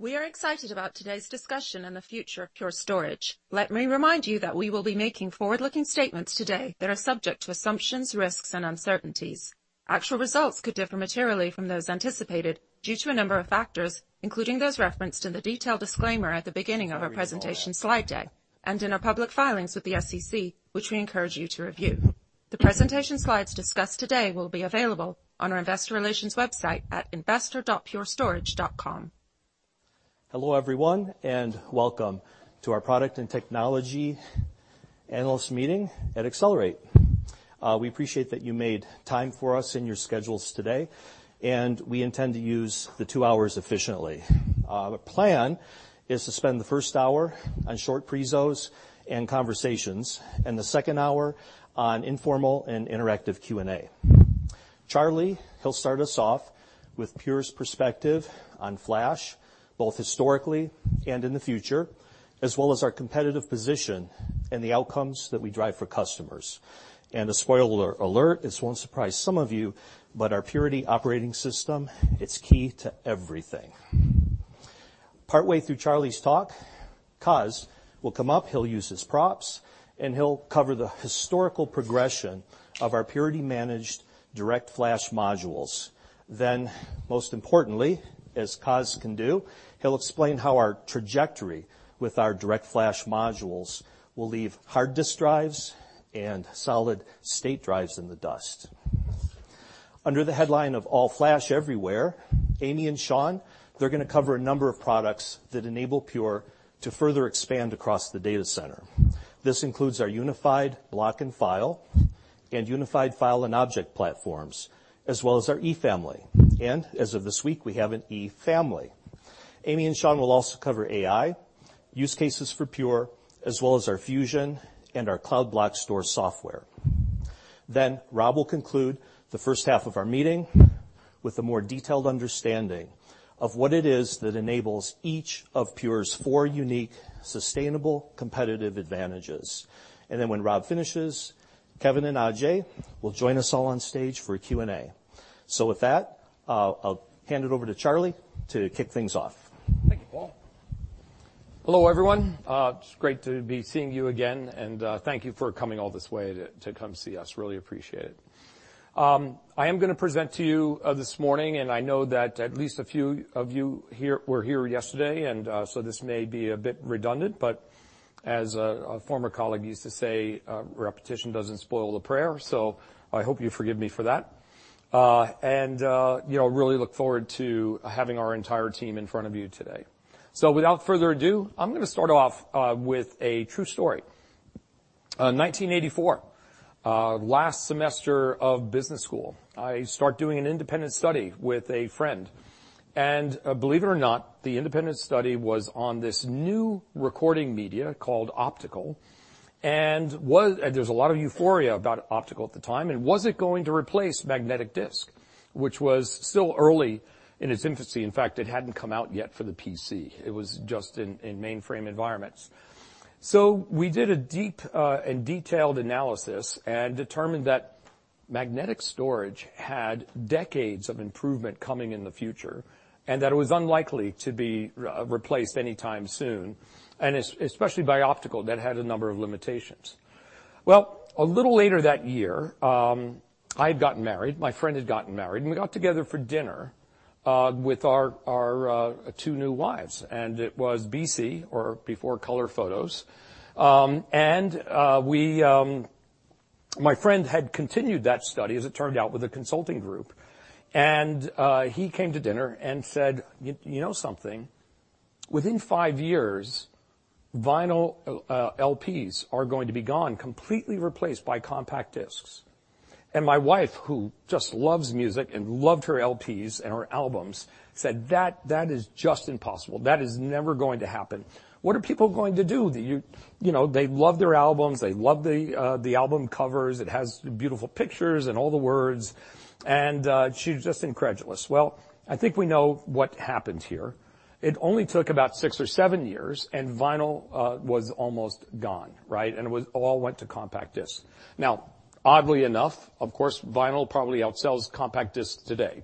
We are excited about today's discussion on the future of Pure Storage. Let me remind you that we will be making forward-looking statements today that are subject to assumptions, risks, and uncertainties. Actual results could differ materially from those anticipated due to a number of factors, including those referenced in the detailed disclaimer at the beginning of our presentation slide deck and in our public filings with the SEC, which we encourage you to review. The presentation slides discussed today will be available on our investor relations website at investor.purestorage.com. Hello, everyone, and welcome to our Product and Technology Analyst Meeting at Accelerate. We appreciate that you made time for us in your schedules today, and we intend to use the two hours efficiently. The plan is to spend the first hour on short presos and conversations, and the second hour on informal and interactive Q&A. Charlie, he'll start us off with Pure's perspective on flash, both historically and in the future, as well as our competitive position and the outcomes that we drive for customers. A spoiler alert, this won't surprise some of you, but our Purity operating system, it's key to everything. Partway through Charlie's talk, Coz will come up, he'll use his props, and he'll cover the historical progression of our Purity-managed DirectFlash modules. Most importantly, as Coz can do, he'll explain how our trajectory with our DirectFlash modules will leave hard disk drives and solid-state drives in the dust. Under the headline of All Flash Everywhere, Amy and Shawn, they're going to cover a number of products that enable Pure to further expand across the data center. This includes our unified block and file and unified file and object platforms, as well as our E family. As of this week, we have an E family. Amy and Shawn will also cover AI, use cases for Pure, as well as our Fusion and our Cloud Block Store software. Rob will conclude the first half of our meeting with a more detailed understanding of what it is that enables each of Pure's four unique, sustainable, competitive advantages. When Rob finishes, Kevin and Ajay will join us all on stage for a Q&A. I'll hand it over to Charlie to kick things off. Thank you, Paul. Hello, everyone. It's great to be seeing you again, and thank you for coming all this way to come see us. Really appreciate it. I am going to present to you this morning, and I know that at least a few of you here were here yesterday, and so this may be a bit redundant, but as a former colleague used to say, "Repetition doesn't spoil the prayer," so I hope you forgive me for that. You know, really look forward to having our entire team in front of you today. Without further ado, I'm going to start off with a true story. 1984, last semester of business school, I start doing an independent study with a friend, believe it or not, the independent study was on this new recording media called optical. There was a lot of euphoria about optical at the time, was it going to replace magnetic disk, which was still early in its infancy? In fact, it hadn't come out yet for the PC. It was just in mainframe environments. We did a deep and detailed analysis and determined that magnetic storage had decades of improvement coming in the future, that it was unlikely to be replaced anytime soon, especially by optical, that had a number of limitations. Well, a little later that year, I had gotten married, my friend had gotten married, and we got together for dinner with our two new wives, and it was BC, or before color photos. My friend had continued that study, as it turned out, with a consulting group, and he came to dinner and said, "You know something? Within five years, vinyl LPs are going to be gone, completely replaced by compact discs." My wife, who just loves music and loved her LPs and her albums, said, "That, that is just impossible. That is never going to happen. What are people going to do? You know, they love their albums, they love the album covers. It has beautiful pictures and all the words, and she was just incredulous. I think we know what happened here. It only took about six or seven years, vinyl was almost gone, right? All went to compact discs. Oddly enough, of course, vinyl probably outsells compact discs today,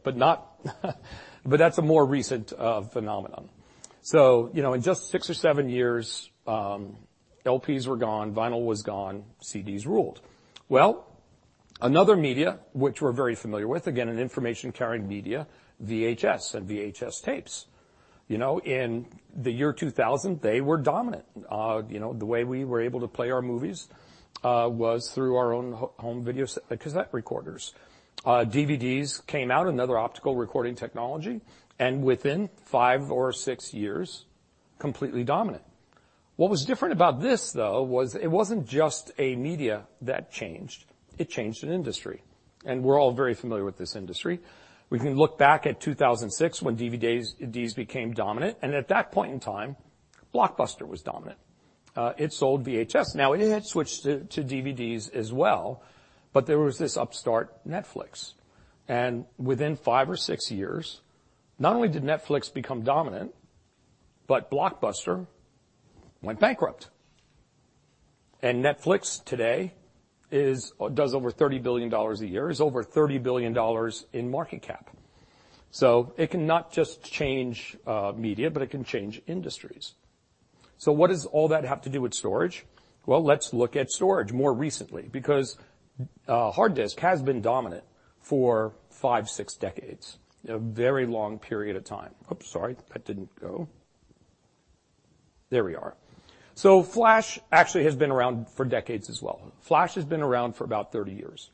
that's a more recent phenomenon. You know, in just six or seven years, LPs were gone, vinyl was gone, CDs ruled. Another media, which we're very familiar with, again, an information-carrying media, VHS and VHS tapes. You know, in the year 2000, they were dominant. You know, the way we were able to play our movies, was through our own home video cassette recorders. DVDs came out, another optical recording technology, within five or six years, completely dominant. What was different about this, though, was it wasn't just a media that changed, it changed an industry. We're all very familiar with this industry. We can look back at 2006 when DVDs became dominant. At that point in time, Blockbuster was dominant. It sold VHS. Now, it had switched to DVDs as well, but there was this upstart, Netflix. Within five or six years, not only did Netflix become dominant, Blockbuster went bankrupt. Netflix today does over $30 billion a year, is over $30 billion in market cap. It can not just change media, it can change industries. What does all that have to do with storage? Well, let's look at storage more recently, because hard disk has been dominant for five, six decades, a very long period of time. Oops, sorry, that didn't go. There we are. Flash actually has been around for decades as well. Flash has been around for about 30 years,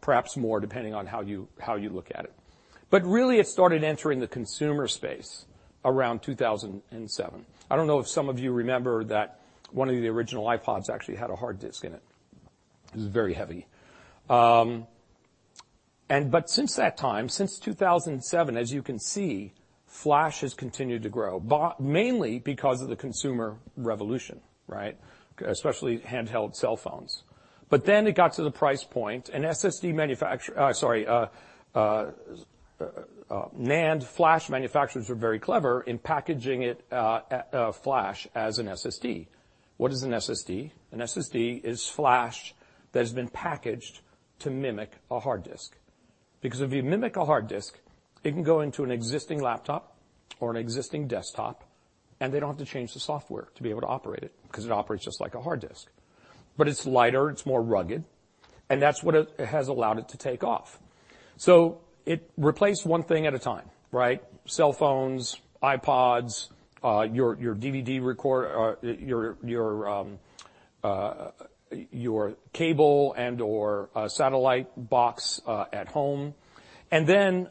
perhaps more, depending on how you look at it. Really, it started entering the consumer space around 2007. I don't know if some of you remember that one of the original iPods actually had a hard disk in it. It was very heavy. Since that time, since 2007, as you can see, Flash has continued to grow, mainly because of the consumer revolution, right? Especially handheld cell phones. It got to the price point, and SSD NAND flash manufacturers were very clever in packaging it, Flash as an SSD. What is an SSD? An SSD is flash that has been packaged to mimic a hard disk. If you mimic a hard disk, it can go into an existing laptop or an existing desktop, and they don't have to change the software to be able to operate it, 'cause it operates just like a hard disk. It's lighter, it's more rugged, and that's what it has allowed it to take off. It replaced one thing at a time, right? Cell phones, iPods, your DVD record, your cable and/or satellite box at home, and then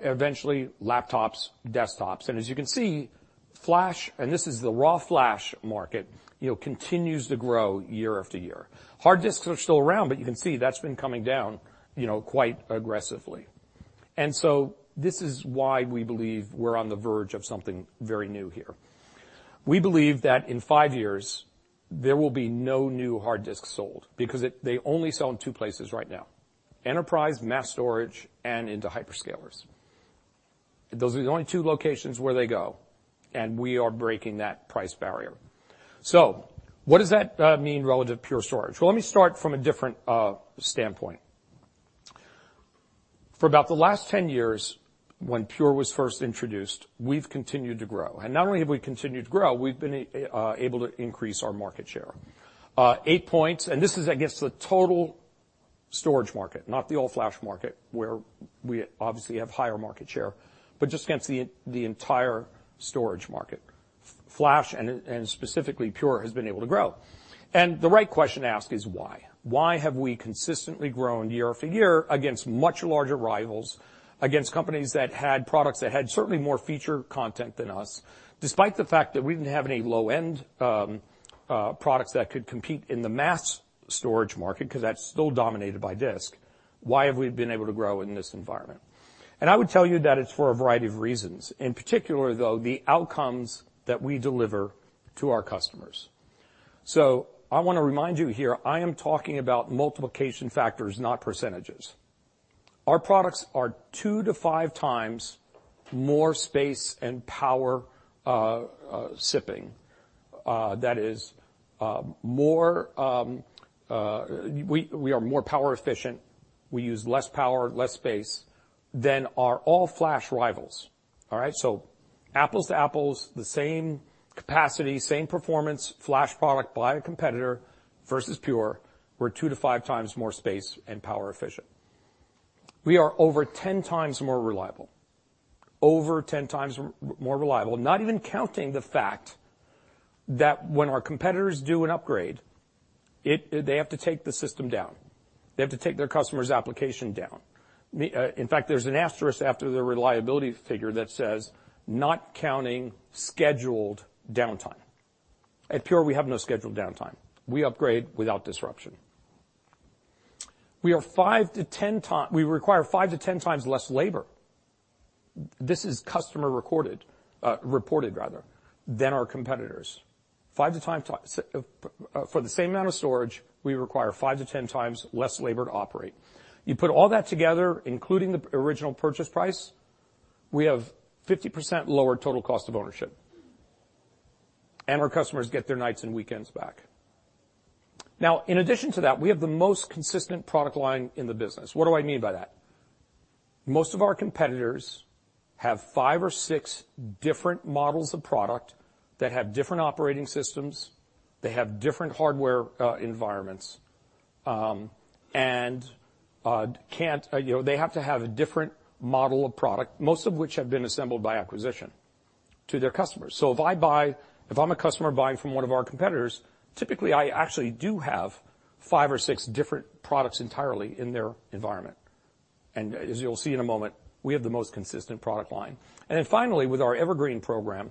eventually laptops, desktops. As you can see, flash, and this is the raw flash market, you know, continues to grow year after year. Hard disks are still around, but you can see that's been coming down, you know, quite aggressively. This is why we believe we're on the verge of something very new here. We believe that in five years, there will be no new hard disks sold because they only sell in two places right now, enterprise, mass storage, and into hyperscalers. Those are the only two locations where they go, and we are breaking that price barrier. What does that mean relative to Pure Storage? Well, let me start from a different standpoint. For about the last 10 years, when Pure was first introduced, we've continued to grow. Not only have we continued to grow, we've been able to increase our market share. Eight points, and this is against the total storage market, not the all-flash market, where we obviously have higher market share, but just against the entire storage market. Flash, specifically Pure, has been able to grow. The right question to ask is why? Why have we consistently grown year after year against much larger rivals, against companies that had products that had certainly more feature content than us, despite the fact that we didn't have any low-end products that could compete in the mass storage market, 'cause that's still dominated by disk? Why have we been able to grow in this environment? I would tell you that it's for a variety of reasons, in particular, though, the outcomes that we deliver to our customers. I want to remind you here, I am talking about multiplication factors, not percentages. Our products are two to five times more space and power sipping. That is, we are more power efficient. We use less power, less space than our all-flash rivals. All right? Apples to apples, the same capacity, same performance, flash product by a competitor versus Pure, we're two to five times more space and power efficient. We are over 10 times more reliable. Over 10 times more reliable, not even counting the fact that when our competitors do an upgrade, they have to take the system down. They have to take their customer's application down. In fact, there's an asterisk after the reliability figure that says, "Not counting scheduled downtime." At Pure, we have no scheduled downtime. We upgrade without disruption. We require five to 10 times less labor, this is customer recorded, reported rather, than our competitors. For the same amount of storage, we require five to 10 times less labor to operate. You put all that together, including the original purchase price, we have 50% lower total cost of ownership, and our customers get their nights and weekends back. In addition to that, we have the most consistent product line in the business. What do I mean by that? Most of our competitors have five or six different models of product that have different operating systems, they have different hardware environments, and, you know, they have to have a different model of product, most of which have been assembled by acquisition to their customers. If I'm a customer buying from one of our competitors, typically, I actually do have five or six different products entirely in their environment. As you'll see in a moment, we have the most consistent product line. Finally, with our Evergreen program,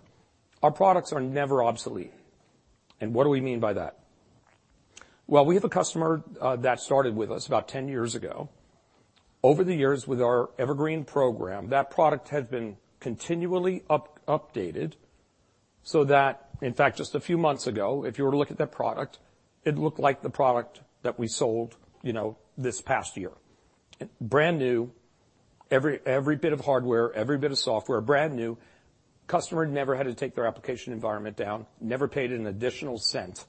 our products are never obsolete. What do we mean by that? Well, we have a customer that started with us about 10 years ago. Over the years, with our Evergreen program, that product has been continually updated, so that, in fact, just a few months ago, if you were to look at that product, it looked like the product that we sold, you know, this past year. Brand new. Every bit of hardware, every bit of software, brand new. Customer never had to take their application environment down, never paid an additional cent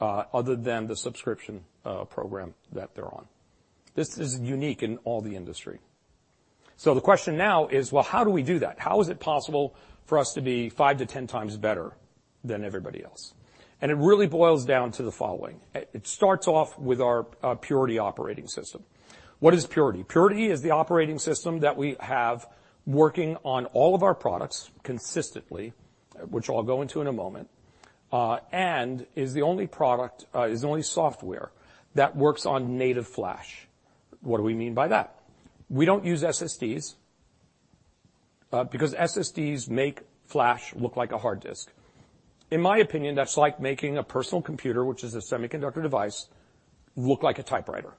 other than the subscription program that they're on. This is unique in all the industry. The question now is, well, how do we do that? How is it possible for us to be five to 10 times better than everybody else? It really boils down to the following. It starts off with our Purity operating system. What is Purity? Purity is the operating system that we have working on all of our products consistently, which I'll go into in a moment, and is the only software that works on native flash. What do we mean by that? We don't use SSDs because SSDs make flash look like a hard disk. In my opinion, that's like making a personal computer, which is a semiconductor device, look like a typewriter.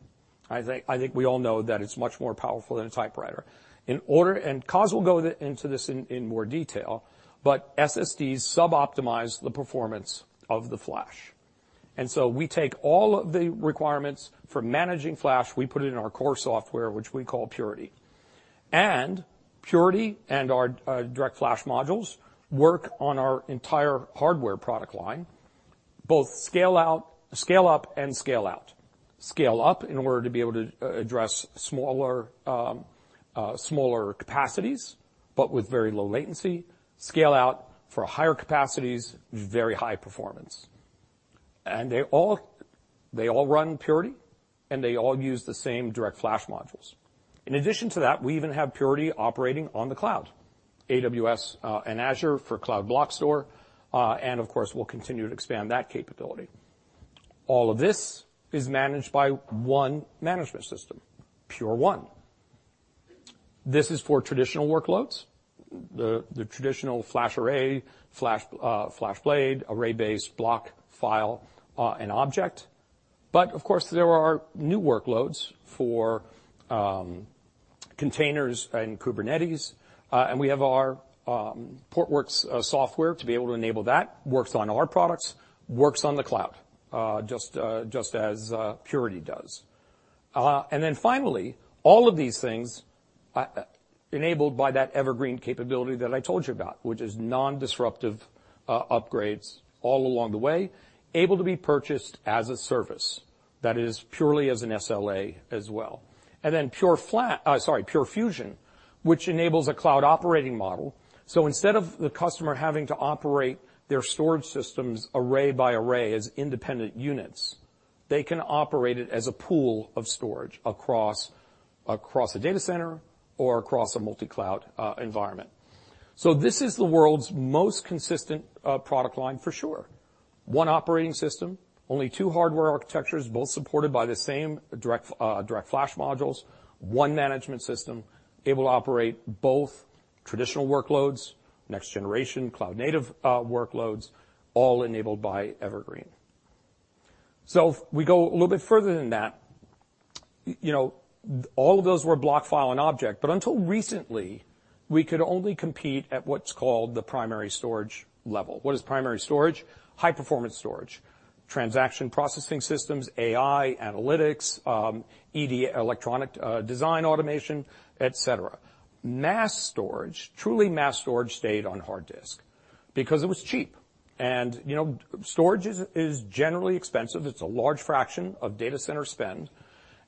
I think we all know that it's much more powerful than a typewriter. Coz will go into this in more detail. SSDs suboptimize the performance of the flash. We take all of the requirements for managing flash, we put it in our core software, which we call Purity. Purity and our DirectFlash modules work on our entire hardware product line, both scale up and scale out. Scale up in order to be able to address smaller capacities, but with very low latency. Scale out for higher capacities, very high performance. They all run Purity, and they all use the same DirectFlash modules. In addition to that, we even have Purity operating on the cloud, AWS, and Azure for Cloud Block Store. Of course, we'll continue to expand that capability. All of this is managed by one management system, Pure1. This is for traditional workloads, the traditional FlashArray, flash, FlashBlade, array-based block, file, and object. Of course, there are new workloads for containers and Kubernetes, and we have our Portworx software to be able to enable that, works on our products, works on the cloud, just as Purity does. Finally, all of these things enabled by that Evergreen capability that I told you about, which is non-disruptive upgrades all along the way, able to be purchased as a service, that is purely as an SLA as well. Sorry, PureFusion, which enables a cloud operating model. Instead of the customer having to operate their storage systems array by array as independent units, they can operate it as a pool of storage across a data center or across a multi-cloud environment. This is the world's most consistent product line for sure. One operating system, only two hardware architectures, both supported by the same DirectFlash modules, one management system, able to operate both traditional workloads, next generation, cloud native workloads, all enabled by Evergreen. If we go a little bit further than that, you know, all of those were block, file, and object, until recently, we could only compete at what's called the primary storage level. What is primary storage? High-performance storage, transaction processing systems, AI, analytics, ED, electronic design automation, et cetera. Mass storage, truly mass storage, stayed on hard disk because it was cheap. You know, storage is generally expensive. It's a large fraction of data center spend.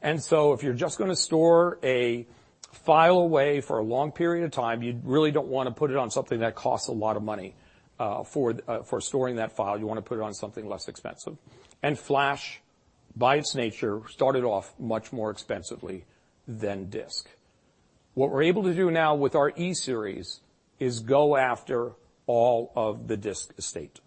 If you're just going to store a file away for a long period of time, you really don't want to put it on something that costs a lot of money for storing that file. You want to put it on something less expensive. Flash, by its nature, started off much more expensively than disk. What we're able to do now with our E-series is go after all of the disk estate.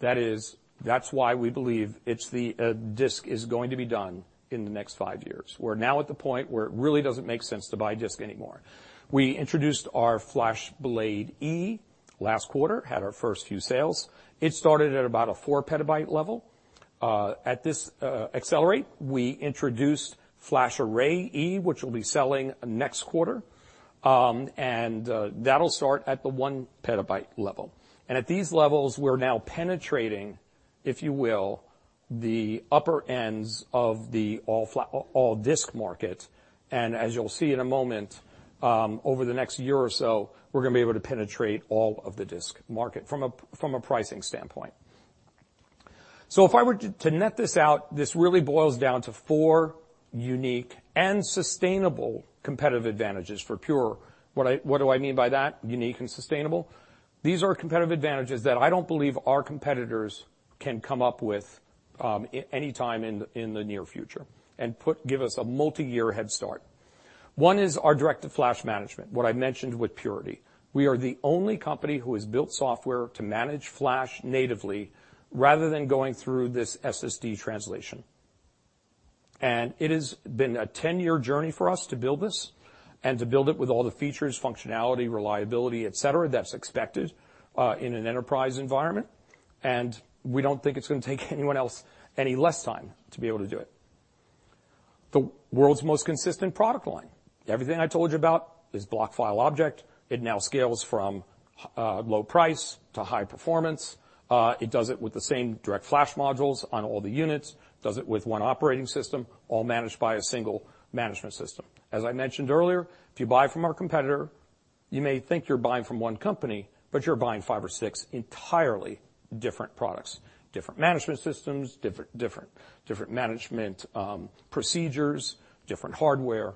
That is, that's why we believe it's the disk is going to be done in the next five years. We're now at the point where it really doesn't make sense to buy disk anymore. We introduced our FlashBlade//E last quarter, had our first few sales. It started at about a four PB level. At this Accelerate, we introduced FlashArray//E, which we'll be selling next quarter. That'll start at the one PB level. At these levels, we're now penetrating, if you will, the upper ends of the all disk market. As you'll see in a moment, over the next year or so, we're going to be able to penetrate all of the disk market from a pricing standpoint. If I were to net this out, this really boils down to four unique and sustainable competitive advantages for Pure. What do I mean by that, unique and sustainable? These are competitive advantages that I don't believe our competitors can come up with anytime in the near future and give us a multiyear head start. One is our DirectFlash management, what I mentioned with Purity. We are the only company who has built software to manage Flash natively rather than going through this SSD translation. It has been a 10-year journey for us to build this and to build it with all the features, functionality, reliability, et cetera, that's expected in an enterprise environment, and we don't think it's going to take anyone else any less time to be able to do it. The world's most consistent product line. Everything I told you about is block, file, object. It now scales from low price to high performance. It does it with the same DirectFlash modules on all the units, does it with one operating system, all managed by a single management system. As I mentioned earlier, if you buy from our competitor. You may think you're buying from one company, but you're buying five or six entirely different products, different management systems, different management procedures, different hardware.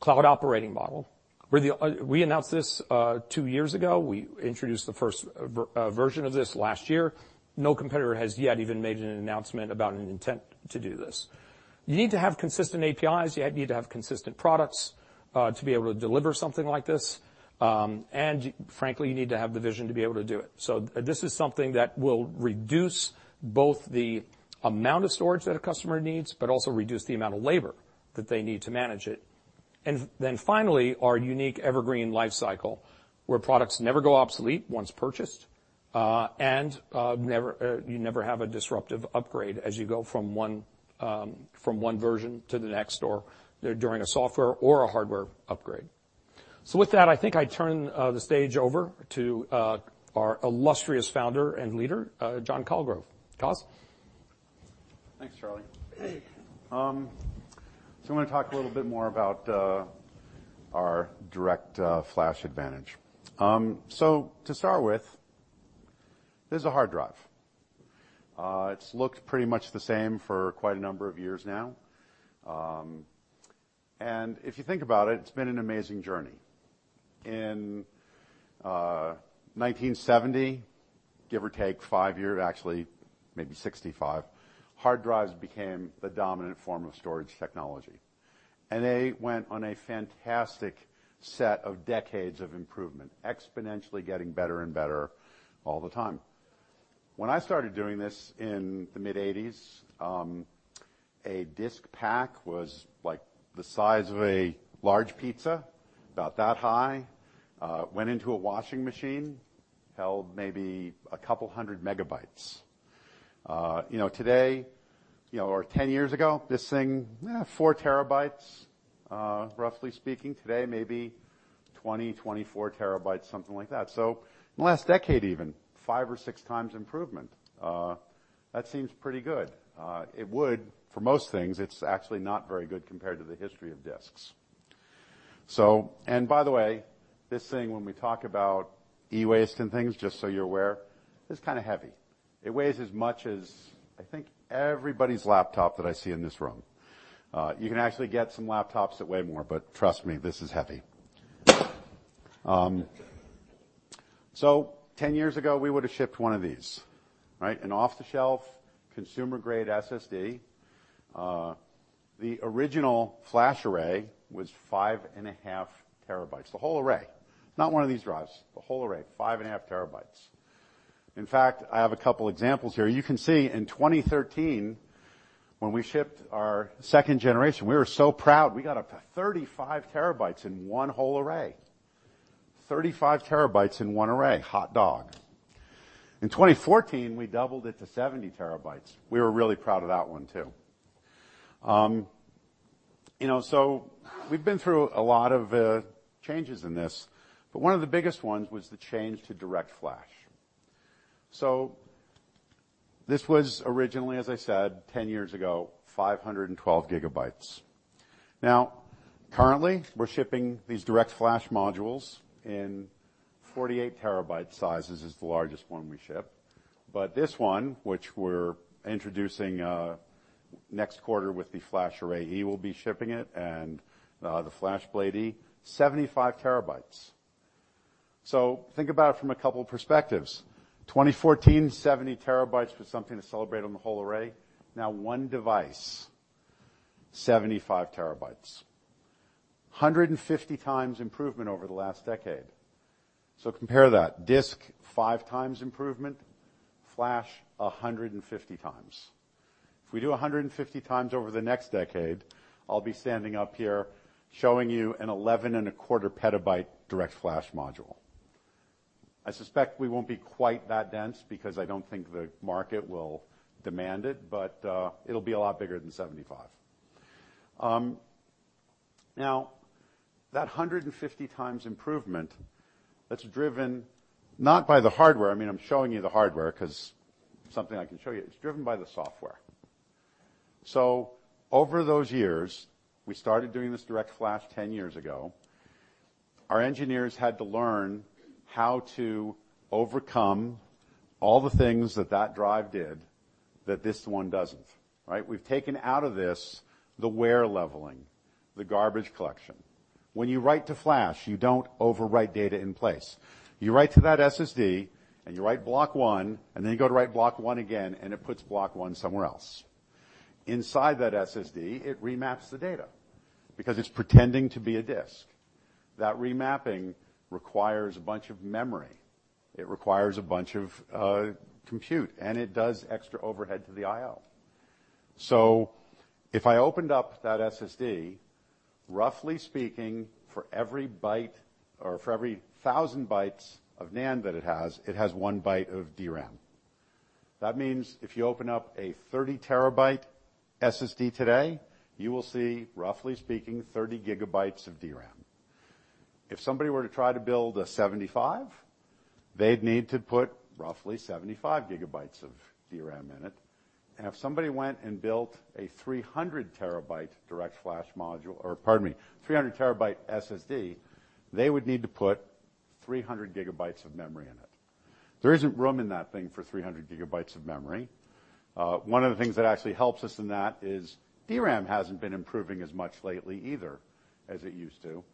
Cloud operating model, where we announced this two years ago. We introduced the first version of this last year. No competitor has yet even made an announcement about an intent to do this. You need to have consistent APIs, you need to have consistent products to be able to deliver something like this. Frankly, you need to have the vision to be able to do it. This is something that will reduce both the amount of storage that a customer needs, but also reduce the amount of labor that they need to manage it. Finally, our unique Evergreen life cycle, where products never go obsolete once purchased, and never, you never have a disruptive upgrade as you go from one, from one version to the next, or during a software or a hardware upgrade. With that, I think I turn the stage over to our illustrious founder and leader, John Colgrove. Coz? Thanks, Charlie. I want to talk a little bit more about our direct flash advantage. To start with, this is a hard drive. It's looked pretty much the same for quite a number of years now. If you think about it's been an amazing journey. In 1970, give or take five years, actually, maybe 65, hard drives became the dominant form of storage technology, and they went on a fantastic set of decades of improvement, exponentially getting better and better all the time. When I started doing this in the mid-1980s, a disk pack was like the size of a large pizza, about that high. Went into a washing machine, held maybe a couple hundred megabytes. You know, today, you know, or 10 years ago, this thing, 4 TB, roughly speaking. Today, maybe 20, 24 TB, something like that. In the last decade, even five or six times improvement. That seems pretty good. It would. For most things, it's actually not very good compared to the history of disks. By the way, this thing, when we talk about e-waste and things, just so you're aware, is kind of heavy. It weighs as much as I think everybody's laptop that I see in this room. You can actually get some laptops that weigh more, but trust me, this is heavy. 10 years ago, we would have shipped one of these, right? An off-the-shelf consumer-grade SSD. The original FlashArray was 5.5 TB. The whole array. Not one of these drives, the whole array, 5.5 TB. In fact, I have a couple examples here. You can see in 2013, when we shipped our second generation, we were so proud. We got up to 35 TB in one whole array. 35 TB in one array. Hot dog. In 2014, we doubled it to 70 TB. We were really proud of that one, too. You know, we've been through a lot of changes in this, but one of the biggest ones was the change to DirectFlash. This was originally, as I said, 10 years ago, 512 GB. Now, currently, we're shipping these DirectFlash modules in 48 TB sizes, is the largest one we ship. But this one, which we're introducing next quarter with the FlashArray//E, we'll be shipping it, and the FlashBlade//E, 75 TB. Think about it from a couple perspectives. 2014, 70 TB was something to celebrate on the whole array. Now, one device, 75 TB. 150 times improvement over the last decade. Compare that. Disk, five times improvement, flash, 150 times. If we do 150 times over the next decade, I'll be standing up here showing you an 11 and a quarter PB DirectFlash module. I suspect we won't be quite that dense because I don't think the market will demand it, but it'll be a lot bigger than 75. Now, that 150 times improvement, that's driven not by the hardware. I mean, I'm showing you the hardware because something I can show you, it's driven by the software. Over those years, we started doing this DirectFlash 10 years ago. Our engineers had to learn how to overcome all the things that that drive did, that this one doesn't, right? We've taken out of this the wear leveling, the garbage collection. When you write to flash, you don't overwrite data in place. You write to that SSD, and you write block one, and then you go to write block one again, and it puts block one somewhere else. Inside that SSD, it remaps the data because it's pretending to be a disk. That remapping requires a bunch of memory, it requires a bunch of compute, and it does extra overhead to the IO. If I opened up that SSD, roughly speaking, for every byte or for every 1,000 bytes of NAND that it has, it has one byte of DRAM. That means if you open up a 30 TB SSD today, you will see, roughly speaking, 30 GB of DRAM. If somebody were to try to build a 75- they'd need to put roughly 75 GB of DRAM in it. If somebody went and built a 300 TB DirectFlash module, or pardon me, 300 TB SSD, they would need to put 300 GB of memory in it. There isn't room in that thing for 300 GB of memory. One of the things that actually helps us in that is DRAM hasn't been improving as much lately either as it used to.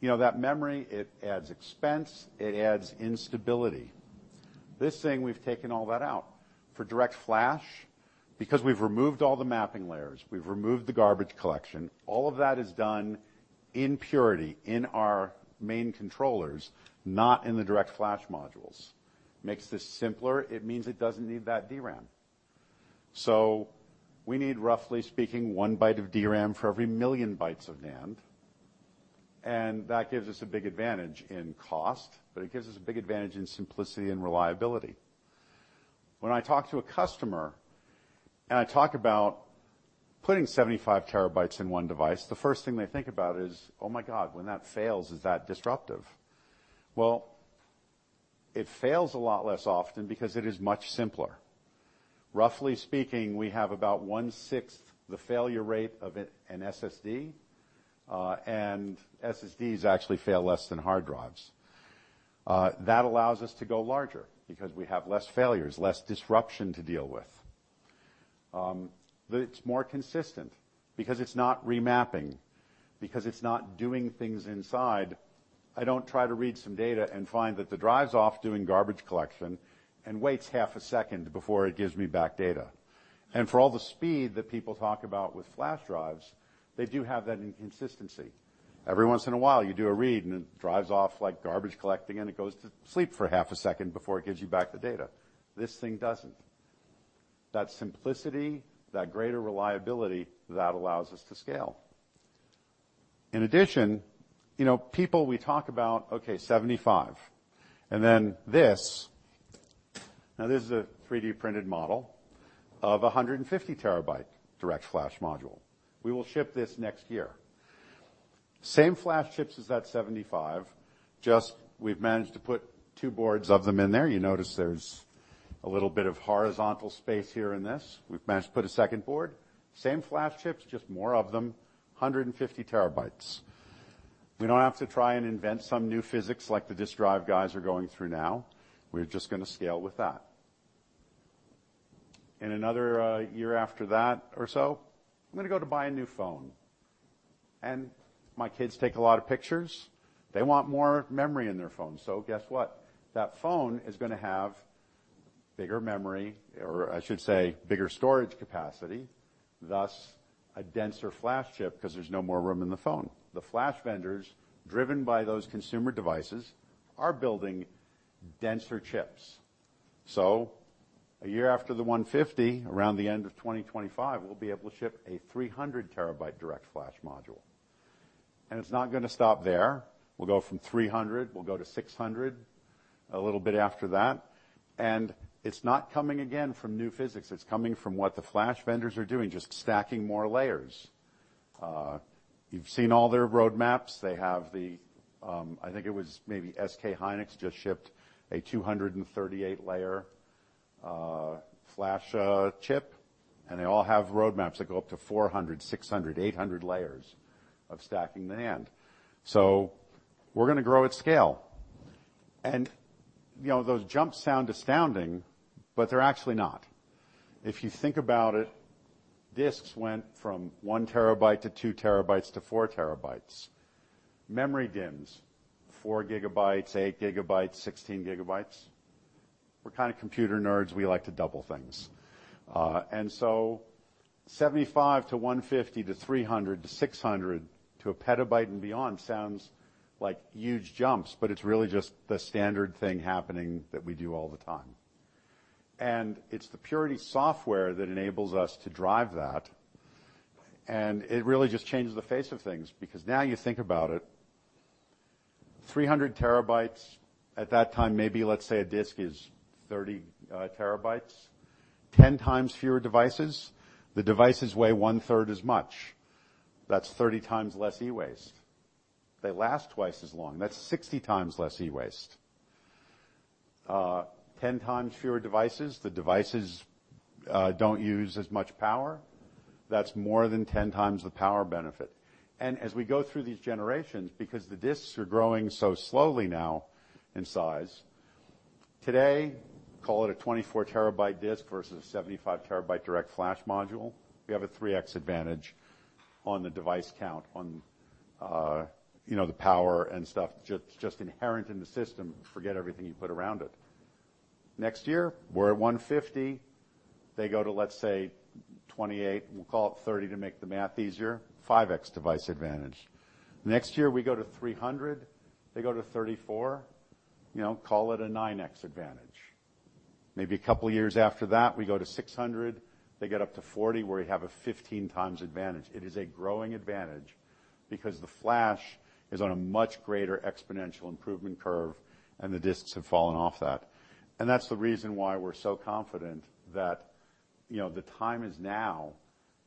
You know, that memory, it adds expense, it adds instability. This thing, we've taken all that out. For DirectFlash, because we've removed all the mapping layers, we've removed the garbage collection, all of that is done in Purity, in our main controllers, not in the DirectFlash modules. Makes this simpler. It means it doesn't need that DRAM. We need, roughly speaking, 1 byte of DRAM for every million bytes of NAND, and that gives us a big advantage in cost, but it gives us a big advantage in simplicity and reliability. When I talk to a customer, and I talk about putting 75 TB in one device, the first thing they think about is, "Oh, my God, when that fails, is that disruptive?" Well, it fails a lot less often because it is much simpler. Roughly speaking, we have about one-sixth the failure rate of an SSD, and SSDs actually fail less than hard drives. That allows us to go larger because we have less failures, less disruption to deal with. It's more consistent because it's not remapping, because it's not doing things inside. I don't try to read some data and find that the drive's off doing garbage collection and waits half a second before it gives me back data. For all the speed that people talk about with flash drives, they do have that inconsistency. Every once in a while, you do a read, and it drives off, like, garbage collecting, and it goes to sleep for half a second before it gives you back the data. This thing doesn't. That simplicity, that greater reliability, that allows us to scale. In addition, you know, people, we talk about, okay, 75, and then this. Now, this is a 3D-printed model of a 150 TB DirectFlash module. We will ship this next year. Same flash chips as that 75, just we've managed to put two boards of them in there. You notice there's a little bit of horizontal space here in this. We've managed to put a second board, same flash chips, just more of them, 150 TB. We don't have to try and invent some new physics like the disk drive guys are going through now. We're just going to scale with that. In another year after that or so, I'm going to go to buy a new phone, and my kids take a lot of pictures. They want more memory in their phone. Guess what? That phone is going to have bigger memory, or I should say, bigger storage capacity, thus a denser flash chip, 'cause there's no more room in the phone. The flash vendors, driven by those consumer devices, are building denser chips. A year after the 150, around the end of 2025, we'll be able to ship a 300 TB DirectFlash module. It's not going to stop there. We'll go from 300, we'll go to 600 a little bit after that. It's not coming again from new physics. It's coming from what the flash vendors are doing, just stacking more layers. You've seen all their roadmaps. They have the, I think it was maybe SK hynix just shipped a 238-layer flash chip, and they all have roadmaps that go up to 400, 600, 800 layers of stacking NAND. We're going to grow at scale. You know, those jumps sound astounding, but they're actually not. If you think about it, disks went from 1 TB to 2 TB to 4 TB. Memory DIMMs, 4 GB, 8 GB, 16 GB. We're kind of computer nerds. We like to double things. 75 to 150, to 300, to 600, to a PB and beyond sounds like huge jumps, but it's really just the standard thing happening that we do all the time. It's the Purity software that enables us to drive that, and it really just changes the face of things because now you think about it, 300 TB at that time, maybe, let's say, a disk is 30 TB, 10 times fewer devices. The devices weigh one-third as much. That's 30 times less e-waste. They last twice as long. That's 60 times less e-waste. 10 times fewer devices, the devices don't use as much power. That's more than 10 times the power benefit. As we go through these generations, because the disks are growing so slowly now in size, today, call it a 24 TB disk versus a 75 TB DirectFlash module, we have a 3x advantage on the device count on, you know, the power and stuff, just inherent in the system, forget everything you put around it. Next year, we're at 150. They go to, let's say, 28. We'll call it 30 to make the math easier, 5x device advantage. Next year, we go to 300, they go to 34. You know, call it a 9x advantage. Maybe a couple of years after that, we go to 600, they get up to 40, where we have a 15 times advantage. It is a growing advantage because the flash is on a much greater exponential improvement curve, and the disks have fallen off that. That's the reason why we're so confident that, you know, the time is now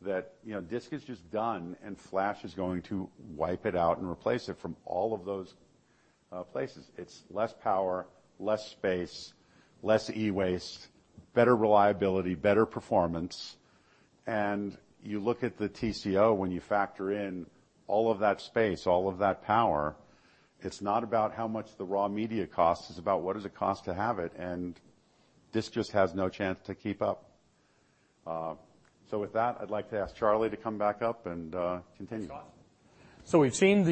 that, you know, disk is just done, and flash is going to wipe it out and replace it from all of those places. It's less power, less space, less e-waste, better reliability, better performance. You look at the TCO when you factor in all of that space, all of that power, it's not about how much the raw media costs, it's about what does it cost to have it, and disk just has no chance to keep up. With that, I'd like to ask Charlie to come back up and continue. We've seen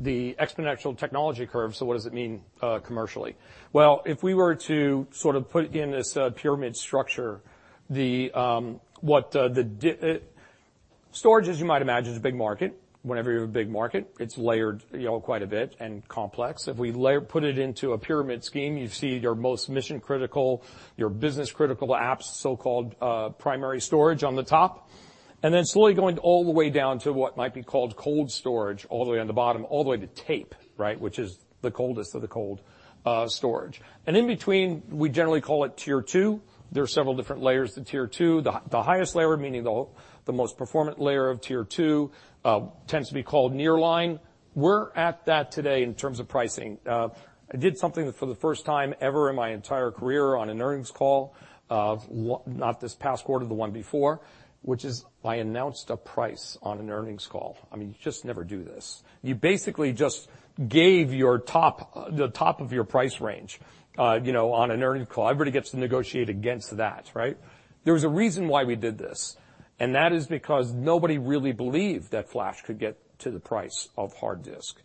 the exponential technology curve. What does it mean commercially? Well, if we were to sort of put it in this pyramid structure, the storage, as you might imagine, is a big market. Whenever you have a big market, it's layered, you know, quite a bit, and complex. If we put it into a pyramid scheme, you see your most mission-critical, your business-critical apps, so-called, primary storage on the top, and then slowly going all the way down to what might be called cold storage, all the way on the bottom, all the way to tape, right? Which is the coldest of the cold storage. In between, we generally call it tier two. There are several different layers to tier two. The highest layer, meaning the most performant layer of tier two, tends to be called nearline. We're at that today in terms of pricing. I did something that, for the first time ever in my entire career on an earnings call, not this past quarter, the one before, which is I announced a price on an earnings call. I mean, you just never do this. You basically just gave your top, the top of your price range, you know, on an earnings call. Everybody gets to negotiate against that, right? There was a reason why we did this, and that is because nobody really believed that flash could get to the price of hard disk.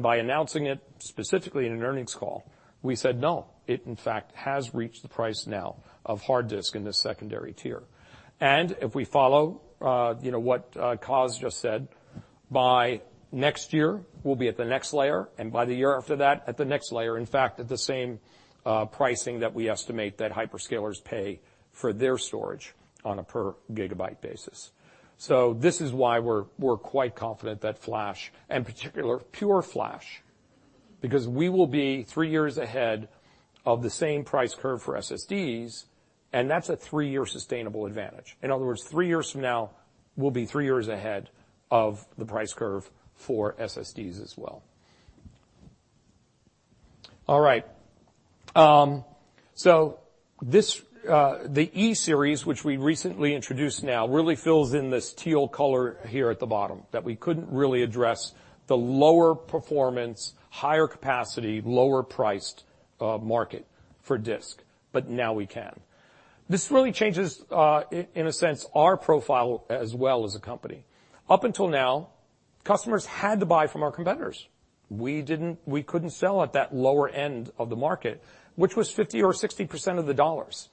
by announcing it specifically in an earnings call, we said, "No, it, in fact, has reached the price now of hard disk in this secondary tier." If we follow, you know, what Coz just said, by next year, we'll be at the next layer, and by the year after that, at the next layer, in fact, at the same pricing that we estimate that hyperscalers pay for their storage on a per gigabyte basis. This is why we're quite confident that flash, and particular Pure Flash... Because we will be three years ahead of the same price curve for SSDs, and that's a three-year sustainable advantage. In other words, three years from now, we'll be three years ahead of the price curve for SSDs as well. All right, this, the E Series, which we recently introduced now, really fills in this teal color here at the bottom, that we couldn't really address the lower performance, higher capacity, lower priced, market for disk, but now we can. This really changes, in a sense, our profile as well as a company. Up until now, customers had to buy from our competitors. We couldn't sell at that lower end of the market, which was 50% or 60% of the dollars.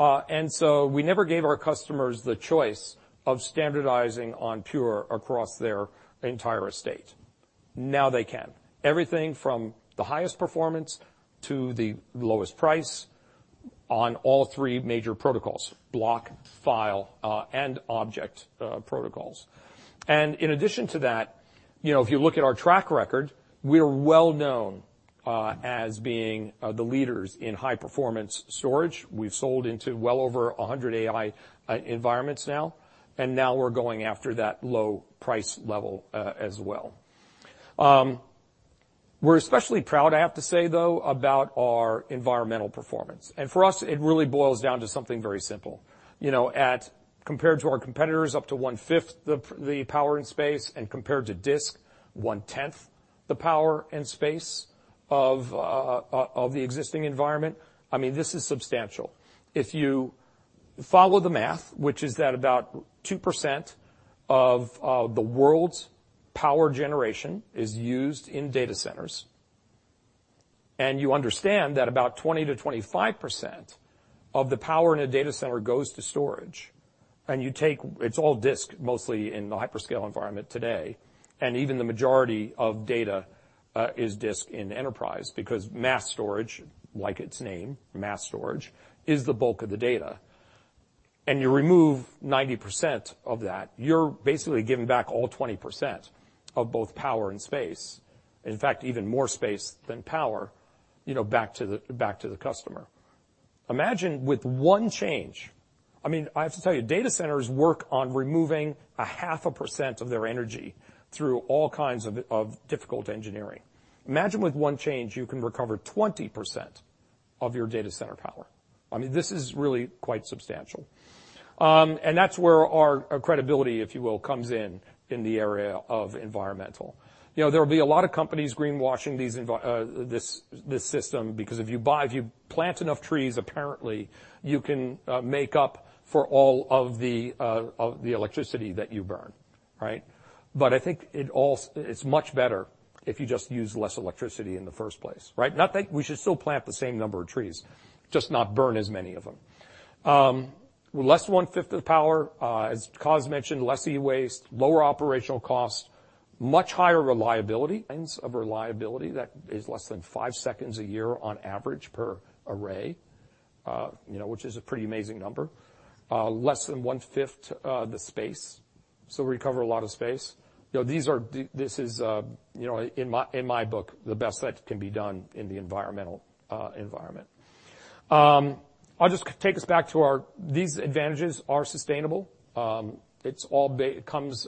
We never gave our customers the choice of standardizing on Pure across their entire estate. Now they can. Everything from the highest performance to the lowest price on all three major protocols: block, file, and object protocols. In addition to that, you know, if you look at our track record, we are well known as being the leaders in high-performance storage. We've sold into well over 100 AI environments now, and now we're going after that low price level as well. We're especially proud, I have to say, though, about our environmental performance, and for us, it really boils down to something very simple. You know, compared to our competitors, up to one-fifth the power and space, and compared to disk, 1/10 the power and space of the existing environment. I mean, this is substantial. If you follow the math, which is that about 2% of the world's power generation is used in data centers, and you understand that about 20%-25% of the power in a data center goes to storage, and you take. It's all disk, mostly in the hyperscale environment today, and even the majority of data is disk in enterprise, because mass storage, like its name, mass storage, is the bulk of the data. You remove 90% of that, you're basically giving back all 20% of both power and space, in fact, even more space than power, you know, back to the customer. Imagine with one change... I mean, I have to tell you, data centers work on removing a half a percent of their energy through all kinds of difficult engineering. Imagine with one change, you can recover 20% of your data center power. I mean, this is really quite substantial. That's where our credibility, if you will, comes in the area of environmental. You know, there will be a lot of companies greenwashing this system, because if you plant enough trees, apparently, you can make up for all of the electricity that you burn, right? I think it's much better if you just use less electricity in the first place, right? We should still plant the same number of trees, just not burn as many of them. Less than one-fifth of power, as Coz mentioned, less e-waste, lower operational costs, much higher reliability, ends of reliability. That is less than five seconds a year on average per array, you know, which is a pretty amazing number. Less than one-fifth the space. So we recover a lot of space. You know, this is, you know, in my, in my book, the best that can be done in the environmental environment. I'll just take us back to these advantages are sustainable. It comes,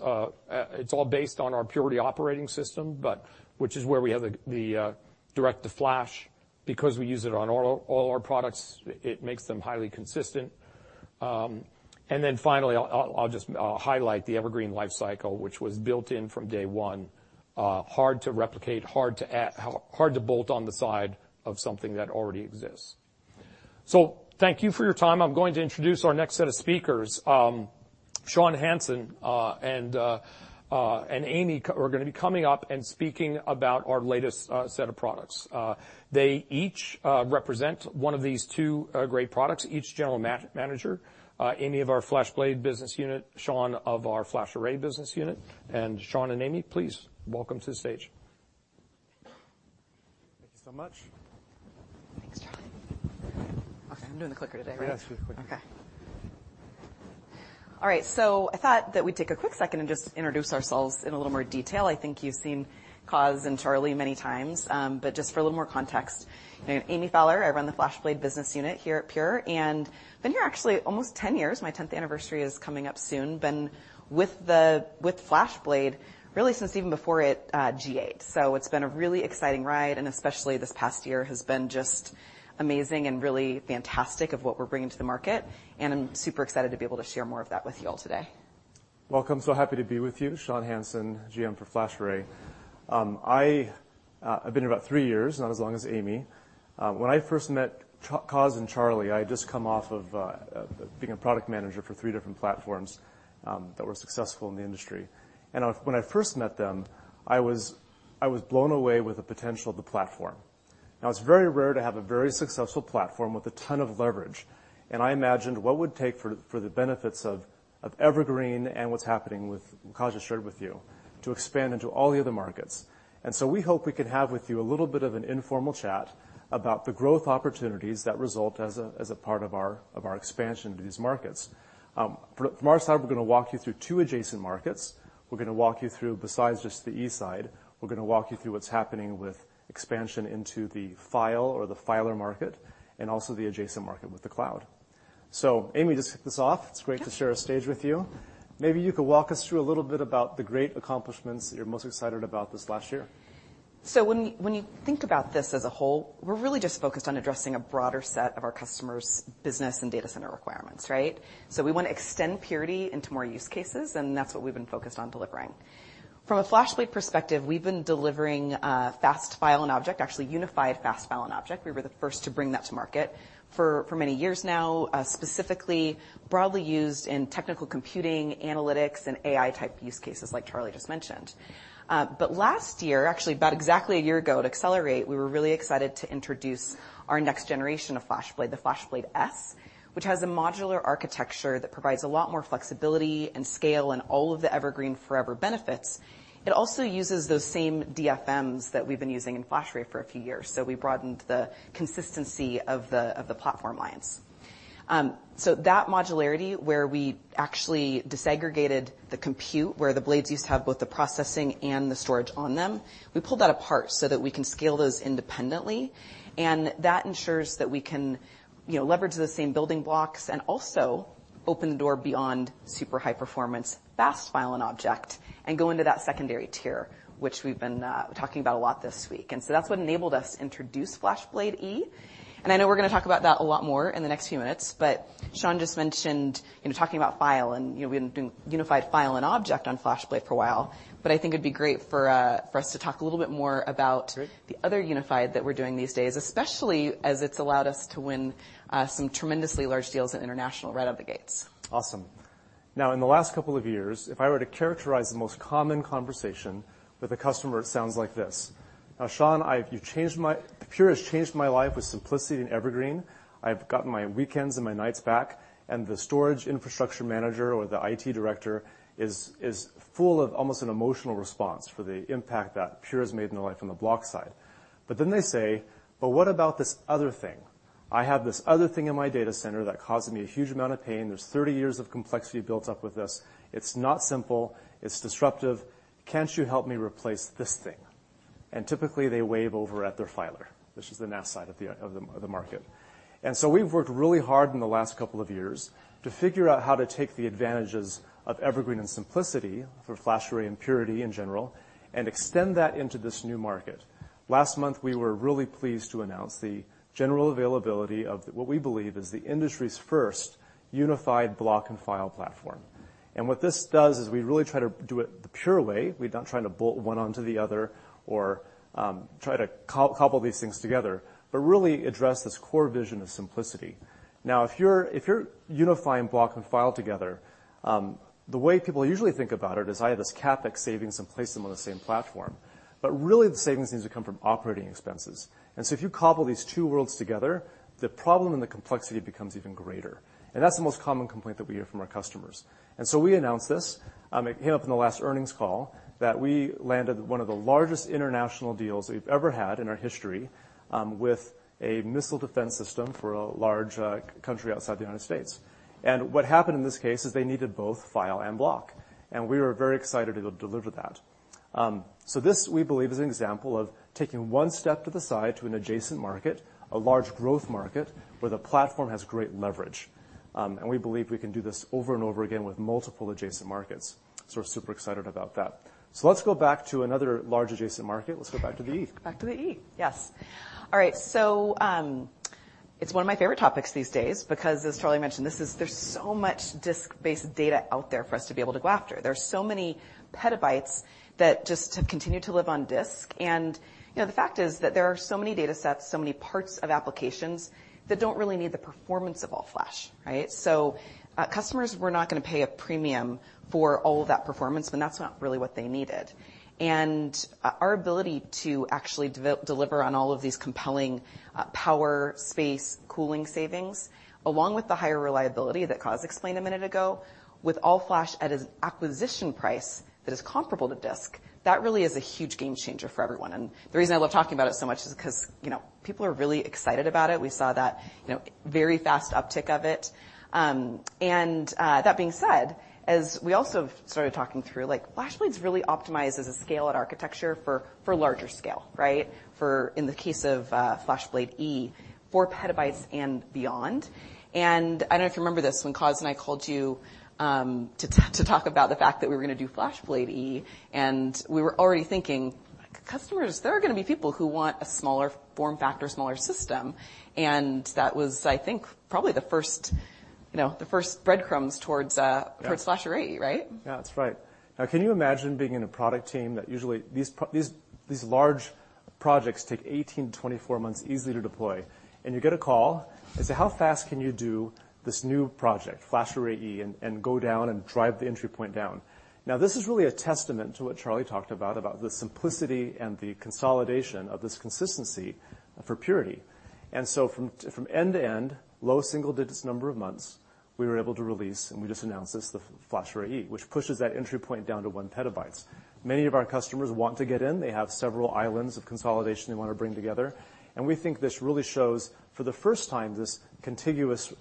it's all based on our Purity operating system, but which is where we have the direct to Flash. Because we use it on all our products, it makes them highly consistent. Then finally, I'll just highlight the Evergreen life cycle, which was built in from day one. Hard to replicate, hard to bolt on the side of something that already exists. Thank you for your time. I'm going to introduce our next set of speakers. Shawn Hansen and Amy are gonna be coming up and speaking about our latest set of products. They each represent one of these two great products, each general manager. Amy of our FlashBlade business unit, Shawn of our FlashArray business unit. Shawn and Amy, please welcome to the stage. Thank you so much. Thanks, Charlie. Okay, I'm doing the clicker today, right? Yes, do the clicker. Okay. All right, I thought that we'd take a quick second and just introduce ourselves in a little more detail. I think you've seen Coz and Charlie many times. Just for a little more context, my name, Amy Fowler, I run the FlashBlade business unit here at Pure, and been here actually almost 10 years. My 10th anniversary is coming up soon. Been with FlashBlade, really, since even before it, GA'd. It's been a really exciting ride, and especially this past year, has been just amazing and really fantastic of what we're bringing to the market. I'm super excited to be able to share more of that with you all today. Welcome. Happy to be with you. Shawn Hansen, GM for FlashArray. I've been here about three years, not as long as Amy. When I first met Coz and Charlie, I had just come off of being a product manager for three different platforms that were successful in the industry. When I first met them, I was blown away with the potential of the platform. It's very rare to have a very successful platform with a ton of leverage, and I imagined what it would take for the benefits of Evergreen and what's happening with, Coz has shared with you, to expand into all the other markets. We hope we can have with you a little bit of an informal chat about the growth opportunities that result as a part of our expansion into these markets. From our side, we're going to walk you through two adjacent markets. We're going to walk you through, besides just the E side, we're going to walk you through what's happening with expansion into the file or the filer market, and also the adjacent market with the cloud. Amy, just kick this off. Yeah. It's great to share a stage with you. Maybe you could walk us through a little bit about the great accomplishments that you're most excited about this last year? When you think about this as a whole, we're really just focused on addressing a broader set of our customers' business and data center requirements, right? We want to extend Purity into more use cases, and that's what we've been focused on delivering. From a FlashBlade perspective, we've been delivering fast file and object, actually unified fast file and object. We were the first to bring that to market for many years now, specifically, broadly used in technical computing, analytics, and AI-type use cases like Charlie just mentioned. Last year, actually about exactly one year ago, at Accelerate, we were really excited to introduce our next generation of FlashBlade, the FlashBlade//S, which has a modular architecture that provides a lot more flexibility and scale and all of the Evergreen forever benefits. It also uses those same DFMs that we've been using in FlashArray for a few years, so we broadened the consistency of the platform lines. So that modularity, where we actually disaggregated the compute, where the blades used to have both the processing and the storage on them, we pulled that apart so that we can scale those independently. That ensures that we can, you know, leverage the same building blocks and also open the door beyond super high performance, fast file and object, and go into that secondary tier, which we've been talking about a lot this week. That's what enabled us to introduce FlashBlade E. I know we're going to talk about that a lot more in the next few minutes, but Shawn just mentioned, you know, talking about file, and we've been doing unified file and object on FlashBlade for a while, but I think it'd be great for us to talk a little bit more about. Sure. The other unified that we're doing these days, especially as it's allowed us to win, some tremendously large deals in international right out the gates. Awesome. Now, in the last couple of years, if I were to characterize the most common conversation with a customer, it sounds like this: "Shawn, you've changed my-- Pure has changed my life with simplicity and Evergreen. I've gotten my weekends and my nights back," and the storage infrastructure manager or the IT director is full of almost an emotional response for the impact that Pure has made in their life on the block side. They say, "But what about this other thing? I have this other thing in my data center that causes me a huge amount of pain. There's 30 years of complexity built up with this. It's not simple. It's disruptive. Can't you help me replace this thing?" Typically, they wave over at their filer, which is the NAS side of the market. We've worked really hard in the last couple of years to figure out how to take the advantages of Evergreen and simplicity for FlashArray and Purity in general, and extend that into this new market. Last month, we were really pleased to announce the general availability of what we believe is the industry's first unified block and file platform. What this does is we really try to do it the Pure way. We're not trying to bolt one onto the other or try to co-couple these things together, but really address this core vision of simplicity. Now, if you're unifying block and file together, the way people usually think about it is, "I have this CapEx savings and place them on the same platform." Really, the savings needs to come from operating expenses. If you couple these two worlds together, the problem and the complexity becomes even greater. That's the most common complaint that we hear from our customers. We announced this, it came up in the last earnings call, that we landed one of the largest international deals we've ever had in our history, with a missile defense system for a large country outside the United States. What happened in this case is they needed both file and block, and we were very excited to deliver that. This, we believe, is an example of taking one step to the side to an adjacent market, a large growth market, where the platform has great leverage. We believe we can do this over and over again with multiple adjacent markets. We're super excited about that. Let's go back to another large adjacent market. Let's go back to the E. Back to the E. Yes. All right. It's one of my favorite topics these days, because as Charlie mentioned, there's so much disk-based data out there for us to be able to go after. There are so many PB that just continue to live on disk, you know, the fact is that there are so many data sets, so many parts of applications that don't really need the performance of all-flash, right? Customers were not going to pay a premium for all of that performance, when that's not really what they needed. Our ability to actually deliver on all of these compelling power, space, cooling savings, along with the higher reliability that Coz explained a minute ago, with all-flash at an acquisition price that is comparable to disk, that really is a huge game changer for everyone. The reason I love talking about it so much is 'cause, you know, people are really excited about it. We saw that, you know, very fast uptick of it. That being said, as we also started talking through, like, FlashBlade's really optimized as a scale-out architecture for larger scale, right? For, in the case of FlashBlade//E, 4 PB and beyond. I don't know if you remember this, when Coz and I called you to talk about the fact that we were going to do FlashBlade//E, and we were already thinking, customers, there are going to be people who want a smaller form factor, smaller system, and that was, I think, probably the first, you know, the first breadcrumbs towards. Yeah towards FlashArray//E, right? Yeah, that's right. Can you imagine being in a product team that usually, these large projects take 18-24 months, easily, to deploy, and you get a call and say: "How fast can you do this new project, FlashArray//E, and go down and drive the entry point down?" This is really a testament to what Charlie talked about the simplicity and the consolidation of this consistency for Purity. From end to end, low single-digit number of months, we were able to release, and we just announced this, the FlashArray//E, which pushes that entry point down to 1 PB. Many of our customers want to get in. They have several islands of consolidation they want to bring together, and we think this really shows, for the first time, this contiguous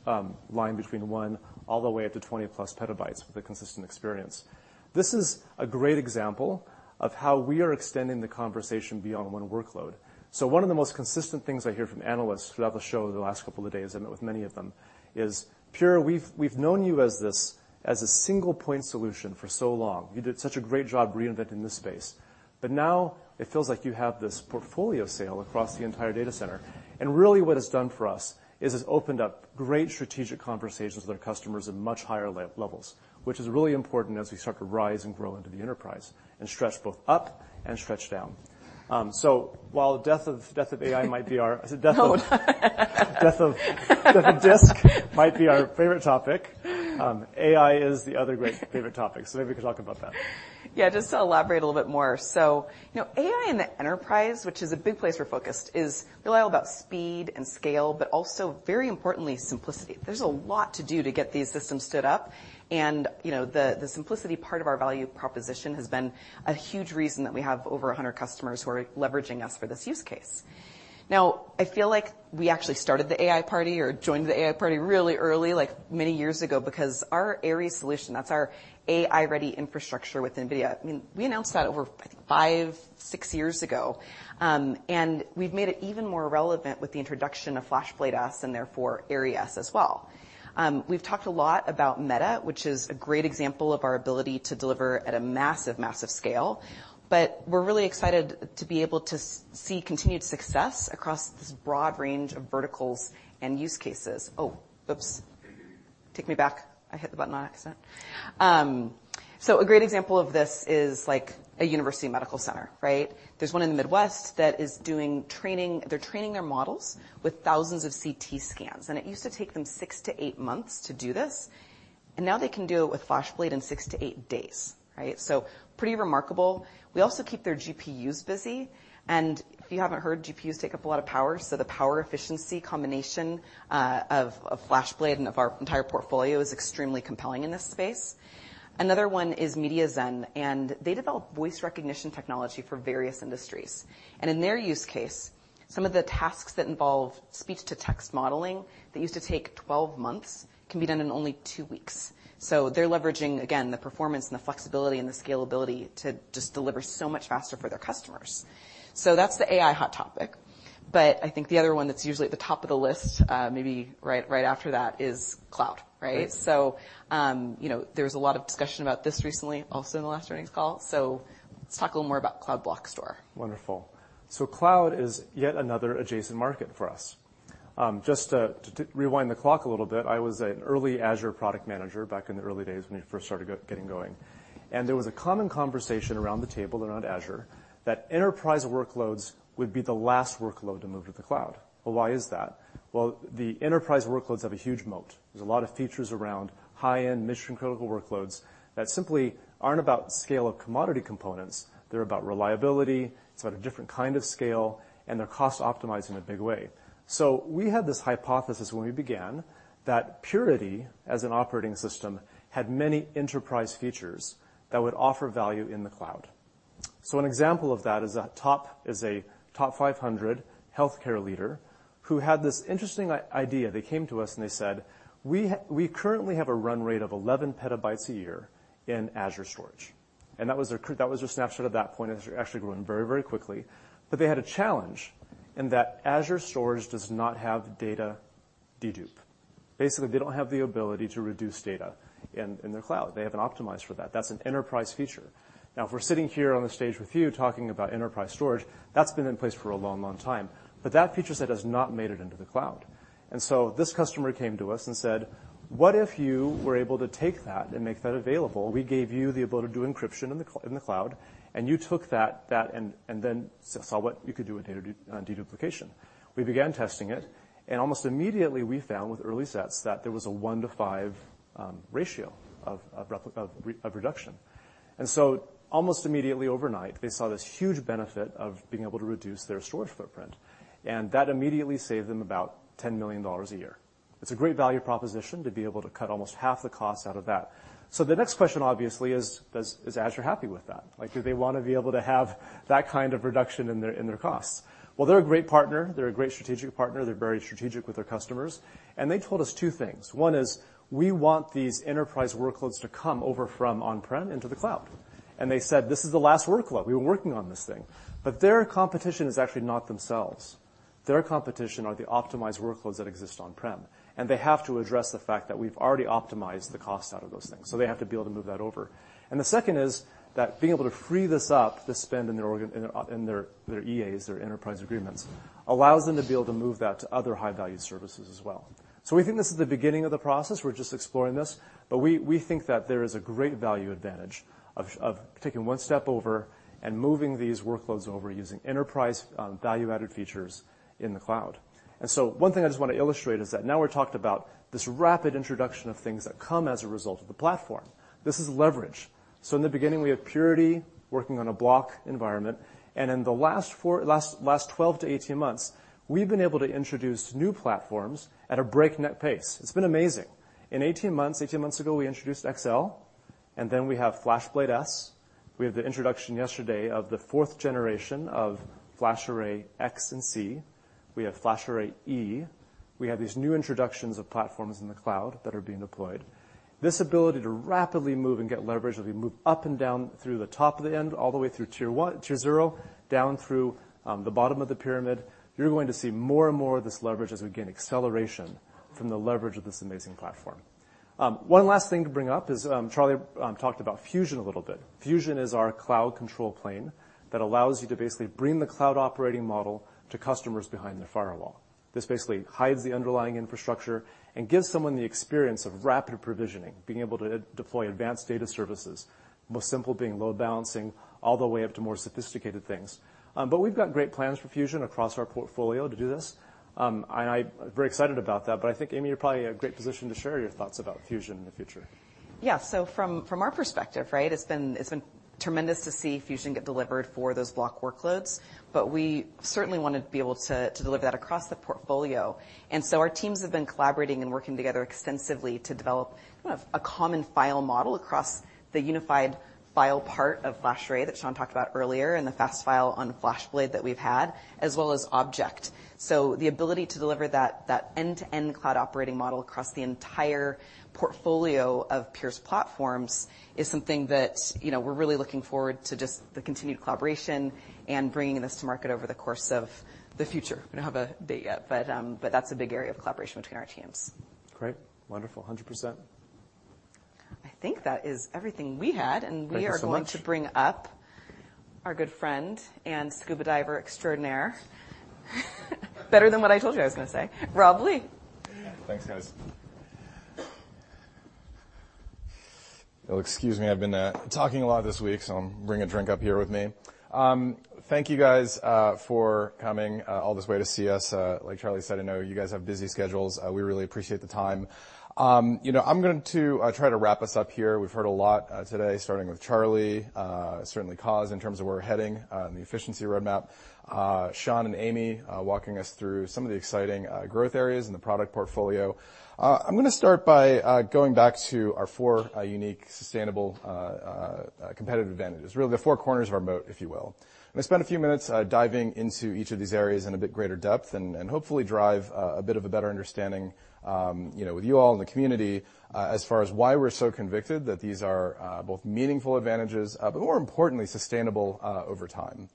line between one all the way up to 20+ PB with a consistent experience. This is a great example of how we are extending the conversation beyond one workload. One of the most consistent things I hear from analysts throughout the show over the last couple of days, I met with many of them, is: "Pure, we've known you as a single-point solution for so long. You did such a great job reinventing this space, but now it feels like you have this portfolio sale across the entire data center. Really, what it's done for us, is it's opened up great strategic conversations with our customers at much higher levels, which is really important as we start to rise and grow into the enterprise and stretch both up and stretch down. While the death of AI might be our- Oh. Death of disk might be our favorite topic, AI is the other great favorite topic, so maybe we can talk about that. Just to elaborate a little bit more. You know, AI in the enterprise, which is a big place we're focused, is really all about speed and scale, but also, very importantly, simplicity. There's a lot to do to get these systems stood up, and you know, the simplicity part of our value proposition has been a huge reason that we have over 100 customers who are leveraging us for this use case. I feel like we actually started the AI party, or joined the AI party, really early, like, many years ago, because our AIRI solution, that's our AI-Ready Infrastructure with NVIDIA, I mean, we announced that over, I think, five, six years ago. And we've made it even more relevant with the introduction of FlashBlade//S and therefore, AIRI//s as well. We've talked a lot about Meta, which is a great example of our ability to deliver at a massive scale, but we're really excited to be able to see continued success across this broad range of verticals and use cases. Oh, oops. Take me back. I hit the button on accident. A great example of this is, like, a university medical center, right? There's one in the Midwest that is doing training. They're training their models with thousands of CT scans, and it used to take them six to eight months to do this, and now they can do it with FlashBlade in six to eight days, right? Pretty remarkable. We also keep their GPUs busy. If you haven't heard, GPUs take up a lot of power, so the power efficiency combination of FlashBlade and of our entire portfolio is extremely compelling in this space. Another one is MediaZen. They develop voice recognition technology for various industries. In their use case, some of the tasks that involve speech-to-text modeling, that used to take 12 months, can be done in only two weeks. They're leveraging, again, the performance and the flexibility and the scalability to just deliver so much faster for their customers. That's the AI hot topic, but I think the other one that's usually at the top of the list, maybe right after that, is cloud, right? Right. You know, there was a lot of discussion about this recently, also in the last earnings call. Let's talk a little more about Cloud Block Store. Wonderful. Cloud is yet another adjacent market for us. Just to rewind the clock a little bit, I was an early Azure product manager back in the early days when we first started getting going, there was a common conversation around the table and around Azure that enterprise workloads would be the last workload to move to the cloud. Why is that? The enterprise workloads have a huge moat. There's a lot of features around high-end, mission-critical workloads that simply aren't about scale of commodity components. They're about reliability. It's about a different kind of scale, they're cost-optimized in a big way. We had this hypothesis when we began, that Purity, as an operating system, had many enterprise features that would offer value in the cloud. An example of that is a top 500 healthcare leader, who had this interesting idea. They came to us, they said, "We currently have a run rate of 11 PB a year in Azure storage." That was their snapshot at that point. Azure actually growing very quickly. They had a challenge, in that Azure storage does not have data dedup. Basically, they don't have the ability to reduce data in their cloud. They haven't optimized for that. That's an enterprise feature. Now, if we're sitting here on the stage with you talking about enterprise storage, that's been in place for a long time, that feature set has not made it into the cloud. This customer came to us and said, "What if you were able to take that and make that available? We gave you the ability to do encryption in the cloud, and you took that, and then saw what you could do with data on deduplication." Almost immediately, we found with early sets that there was a one to five ratio of reduction. Almost immediately overnight, they saw this huge benefit of being able to reduce their storage footprint, and that immediately saved them about $10 million a year. It's a great value proposition to be able to cut almost half the cost out of that. The next question, obviously, is Azure happy with that? Like, do they want to be able to have that kind of reduction in their costs? Well, they're a great partner. They're a great strategic partner. They're very strategic with their customers. They told us two things. One is: we want these enterprise workloads to come over from on-prem into the cloud. They said, "This is the last workload. We've been working on this thing." Their competition is actually not themselves. Their competition are the optimized workloads that exist on-prem. They have to address the fact that we've already optimized the cost out of those things. They have to be able to move that over. The second is that being able to free this up, this spend in their EAs, their enterprise agreements, allows them to be able to move that to other high-value services as well. We think this is the beginning of the process. We're just exploring this, but we think that there is a great value advantage of taking one step over and moving these workloads over using enterprise value-added features in the cloud. One thing I just want to illustrate is that now we've talked about this rapid introduction of things that come as a result of the platform. This is leverage. In the beginning, we had Purity working on a block environment, and in the last 12 to 18 months, we've been able to introduce new platforms at a breakneck pace. It's been amazing. 18 months ago, we introduced XL, we have FlashBlade//S. We have the introduction yesterday of the 4th generation of FlashArray//X and //C. We have FlashArray//E. We have these new introductions of platforms in the cloud that are being deployed. This ability to rapidly move and get leverage as we move up and down through the top of the end, all the way through tier one, tier zero, down through the bottom of the pyramid, you're going to see more and more of this leverage as we gain acceleration from the leverage of this amazing platform. One last thing to bring up is Charlie talked about Fusion a little bit. Fusion is our cloud control plane that allows you to basically bring the cloud operating model to customers behind their firewall. This basically hides the underlying infrastructure and gives someone the experience of rapid provisioning, being able to deploy advanced data services, the most simple being load balancing, all the way up to more sophisticated things. We've got great plans for Fusion across our portfolio to do this. I'm very excited about that, but I think, Amy, you're probably in a great position to share your thoughts about Fusion in the future. From our perspective, right? It's been tremendous to see Pure Fusion get delivered for those block workloads, but we certainly want to be able to deliver that across the portfolio. Our teams have been collaborating and working together extensively to develop kind of a common file model across the unified file part of FlashArray that Shawn talked about earlier, and the FastFile on FlashBlade that we've had, as well as Object. The ability to deliver that end-to-end cloud operating model across the entire portfolio of Pure's platforms is something that, you know, we're really looking forward to just the continued collaboration and bringing this to market over the course of the future. We don't have a date yet, but that's a big area of collaboration between our teams. Great. Wonderful. 100%. I think that is everything we had. Thank you so much. We are going to bring up our good friend and scuba diver extraordinaire. Better than what I told you I was going to say, Rob Lee. Thanks, guys. You'll excuse me, I've been talking a lot this week, so I'm bringing a drink up here with me. Thank you guys for coming all this way to see us. Like Charlie said, I know you guys have busy schedules. We really appreciate the time. You know, I'm going to try to wrap us up here. We've heard a lot today, starting with Charlie, certainly, Coz, in terms of where we're heading, the efficiency roadmap. Shawn and Amy walking us through some of the exciting growth areas in the product portfolio. I'm going to start by going back to our four unique, sustainable, competitive advantages. Really, the four corners of our moat, if you will. I'm going to spend a few minutes diving into each of these areas in a bit greater depth and hopefully drive a bit of a better understanding, you know, with you all in the community as far as why we're so convicted that these are both meaningful advantages, but more importantly, sustainable over time.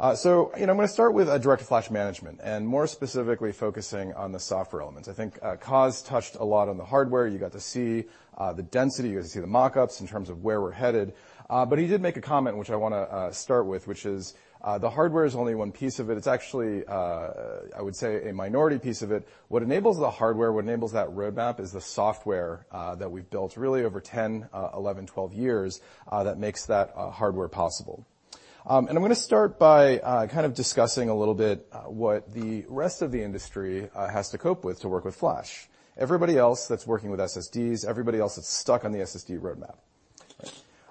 You know, I'm going to start with DirectFlash management, and more specifically, focusing on the software elements. I think Coz touched a lot on the hardware. You got to see the density, you got to see the mock-ups in terms of where we're headed. He did make a comment which I want to start with, which is the hardware is only one piece of it. It's actually, I would say, a minority piece of it. What enables the hardware, what enables that roadmap is the software, that we've built really over 10, 11, 12 years, that makes that hardware possible. I'm going to start by kind of discussing a little bit what the rest of the industry has to cope with to work with Flash. Everybody else that's working with SSDs, everybody else that's stuck on the SSD roadmap.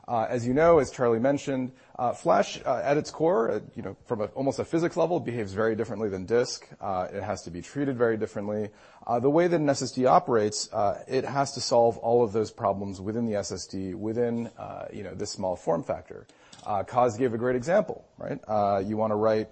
As you know, as Charlie mentioned, Flash, at its core, you know, from almost a physics level, behaves very differently than disk. It has to be treated very differently. The way that an SSD operates, it has to solve all of those problems within the SSD, within, you know, this small form factor. Coz gave a great example, right? You want to write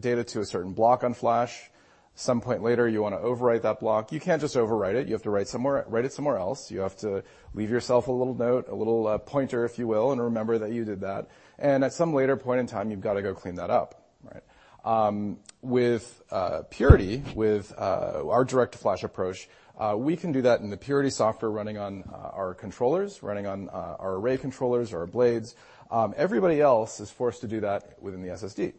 data to a certain block on Flash. Some point later, you want to overwrite that block. You can't just overwrite it. You have to write it somewhere else. You have to leave yourself a little note, a little pointer, if you will, and remember that you did that. At some later point in time, you've got to go clean that up. Right. With Purity, with our DirectFlash approach, we can do that in the Purity software running on our controllers, running on our array controllers, our blades. Everybody else is forced to do that within the SSD.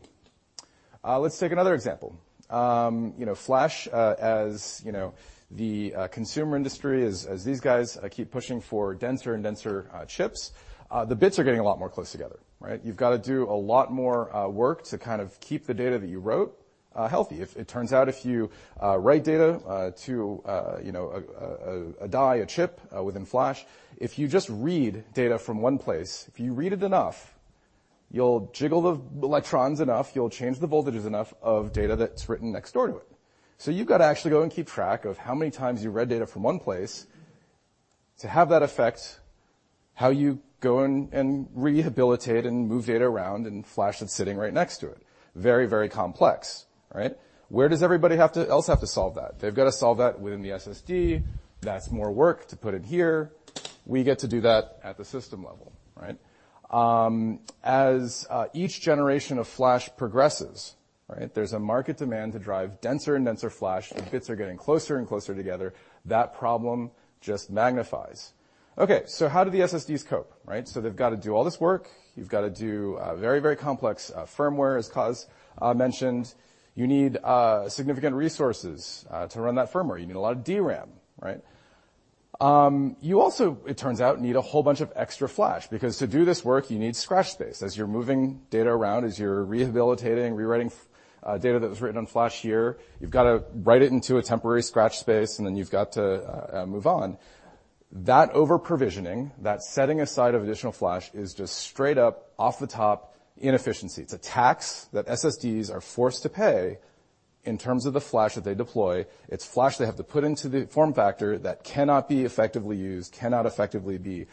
Let's take another example. You know, flash, as you know, the consumer industry, as these guys keep pushing for denser and denser chips, the bits are getting a lot more close together, right? You've got to do a lot more work to kind of keep the data that you wrote healthy. If it turns out, if you write data to, you know, a die, a chip, within flash, if you just read data from one place, if you read it enough, you'll jiggle the electrons enough, you'll change the voltages enough of data that's written next door to it. You've got to actually go and keep track of how many times you've read data from one place to have that affect how you go and rehabilitate and move data around in flash that's sitting right next to it. Very, very complex. All right? Where does everybody else have to solve that? They've got to solve that within the SSD. That's more work to put it here. We get to do that at the system level, right? As each generation of flash progresses, right, there's a market demand to drive denser and denser flash. The bits are getting closer and closer together. That problem just magnifies. How do the SSDs cope? Right? They've got to do all this work. You've got to do very, very complex firmware, as Coz mentioned. You need significant resources to run that firmware. You need a lot of DRAM, right? You also, it turns out, need a whole bunch of extra flash, because to do this work, you need scratch space. As you're moving data around, as you're rehabilitating, rewriting data that was written on flash here, you've got to write it into a temporary scratch space, and then you've got to move on. That overprovisioning, that setting aside of additional flash, is just straight up, off the top inefficiency. It's a tax that SSDs are forced to pay in terms of the flash that they deploy. It's flash they have to put into the form factor that cannot be effectively used, cannot effectively be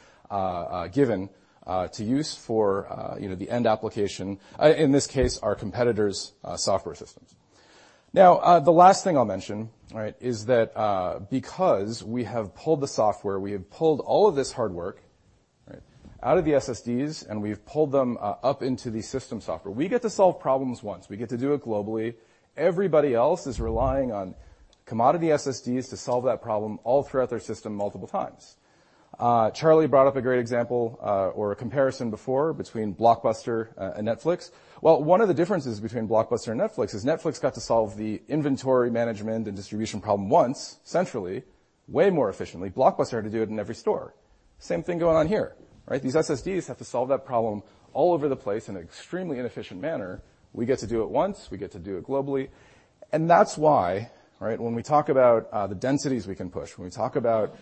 given, to use for, you know, the end application. In this case, our competitors' software systems. The last thing I'll mention, right, is that because we have pulled the software, we have pulled all of this hard work, right, out of the SSDs, and we've pulled them up into the system software. We get to solve problems once. We get to do it globally. Everybody else is relying on commodity SSDs to solve that problem all throughout their system multiple times. Charlie brought up a great example, or a comparison before between Blockbuster and Netflix. One of the differences between Blockbuster and Netflix is Netflix got to solve the inventory management and distribution problem once, centrally, way more efficiently. Blockbuster had to do it in every store. Same thing going on here, right? These SSDs have to solve that problem all over the place in an extremely inefficient manner. We get to do it once, we get to do it globally. That's why, right, when we talk about, the densities we can push, when we talk about,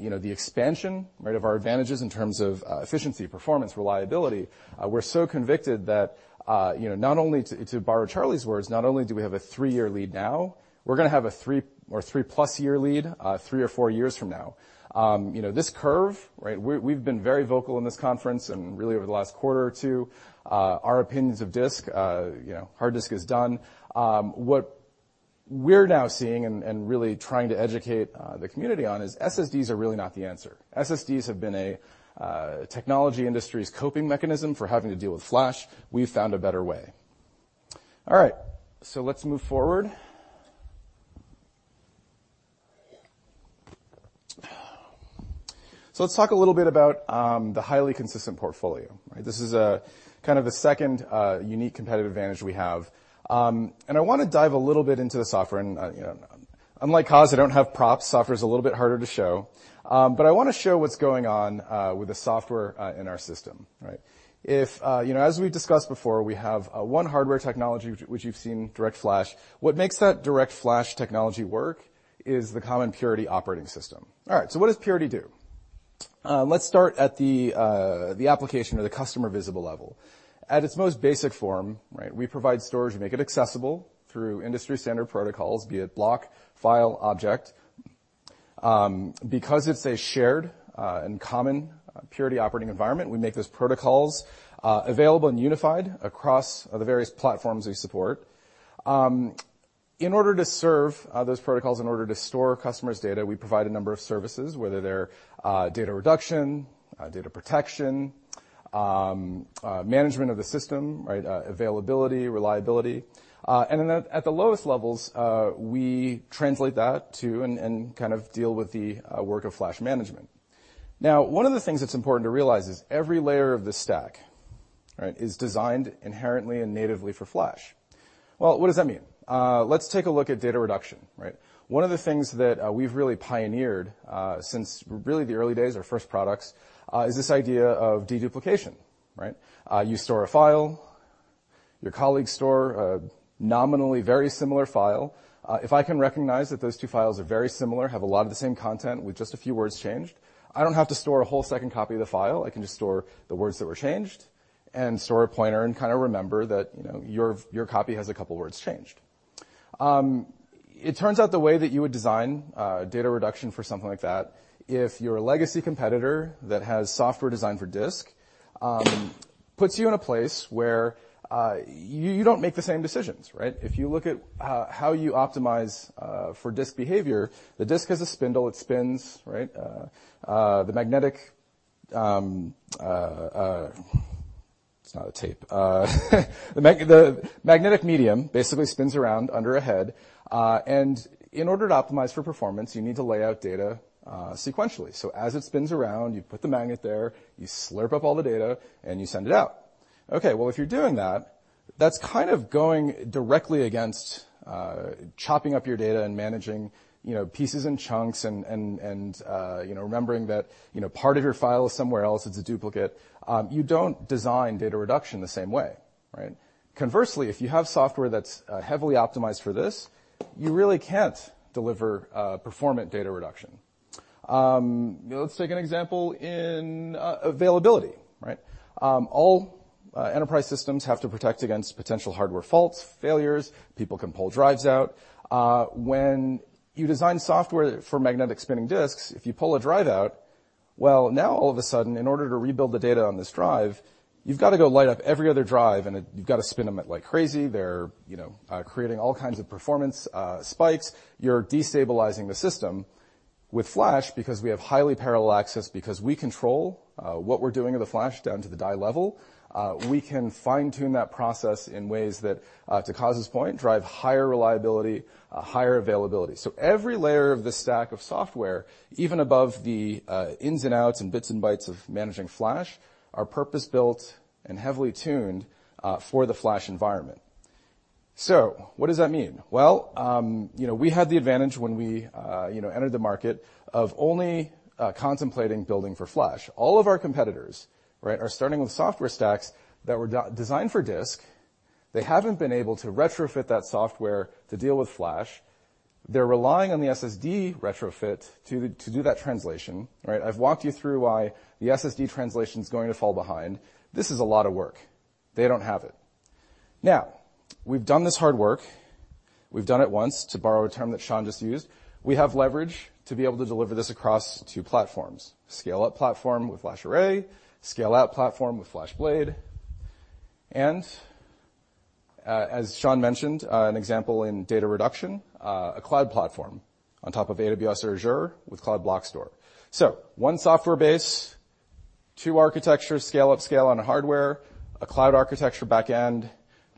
you know, the expansion, right, of our advantages in terms of, efficiency, performance, reliability, we're so convicted that, you know, not only to borrow Charlie's words, not only do we have a three-year lead now, we're going to have a three or three-plus year lead, three or four years from now. You know, this curve, right? We've been very vocal in this conference and really over the last quarter or two, our opinions of disk, you know, hard disk is done. What we're now seeing and really trying to educate, the community on is SSDs are really not the answer. SSDs have been a technology industry's coping mechanism for having to deal with flash. We've found a better way. Let's move forward. Let's talk a little bit about the highly consistent portfolio. Right, this is kind of the second unique competitive advantage we have. And I want to dive a little bit into the software and, you know, unlike Coz, I don't have props. Software is a little bit harder to show. But I want to show what's going on with the software in our system, right? If, you know, as we've discussed before, we have one hardware technology, which you've seen, DirectFlash. What makes that DirectFlash technology work is the common Purity operating system. What does Purity do? Let's start at the application or the customer visible level. At its most basic form, right, we provide storage. We make it accessible through industry standard protocols, be it block, file, object. Because it's a shared and common Purity operating environment, we make those protocols available and unified across the various platforms we support. In order to serve those protocols, in order to store customers' data, we provide a number of services, whether they're data reduction, data protection, management of the system, right, availability, reliability. At the lowest levels, we translate that to and kind of deal with the work of flash management. Now, one of the things that's important to realize is every layer of this stack, right, is designed inherently and natively for flash. Well, what does that mean? Let's take a look at data reduction, right? One of the things that we've really pioneered since really the early days, our first products, is this idea of deduplication, right? You store a file, your colleagues store a nominally very similar file. If I can recognize that those two files are very similar, have a lot of the same content with just a few words changed, I don't have to store a whole second copy of the file. I can just store the words that were changed and store a pointer and kind of remember that, you know, your copy has a couple words changed. It turns out the way that you would design data reduction for something like that, if you're a legacy competitor that has software designed for disk, puts you in a place where you don't make the same decisions, right? If you look at how you optimize for disk behavior, the disk has a spindle, it spins, right? It's not a tape. The magnetic medium basically spins around under a head. In order to optimize for performance, you need to lay out data sequentially. As it spins around, you put the magnet there, you slurp up all the data, and you send it out. Okay, well, if you're doing that's kind of going directly against chopping up your data and managing, you know, pieces and chunks and, and, you know, remembering that, you know, part of your file is somewhere else, it's a duplicate. You don't design data reduction the same way, right? Conversely, if you have software that's heavily optimized for this, you really can't deliver performant data reduction. Let's take an example in availability, right? All enterprise systems have to protect against potential hardware faults, failures. People can pull drives out. When you design software for magnetic spinning disks, if you pull a drive out, well, now all of a sudden, in order to rebuild the data on this drive, you've got to go light up every other drive, and you've got to spin them at, like, crazy. They're, you know, creating all kinds of performance, spikes. You're destabilizing the system. With Flash, because we have highly parallel access, because we control what we're doing with the Flash down to the die level, we can fine-tune that process in ways that, to cause this point, drive higher reliability, higher availability. Every layer of this stack of software, even above the ins and outs and bits and bytes of managing Flash, are purpose-built and heavily tuned for the Flash environment. What does that mean? Well, you know, we had the advantage when we, you know, entered the market of only contemplating building for Flash. All of our competitors, right, are starting with software stacks that were de-designed for disk. They haven't been able to retrofit that software to deal with Flash. They're relying on the SSD retrofit to do that translation, right? I've walked you through why the SSD translation is going to fall behind. This is a lot of work. They don't have it. We've done this hard work. We've done it once, to borrow a term that Shawn just used. We have leverage to be able to deliver this across two platforms: scale-up platform with FlashArray, scale-out platform with FlashBlade, and as Shawn mentioned, an example in data reduction, a cloud platform on top of AWS or Azure with Cloud Block Store. One software base, two architecture, scale up, scale on a hardware, a cloud architecture back end,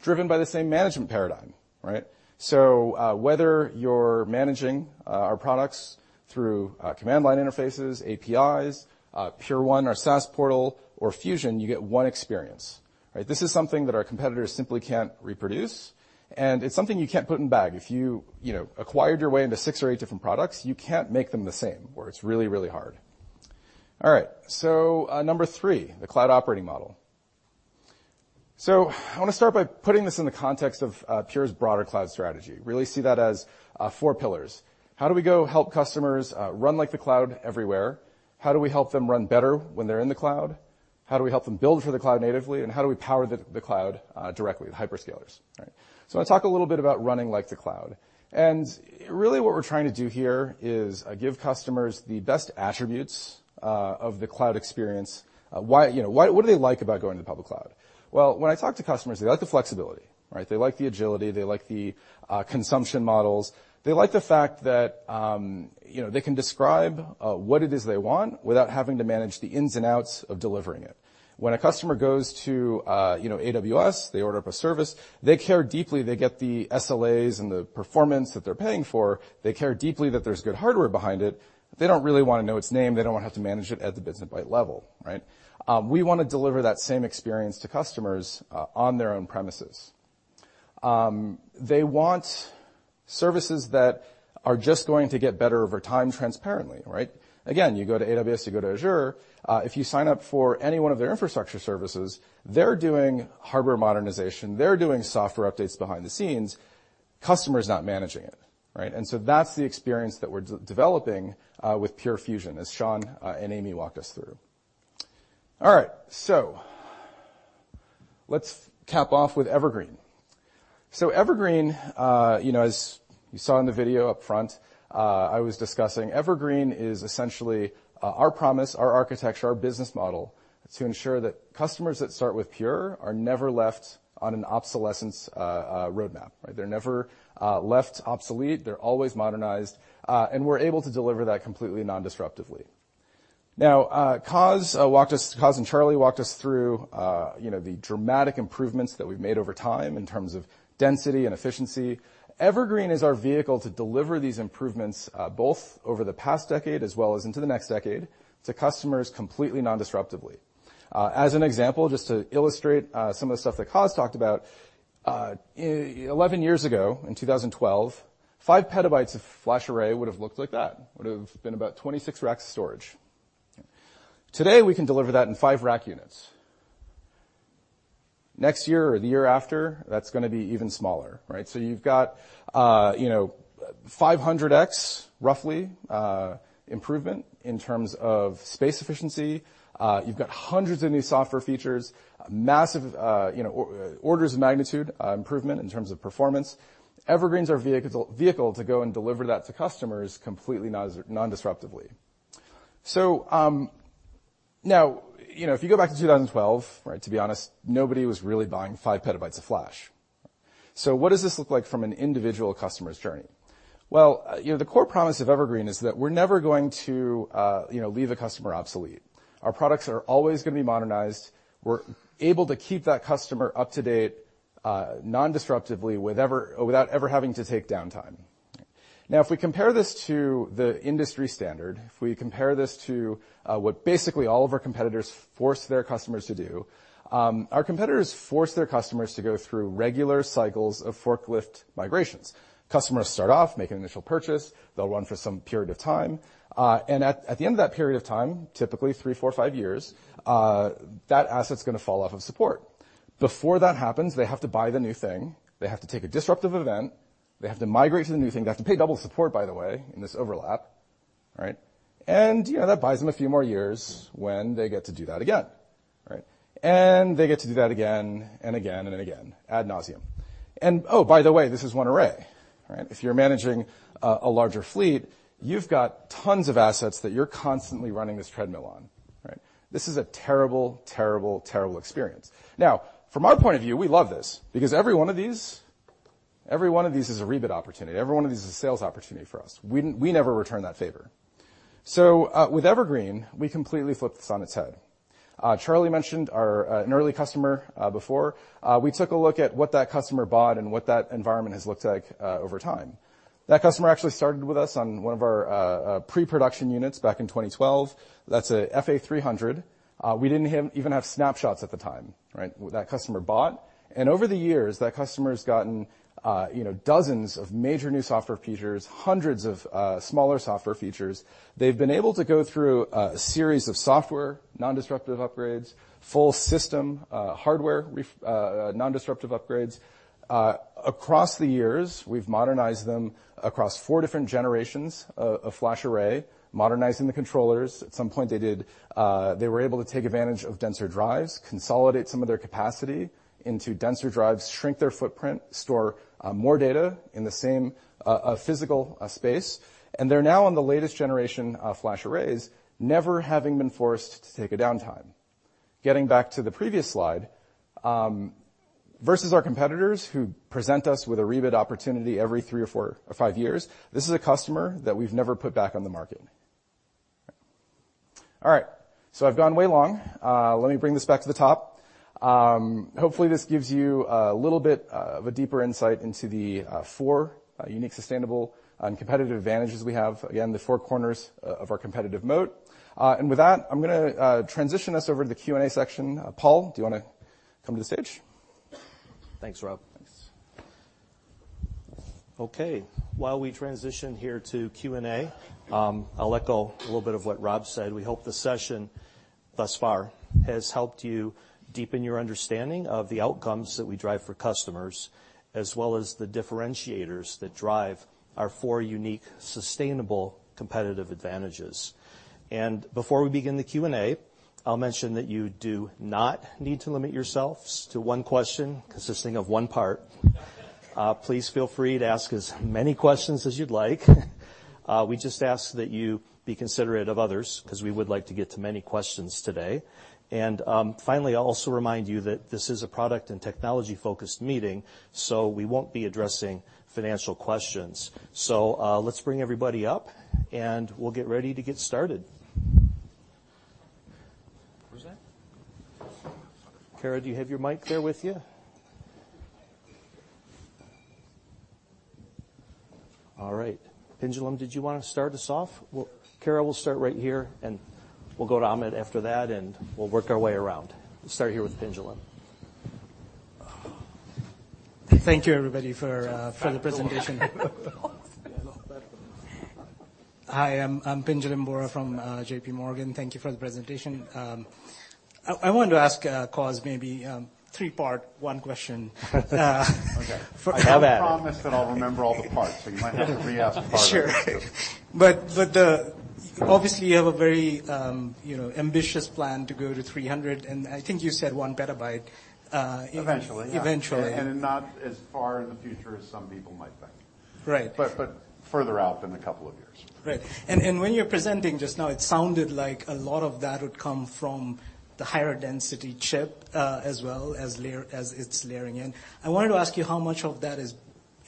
driven by the same management paradigm, right? Whether you're managing our products through command line interfaces, APIs, Pure1, our SaaS portal, or Pure Fusion, you get one experience, right? This is something that our competitors simply can't reproduce, and it's something you can't put in bag. If you know, acquired your way into six or eight different products, you can't make them the same, or it's really, really hard. All right, number three, the cloud operating model. I want to start by putting this in the context of Pure's broader cloud strategy. Really see that as four pillars. How do we go help customers run like the cloud everywhere? How do we help them run better when they're in the cloud? How do we help them build for the cloud natively, and how do we power the cloud directly with hyperscalers, right? I'll talk a little bit about running like the cloud. Really, what we're trying to do here is give customers the best attributes of the cloud experience. Why, you know, what do they like about going to the public cloud? Well, when I talk to customers, they like the flexibility, right? They like the agility, they like the consumption models. They like the fact that, you know, they can describe what it is they want without having to manage the ins and outs of delivering it. When a customer goes to, you know, AWS, they order up a service, they care deeply, they get the SLAs and the performance that they're paying for. They care deeply that there's good hardware behind it. They don't really want to know its name. They don't want to have to manage it at the business byte level, right? We want to deliver that same experience to customers on their own premises. They want services that are just going to get better over time, transparently, right? Again, you go to AWS, you go to Azure, if you sign up for any one of their infrastructure services, they're doing hardware modernization, they're doing software updates behind the scenes, customer's not managing it, right? That's the experience that we're de-developing with Pure Fusion, as Shawn and Amy walked us through. All right, let's cap off with Evergreen. Evergreen, you know, as you saw in the video up front, I was discussing, Evergreen is essentially our promise, our architecture, our business model, to ensure that customers that start with Pure are never left on an obsolescence roadmap, right? They're never left obsolete, they're always modernized, and we're able to deliver that completely non-disruptively. Now, Coz and Charlie walked us through, you know, the dramatic improvements that we've made over time in terms of density and efficiency. Evergreen is our vehicle to deliver these improvements, both over the past decade as well as into the next decade, to customers completely non-disruptively. As an example, just to illustrate, some of the stuff that Coz talked about, 11 years ago, in 2012, 5 PB of FlashArray would have looked like that. Would have been about 26 rack storage. Today, we can deliver that in five rack units. Next year or the year after, that's going to be even smaller, right? You've got, you know, 500x, roughly, improvement in terms of space efficiency. You've got hundreds of new software features, massive, you know, orders of magnitude improvement in terms of performance. Evergreen is our vehicle to go and deliver that to customers completely non-disruptively. Now, you know, if you go back to 2012, right, to be honest, nobody was really buying 5 PB of Flash. What does this look like from an individual customer's journey? Well, you know, the core promise of Evergreen is that we're never going to, you know, leave a customer obsolete. Our products are always going to be modernized. We're able to keep that customer up to date, non-disruptively, without ever having to take downtime. If we compare this to the industry standard, if we compare this to what basically all of our competitors force their customers to do, our competitors force their customers to go through regular cycles of forklift migrations. Customers start off, make an initial purchase, they'll run for some period of time, and at the end of that period of time, typically three, four, five years, that asset's going to fall off of support. Before that happens, they have to buy the new thing. They have to take a disruptive event. They have to migrate to the new thing. They have to pay double support, by the way, in this overlap, right? You know, that buys them a few more years when they get to do that again, right? They get to do that again and again and again, ad nauseam. Oh, by the way, this is one array, right? If you're managing a larger fleet, you've got tons of assets that you're constantly running this treadmill on, right? This is a terrible, terrible experience. Now, from our point of view, we love this because every one of these is a rebid opportunity. Every one of these is a sales opportunity for us. We never return that favor. With Evergreen, we completely flipped this on its head. Charlie mentioned our an early customer before. We took a look at what that customer bought and what that environment has looked like over time. That customer actually started with us on one of our pre-production units back in 2012. That's a FA-300. We didn't even have snapshots at the time, right? That customer bought, and over the years, that customer has gotten, you know dozens of major new software features, hundreds of smaller software features. They've been able to go through a series of software non-disruptive upgrades, full system hardware non-disruptive upgrades. Across the years, we've modernized them across four different generations of FlashArray, modernizing the controllers. At some point, they were able to take advantage of denser drives, consolidate some of their capacity into denser drives, shrink their footprint, store more data in the same physical space. They're now on the latest generation of FlashArrays, never having been forced to take a downtime. Getting back to the previous slide, versus our competitors, who present us with a rebid opportunity every three or four or five years, this is a customer that we've never put back on the market. All right, I've gone way long. Let me bring this back to the top. Hopefully, this gives you a little bit of a deeper insight into the four unique, sustainable, and competitive advantages we have. Again, the four corners of our competitive moat. With that, I'm going to transition us over to the Q&A section. Paul, do you want to come to the stage? Thanks, Rob. Thanks. Okay, while we transition here to Q&A, I'll echo a little bit of what Rob said. We hope the session, thus far, has helped you deepen your understanding of the outcomes that we drive for customers, as well as the differentiators that drive our four unique, sustainable competitive advantages. Before we begin the Q&A, I'll mention that you do not need to limit yourselves to one question consisting of one part. Please feel free to ask as many questions as you'd like. We just ask that you be considerate of others because we would like to get to many questions today. Finally, I'll also remind you that this is a product- and technology-focused meeting, we won't be addressing financial questions. Let's bring everybody up, and we'll get ready to get started. Where's that? Kara, do you have your mic there with you? All right. Pinjalim, did you want to start us off? Kara, we'll start right here. We'll go to Ahmed after that. We'll work our way around. Let's start here with Pinjalim. Thank you, everybody, for the presentation. Hi, I'm Pinjalim Bora from JPMorgan. Thank you for the presentation. I wanted to ask Coz maybe three part, one question. Okay. For- I promise that I'll remember all the parts, so you might have to re-ask part of it. Sure. Obviously, you have a very, you know, ambitious plan to go to 300, and I think you said 1 PB, Eventually. Eventually. Not as far in the future as some people might think. Right. further out than a couple of years. Right. When you were presenting just now, it sounded like a lot of that would come from the higher density chip, as well as layer, as it's layering in. I wanted to ask you, how much of that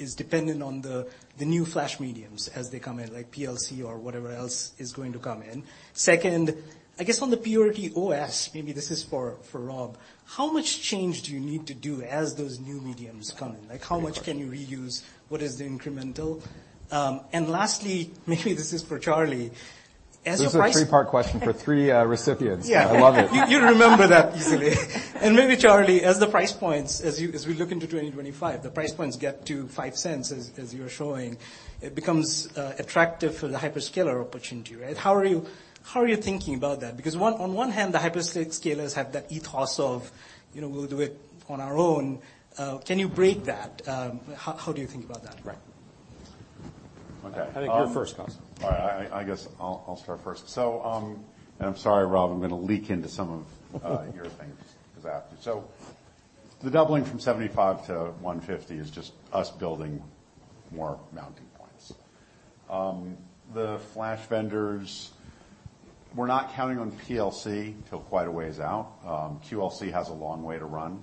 is dependent on the new flash mediums as they come in, like PLC or whatever else is going to come in? Second, I guess on the Purity OS, maybe this is for Rob, how much change do you need to do as those new mediums come in? Like, how much can you reuse? What is the incremental? Lastly, maybe this is for Charlie. As the price- This is a three-part question for three recipients. Yeah. I love it. You remember that easily. Maybe Charlie, as the price points, as we look into 2025, the price points get to $0.05 as you were showing, it becomes attractive for the hyperscaler opportunity, right? How are you thinking about that? On one hand, the hyperscale scalers have that ethos of, you know, "We'll do it on our own." Can you break that? How do you think about that? Right. Okay. I think you're first, Coz. All right. I guess I'll start first. And I'm sorry, Rob, I'm going to leak into some of your things as I have to. The doubling from 75 to 150 is just us building more mounting points. The flash vendors-... We're not counting on PLC until quite a ways out. QLC has a long way to run.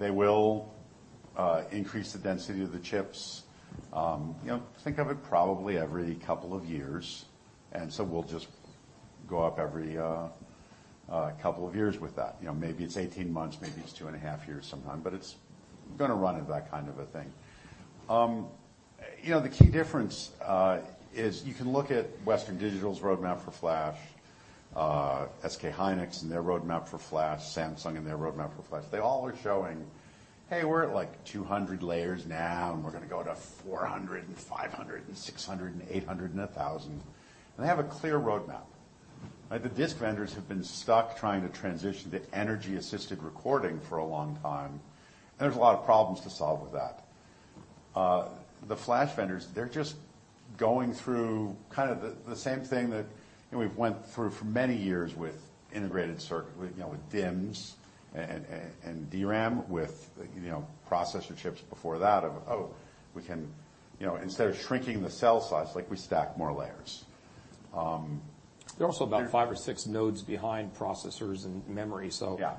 They will increase the density of the chips, you know, think of it probably every couple of years, so we'll just go up every couple of years with that. You know, maybe it's 18 months, maybe it's two and a half years sometime, but it's gonna run into that kind of a thing. You know, the key difference is you can look at Western Digital's roadmap for flash, SK hynix and their roadmap for flash, Samsung and their roadmap for flash. They all are showing, "Hey, we're at, like, 200 layers now, and we're gonna go to 400 and 500 and 600 and 800 and 1,000." They have a clear roadmap, right? The disk vendors have been stuck trying to transition to energy-assisted recording for a long time, and there's a lot of problems to solve with that. The flash vendors, they're just going through kind of the same thing that, you know, we've went through for many years with integrated circuit, you know, with DIMMs and DRAM with, you know, processor chips before that. You know, instead of shrinking the cell size, like, we stack more layers. They're also about five or six nodes behind processors and memory. Yeah.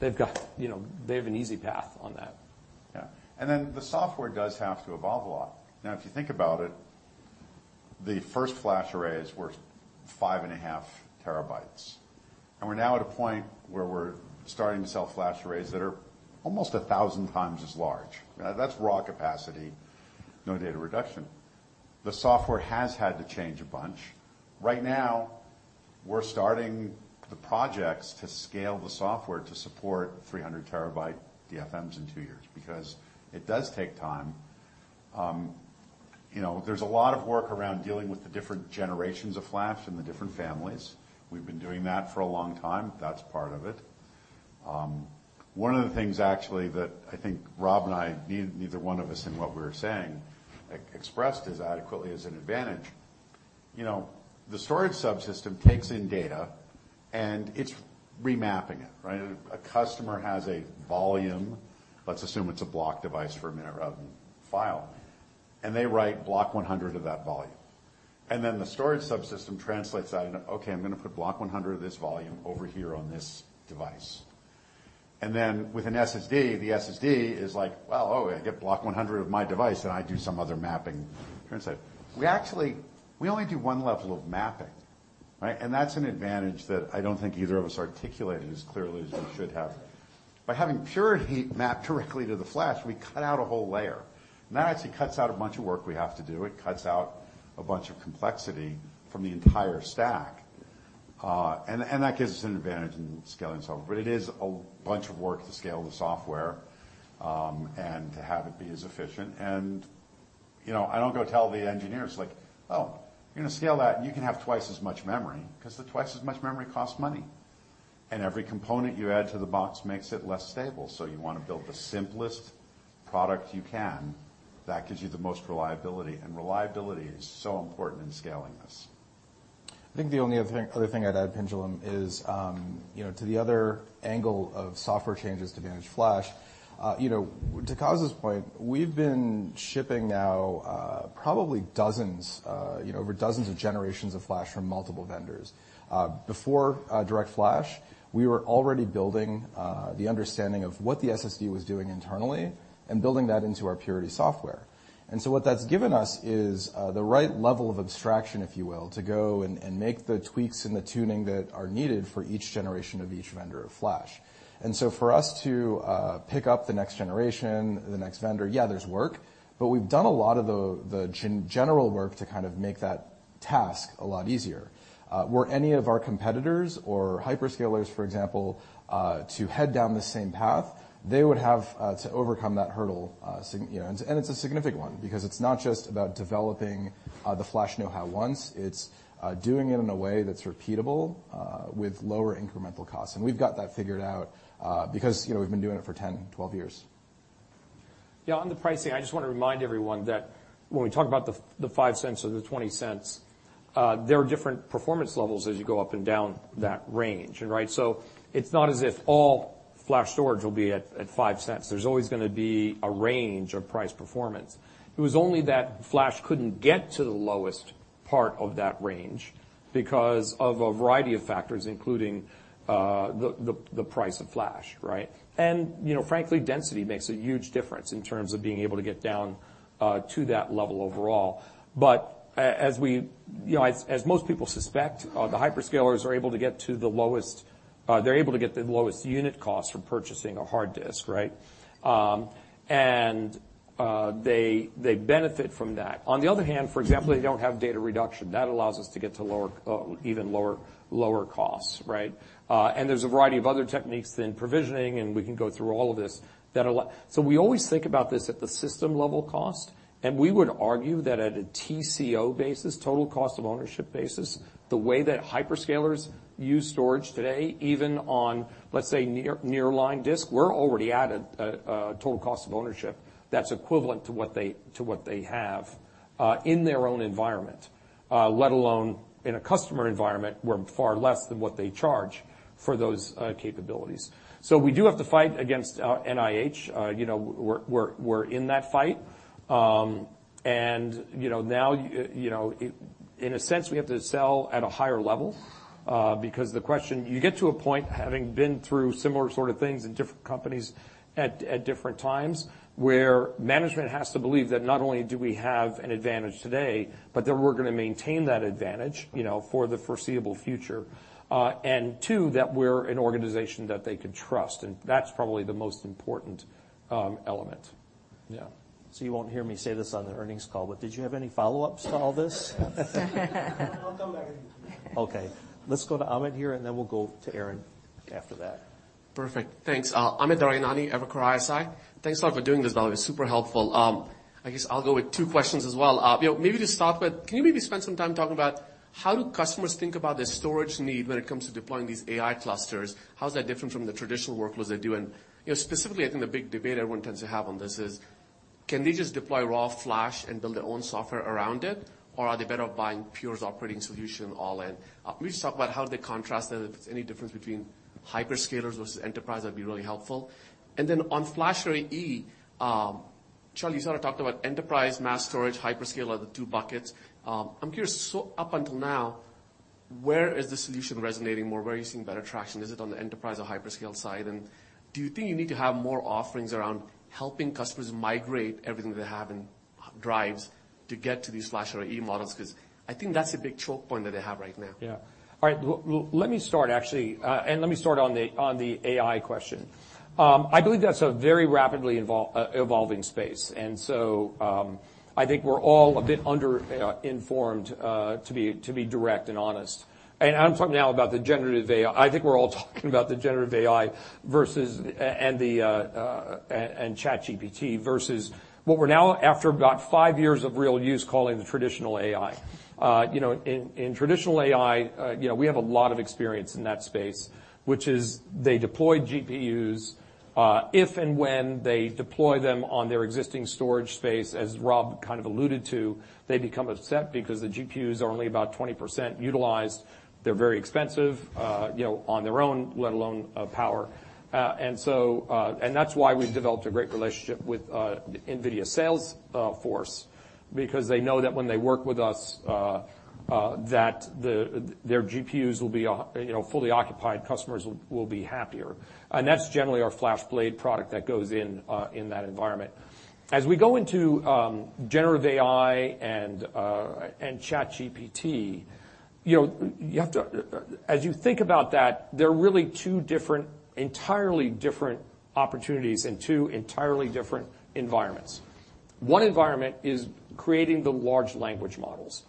They've got, you know, they have an easy path on that. Yeah. The software does have to evolve a lot. Now, if you think about it, the first FlashArrays were 5.5 TB, and we're now at a point where we're starting to sell FlashArrays that are almost 1,000 times as large. Now, that's raw capacity, no data reduction. The software has had to change a bunch. Right now, we're starting the projects to scale the software to support 300 TB DFMs in two years, because it does take time. You know, there's a lot of work around dealing with the different generations of flash and the different families. We've been doing that for a long time. That's part of it. One of the things actually that I think Rob and I, neither one of us, in what we were saying, expressed as adequately as an advantage, you know, the storage subsystem takes in data, and it's remapping it, right? A customer has a volume, let's assume it's a block device for a minute of file, and they write block 100 of that volume. The storage subsystem translates that into: "Okay, I'm gonna put block 100 of this volume over here on this device." Then, with an SSD, the SSD is like: "Well, oh, I get block 100 of my device, and I do some other mapping." We only do one level of mapping, right? That's an advantage that I don't think either of us articulated as clearly as we should have. By having Purity mapped directly to the flash, we cut out a whole layer. That actually cuts out a bunch of work we have to do. It cuts out a bunch of complexity from the entire stack, and that gives us an advantage in scaling software. It is a bunch of work to scale the software, and to have it be as efficient. You know, I don't go tell the engineers, like, "Oh, you're gonna scale that, and you can have twice as much memory," 'cause the twice as much memory costs money, and every component you add to the box makes it less stable. You want to build the simplest product you can that gives you the most reliability, and reliability is so important in scaling this. I think the only other thing, other thing I'd add, Pinjalim, is, you know, to the other angle of software changes to manage flash, you know, to Coz's point, we've been shipping now, probably dozens, you know, over dozens of generations of flash from multiple vendors. Before DirectFlash, we were already building the understanding of what the SSD was doing internally and building that into our Purity software. What that's given us is the right level of abstraction, if you will, to go and make the tweaks and the tuning that are needed for each generation of each vendor of flash. For us to pick up the next generation, the next vendor, yeah, there's work, but we've done a lot of the general work to kind of make that task a lot easier. Were any of our competitors or hyperscalers, for example, to head down the same path, they would have to overcome that hurdle, you know. It's a significant one, because it's not just about developing, the flash know-how once. It's doing it in a way that's repeatable with lower incremental costs, and we've got that figured out, because, you know, we've been doing it for 10, 12 years. Yeah, on the pricing, I just want to remind everyone that when we talk about the $0.05 or the $0.20, there are different performance levels as you go up and down that range, right? It's not as if all flash storage will be at $0.05. There's always gonna be a range of price performance. It was only that flash couldn't get to the lowest part of that range because of a variety of factors, including the price of flash, right? You know, frankly, density makes a huge difference in terms of being able to get down to that level overall. As we... You know, as most people suspect, the hyperscalers are able to get the lowest unit cost from purchasing a hard disk, right? They benefit from that. On the other hand, for example, they don't have data reduction. That allows us to get to even lower costs, right? There's a variety of other techniques in provisioning, and we can go through all of this, that allow. We always think about this at the system-level cost, and we would argue that at a TCO basis, total cost of ownership basis, the way that hyperscalers use storage today, even on, let's say, near-line disk, we're already at a total cost of ownership that's equivalent to what they have in their own environment, let alone in a customer environment, we're far less than what they charge for those capabilities. We do have to fight against NIH. You know, we're in that fight. You know, now, you know, in a sense, we have to sell at a higher level, because you get to a point, having been through similar sort of things in different companies at different times, where management has to believe that not only do we have an advantage today, but that we're going to maintain that advantage, you know, for the foreseeable future. And two, that we're an organization that they can trust, and that's probably the most important element. Yeah. You won't hear me say this on the earnings call, but did you have any follow-ups to all this? I'll come back again. Okay, let's go to Amit here. Then we'll go to Aaron after that. Perfect. Thanks. Amit Daryanani, Evercore ISI. Thanks a lot for doing this, by the way. Super helpful. I guess I'll go with two questions as well. You know, maybe to start with, can you maybe spend some time talking about how do customers think about their storage need when it comes to deploying these AI clusters? How is that different from the traditional workloads they do? You know, specifically, I think the big debate everyone tends to have on this is: can they just deploy raw flash and build their own software around it, or are they better off buying Pure's operating solution all in? Can we just talk about how they contrast that, if there's any difference between hyperscalers versus enterprise, that'd be really helpful. Then on FlashArray//E, Charlie, you sort of talked about enterprise, mass storage, hyperscaler, the two buckets. I'm curious, up until now, where is the solution resonating more? Where are you seeing better traction? Is it on the enterprise or hyperscale side? Do you think you need to have more offerings around helping customers migrate everything they have in drives to get to these FlashArray//E models? I think that's a big choke point that they have right now. Yeah. All right, let me start, actually, let me start on the AI question. I believe that's a very rapidly evolving space. I think we're all a bit under informed to be direct and honest. I'm talking now about the generative AI. I think we're all talking about the generative AI versus and ChatGPT, versus what we're now, after about five years of real use, calling the traditional AI. You know, in traditional AI, you know, we have a lot of experience in that space, which is they deploy GPUs. If and when they deploy them on their existing storage space, as Rob kind of alluded to, they become upset because the GPUs are only about 20% utilized. They're very expensive, you know, on their own, let alone, power. That's why we've developed a great relationship with NVIDIA sales force, because they know that when they work with us, that their GPUs will be, you know, fully occupied, customers will be happier. That's generally our FlashBlade product that goes in that environment. As we go into generative AI and ChatGPT, you know, you have to. As you think about that, there are really two different, entirely different opportunities and two entirely different environments. One environment is creating the large language models,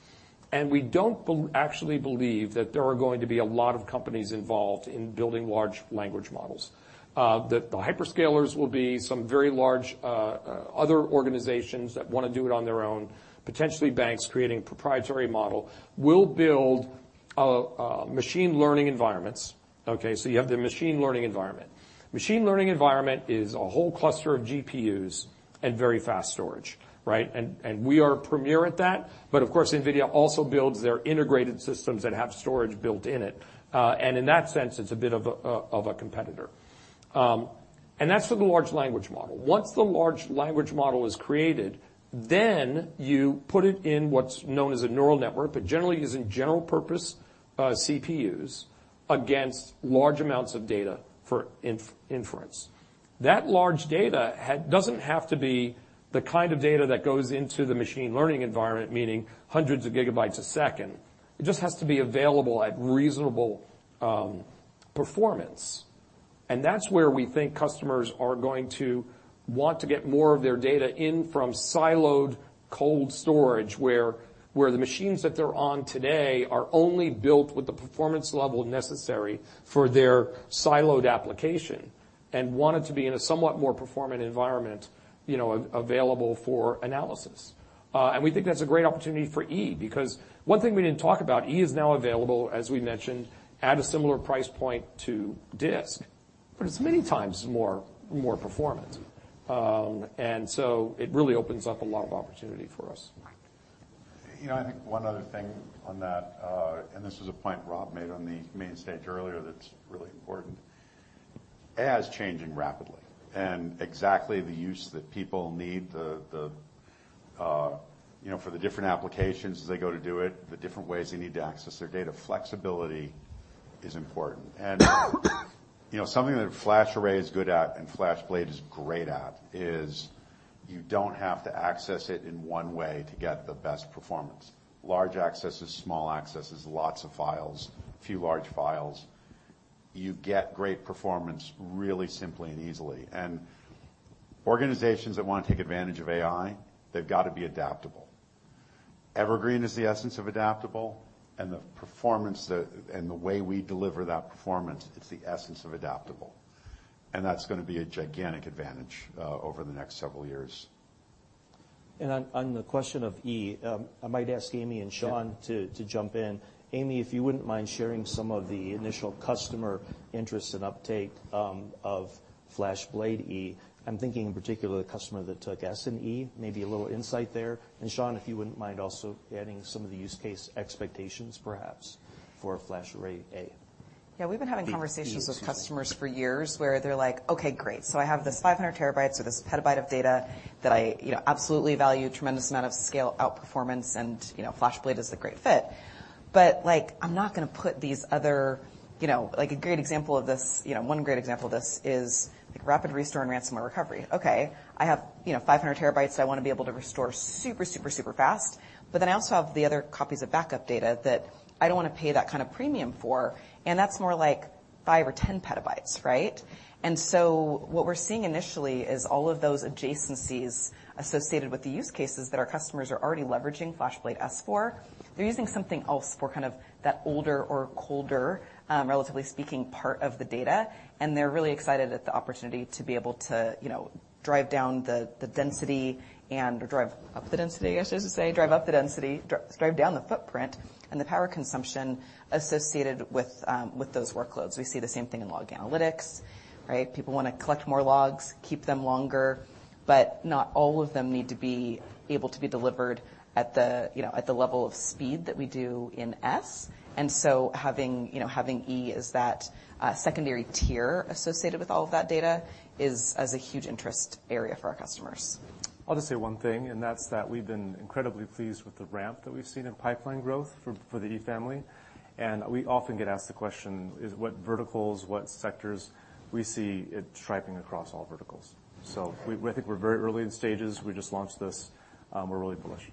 and we don't actually believe that there are going to be a lot of companies involved in building large language models. That the hyperscalers will be some very large other organizations that want to do it on their own, potentially banks creating proprietary model, will build machine learning environments, okay? You have the machine learning environment. Machine learning environment is a whole cluster of GPUs and very fast storage, right? And we are premier at that, but of course, NVIDIA also builds their integrated systems that have storage built in it. And in that sense, it's a bit of a competitor. And that's for the large language model. Once the large language model is created, you put it in what's known as a neural network, but generally using general purpose CPUs against large amounts of data for inference. That large data doesn't have to be the kind of data that goes into the machine learning environment, meaning hundreds of GB a second. It just has to be available at reasonable performance. That's where we think customers are going to want to get more of their data in from siloed cold storage, where the machines that they're on today are only built with the performance level necessary for their siloed application, and want it to be in a somewhat more performant environment, you know, available for analysis. We think that's a great opportunity for FlashArray//E, because one thing we didn't talk about, FlashArray//E is now available, as we mentioned, at a similar price point to disk, but it's many times more performant. It really opens up a lot of opportunity for us. You know, I think one other thing on that, this is a point Rob made on the main stage earlier that's really important, AI is changing rapidly. Exactly the use that people need, the, you know, for the different applications as they go to do it, the different ways they need to access their data, flexibility is important. You know, something that FlashArray is good at and FlashBlade is great at, is you don't have to access it in one way to get the best performance. Large accesses, small accesses, lots of files, few large files, you get great performance really simply and easily. Organizations that want to take advantage of AI, they've got to be adaptable. Evergreen is the essence of adaptable, the performance that... The way we deliver that performance, it's the essence of adaptable, and that's going to be a gigantic advantage over the next several years. On the question of E, I might ask Amy and Shawn. Yeah to jump in. Amy, if you wouldn't mind sharing some of the initial customer interest and uptake of FlashBlade//E. I'm thinking in particular, the customer that took FlashBlade//S and FlashBlade//E, maybe a little insight there. Shawn, if you wouldn't mind also adding some of the use case expectations, perhaps, for FlashArray//A. We've been having conversations with customers for years, where they're like: Great, I have this 500 TB or this PB of data that I, you know, absolutely value a tremendous amount of scale out performance, and, you know, FlashBlade is a great fit. Like, I'm not going to put these other... You know, like, a great example of this, you know, one great example of this is rapid restore and ransomware recovery. I have, you know, 500 TB I want to be able to restore super, super fast, I also have the other copies of backup data that I don't want to pay that kind of premium for, and that's more like 5 PB or 10 PB, right? What we're seeing initially is all of those adjacencies associated with the use cases that our customers are already leveraging FlashBlade//S for. They're using something else for kind of that older or colder, relatively speaking, part of the data, and they're really excited at the opportunity to be able to, you know, drive down the density or drive up the density, I should just say, drive up the density, drive down the footprint and the power consumption associated with those workloads. We see the same thing in log analytics, right? People want to collect more logs, keep them longer, but not all of them need to be able to be delivered at the, you know, at the level of speed that we do in S. having, you know, E as that secondary tier associated with all of that data is a huge interest area for our customers. I'll just say one thing, and that's that we've been incredibly pleased with the ramp that we've seen in pipeline growth for the E family. We often get asked the question, is what verticals, what sectors we see it striping across all verticals. We think we're very early in stages. We just launched this. We're really bullish.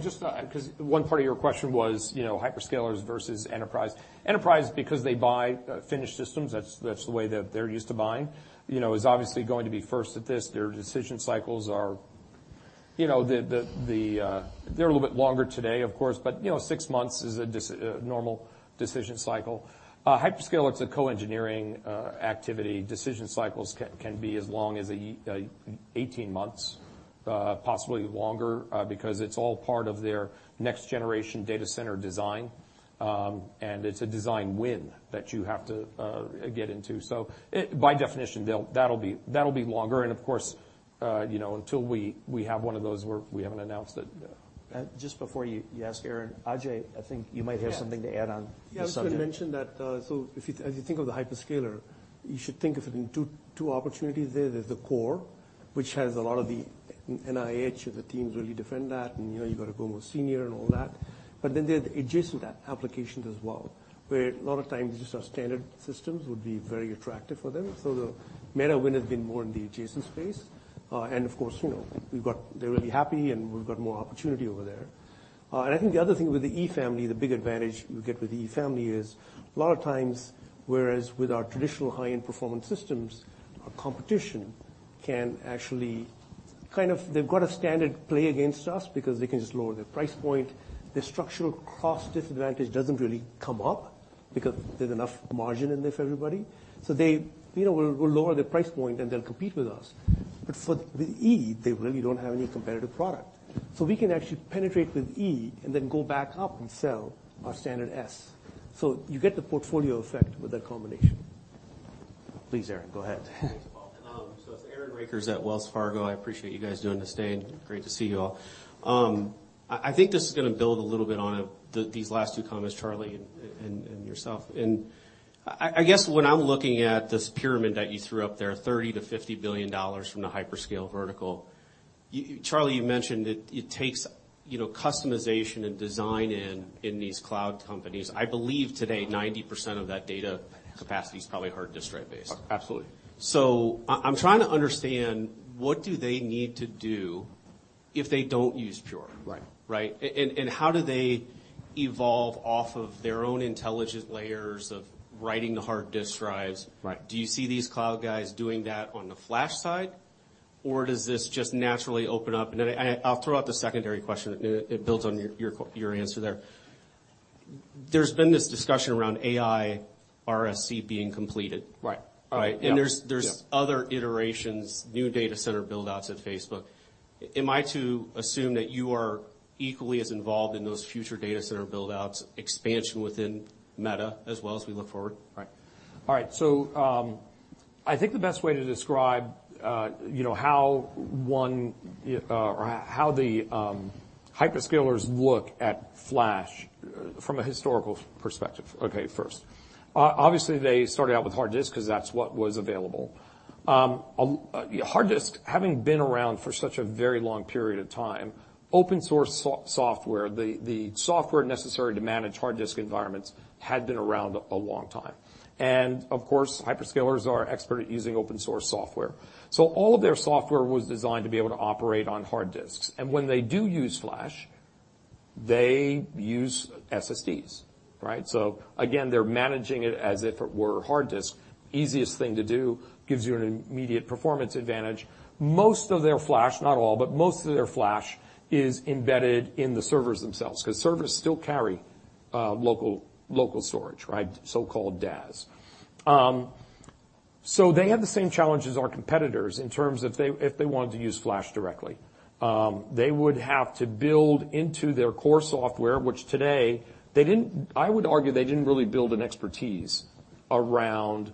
Just, 'cause one part of your question was, you know, hyperscalers versus enterprise. Enterprise, because they buy finished systems, that's the way that they're used to buying, you know, is obviously going to be first at this. Their decision cycles are, you know, they're a little bit longer today, of course, but, you know, six months is a normal decision cycle. Hyperscaler, it's a co-engineering activity. Decision cycles can be as long as 18 months, possibly longer, because it's all part of their next generation data center design. It's a design win that you have to get into. By definition, that'll be longer, and of course, you know, until we have one of those where we haven't announced it. Just before you ask Aaron, Ajay, I think you might have something to add on the subject. I just want to mention that as you think of the hyperscaler, you should think of it in two opportunities. There is the core, which has a lot of the NIH, and the teams really defend that, you know, you've got to go more senior and all that. There are the adjacent applications as well, where a lot of times just our standard systems would be very attractive for them. The Meta win has been more in the adjacent space. Of course, you know, they're really happy, and we've got more opportunity over there. I think the other thing with the E-family, the big advantage you get with the E-family is, a lot of times, whereas with our traditional high-end performance systems, our competition can actually they've got a standard play against us because they can just lower their price point. The structural cost disadvantage doesn't really come up because there's enough margin in there for everybody. They, you know, will lower their price point, and they'll compete with us. For the E, they really don't have any competitive product. We can actually penetrate with E and then go back up and sell our standard S. You get the portfolio effect with that combination. Please, Aaron, go ahead. Thanks, Paul. It's Aaron Rakers at Wells Fargo. I appreciate you guys doing this today, and great to see you all. I think this is going to build a little bit on these last two comments, Charlie and yourself. I guess when I'm looking at this pyramid that you threw up there, $30 billion-$50 billion from the hyperscale vertical, Charlie, you mentioned it takes, you know, customization and design in these cloud companies. I believe today, 90% of that data capacity is probably hard disk drive-based. Absolutely. I'm trying to understand, what do they need to do if they don't use Pure? Right. Right? How do they evolve off of their own intelligent layers of writing the hard disk drives? Right. Do you see these cloud guys doing that on the flash side, or does this just naturally open up? I'll throw out the secondary question. It builds on your answer there. There's been this discussion around AI RSC being completed. Right. Right. Yeah. There's other iterations, new data center build-outs at Facebook. Am I to assume that you are equally as involved in those future data center build-outs, expansion within Meta, as well as we look forward? Right. All right, so, I think the best way to describe, you know, how one, or how the hyperscalers look at flash from a historical perspective, okay, first. Obviously, they started out with hard disk because that's what was available. Hard disk, having been around for such a very long period of time, open source software, the software necessary to manage hard disk environments, had been around a long time. Of course, hyperscalers are expert at using open-source software. All of their software was designed to be able to operate on hard disks, and when they do use flash, they use SSDs, right? Again, they're managing it as if it were hard disk. Easiest thing to do, gives you an immediate performance advantage. Most of their flash, not all, but most of their flash is embedded in the servers themselves, because servers still carry, local storage, right? So-called DAS. They have the same challenge as our competitors in terms of if they wanted to use flash directly. They would have to build into their core software, which today they didn't. I would argue they didn't really build an expertise around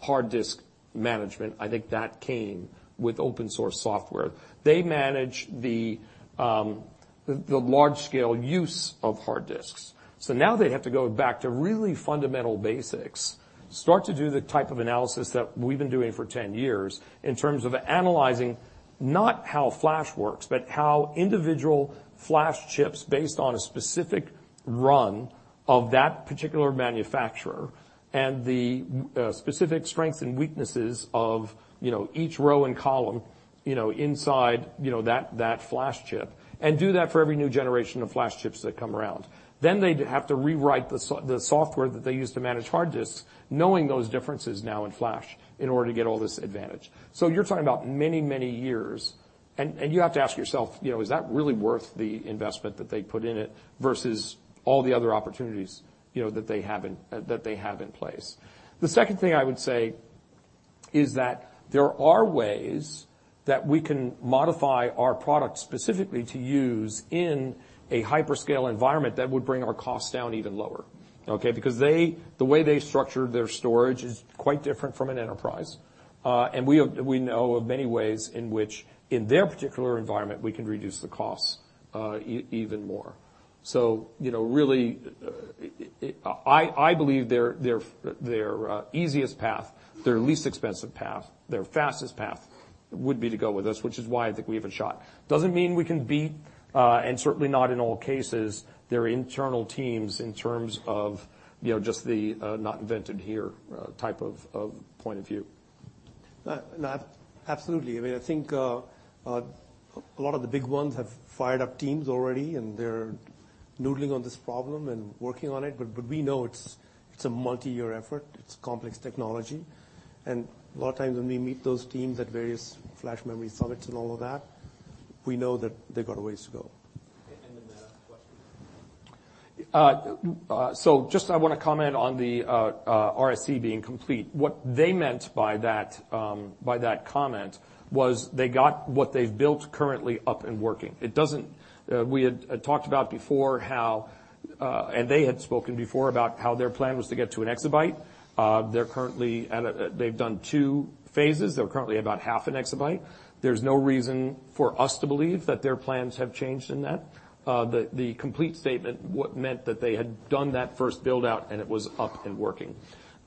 hard disk management, I think that came with open source software. They manage the large-scale use of hard disks. Now they have to go back to really fundamental basics, start to do the type of analysis that we've been doing for 10 years in terms of analyzing not how flash works, but how individual flash chips, based on a specific run of that particular manufacturer and the specific strengths and weaknesses of, you know, each row and column, you know, inside, you know, that flash chip, and do that for every new generation of flash chips that come around. They'd have to rewrite the software that they use to manage hard disks, knowing those differences now in flash, in order to get all this advantage. You're talking about many, many years, and you have to ask yourself, you know, is that really worth the investment that they put in it versus all the other opportunities, you know, that they have in place? The second thing I would say is that there are ways that we can modify our product specifically to use in a hyperscale environment that would bring our costs down even lower, okay? The way they structured their storage is quite different from an enterprise. And we know of many ways in which, in their particular environment, we can reduce the costs even more. You know, really, I believe their easiest path, their least expensive path, their fastest path would be to go with us, which is why I think we have a shot. Doesn't mean we can beat, and certainly not in all cases, their internal teams in terms of, you know, just the not invented here type of point of view. No, absolutely. I mean, I think, a lot of the big ones have fired up teams already, and they're noodling on this problem and working on it. We know it's a multi-year effort. It's complex technology, and a lot of times when we meet those teams at various Flash Memory Summits and all of that, we know that they've got a ways to go. The last question. Just I want to comment on the RSC being complete. What they meant by that, by that comment, was they got what they've built currently up and working. It doesn't. We had talked about before how and they had spoken before about how their plan was to get to an exabyte. They're currently at they've done two phases. They're currently about half an exabyte. There's no reason for us to believe that their plans have changed in that. The complete statement, what meant that they had done that first build-out, and it was up and working.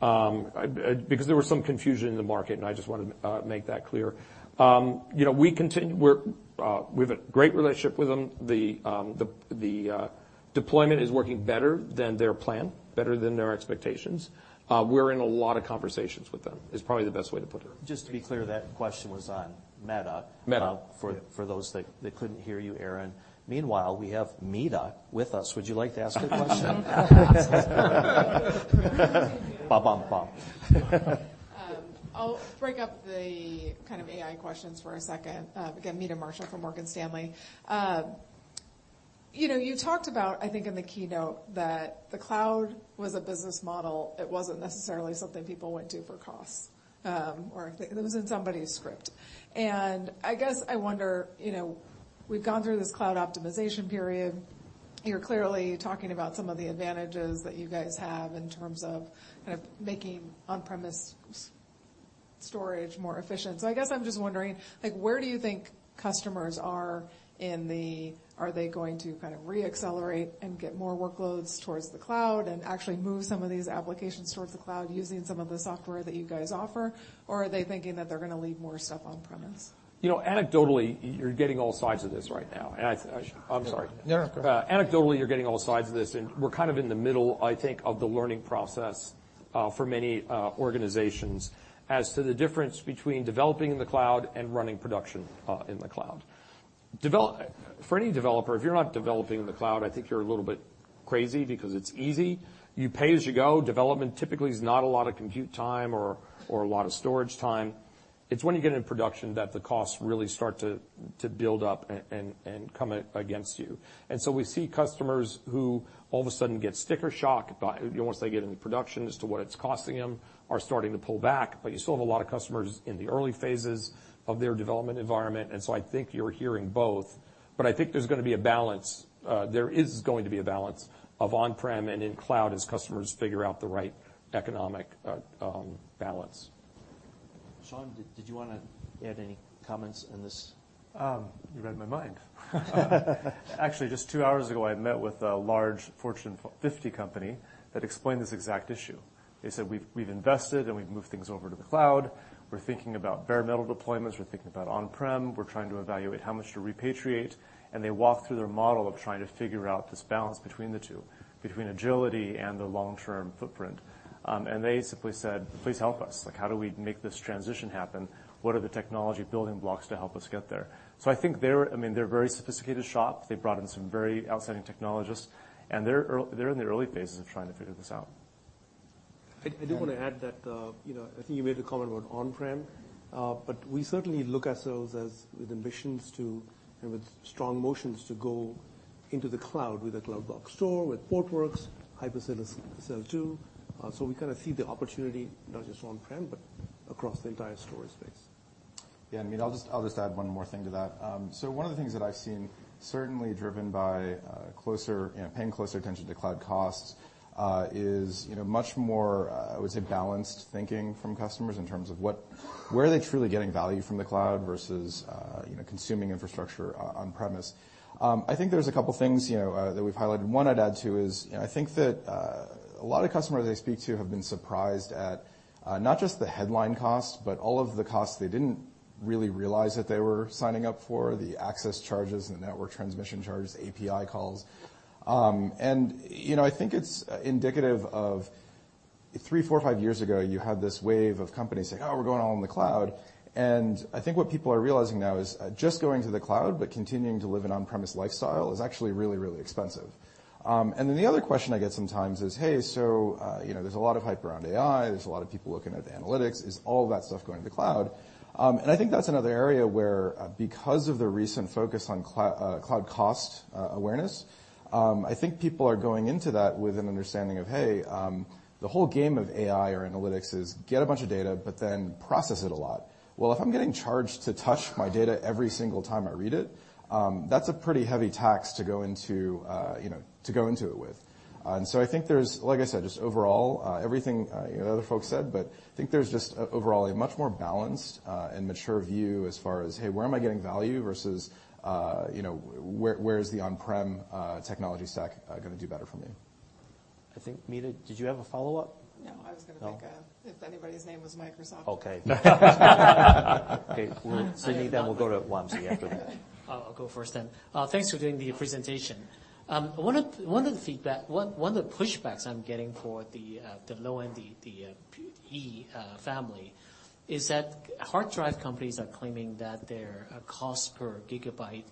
I because there was some confusion in the market, and I just wanted to make that clear. You know, we continue we're we have a great relationship with them. The deployment is working better than their plan, better than their expectations. We're in a lot of conversations with them, is probably the best way to put it. Just to be clear, that question was on Meta. Meta. For those that couldn't hear you, Aaron. We have Meta with us. Would you like to ask a question? Ba, bum. I'll break up the kind of AI questions for a second. Again, Meta Marshall from Morgan Stanley. You know, you talked about, I think, in the keynote, that the cloud was a business model. It wasn't necessarily something people went to for costs, or it was in somebody's script. I guess I wonder, you know, we've gone through this cloud optimization period. You're clearly talking about some of the advantages that you guys have in terms of kind of making on-premise storage more efficient. I guess I'm just wondering, like, where do you think customers are in the... Are they going to kind of re-accelerate and get more workloads towards the cloud and actually move some of these applications towards the cloud using some of the software that you guys offer, or are they thinking that they're going to leave more stuff on premise? You know, anecdotally, you're getting all sides of this right now, and I'm sorry. No, go ahead. Anecdotally, you're getting all sides of this, and we're kind of in the middle, I think, of the learning process for many organizations as to the difference between developing in the cloud and running production in the cloud. For any developer, if you're not developing in the cloud, I think you're a little bit crazy because it's easy. You pay as you go. Development typically is not a lot of compute time or a lot of storage time. It's when you get into production that the costs really start to build up and come against you. We see customers who all of a sudden get sticker shock by, you know, once they get into production, as to what it's costing them, are starting to pull back. You still have a lot of customers in the early phases of their development environment, and so I think you're hearing both. I think there's going to be a balance. There is going to be a balance of on-prem and in-cloud as customers figure out the right economic balance. Shawn, did you want to add any comments on this? You read my mind. Actually, just two hours ago, I met with a large Fortune 50 company that explained this exact issue. They said, "We've invested, and we've moved things over to the cloud. We're thinking about bare metal deployments. We're thinking about on-prem. We're trying to evaluate how much to repatriate." They walked through their model of trying to figure out this balance between the two, between agility and the long-term footprint. They simply said: Please help us. Like, how do we make this transition happen? What are the technology building blocks to help us get there? I think they're... I mean, they're a very sophisticated shop. They brought in some very outstanding technologists, and they're in the early phases of trying to figure this out. I did want to add that, you know, I think you made the comment about on-prem, but we certainly look at ourselves as with ambitions to and with strong motions to go into the cloud, with the Cloud Block Store, with Portworx, HyperCell, Cell two. We kind of see the opportunity not just on-prem, but across the entire storage space. Yeah, I mean, I'll just add one more thing to that. One of the things that I've seen, certainly driven by closer, you know, paying closer attention to cloud costs, is, you know, much more, I would say, balanced thinking from customers in terms of where are they truly getting value from the cloud versus, you know, consuming infrastructure on-premise. I think there's a couple things, you know, that we've highlighted. One I'd add, too, is, you know, I think that a lot of customers I speak to have been surprised at not just the headline cost, but all of the costs they didn't really realize that they were signing up for, the access charges, the network transmission charges, API calls. You know, I think it's indicative of three, four, five years ago, you had this wave of companies saying, "Oh, we're going all-in the cloud." I think what people are realizing now is just going to the cloud, but continuing to live an on-premise lifestyle is actually really, really expensive. Then the other question I get sometimes is, "Hey, so, you know, there's a lot of hype around AI, there's a lot of people looking at analytics. Is all that stuff going to the cloud?" I think that's another area where, because of the recent focus on cloud cost, awareness, I think people are going into that with an understanding of, hey, the whole game of AI or analytics is get a bunch of data, but then process it a lot. Well, if I'm getting charged to touch my data every single time I read it, that's a pretty heavy tax to go into, you know, to go into it with. I think there's like I said, just overall, everything, the other folks said, but I think there's just overall a much more balanced, and mature view as far as, hey, where am I getting value versus, you know, where is the on-prem, technology stack, going to do better for me? I think, Meta, did you have a follow-up? No, I was going to make. No? If anybody's name was Microsoft. Okay, well, Sidney, then we'll go to Wamsi after that. I'll go first. Thanks for doing the presentation. One of the pushbacks I'm getting for the low end, the FlashArray//E family, is that hard drive companies are claiming that their cost per gigabyte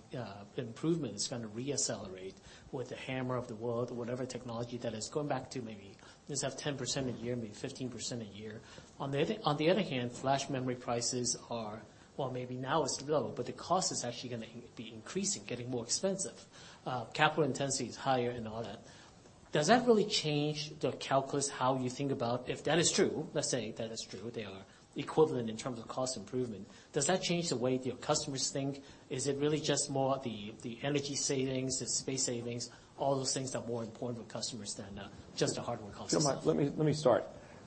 improvement is going to reaccelerate with the HAMR of the world, or whatever technology, that is going back to maybe just have 10% a year, maybe 15% a year. On the other hand, flash memory prices are... Well, maybe now it's low, but the cost is actually going to be increasing, getting more expensive. Capital intensity is higher and all that. Does that really change the calculus, how you think about... If that is true, let's say that is true, they are equivalent in terms of cost improvement. Does that change the way your customers think? Is it really just more the energy savings, the space savings, all those things are more important to customers than just the hardware cost? Let me start.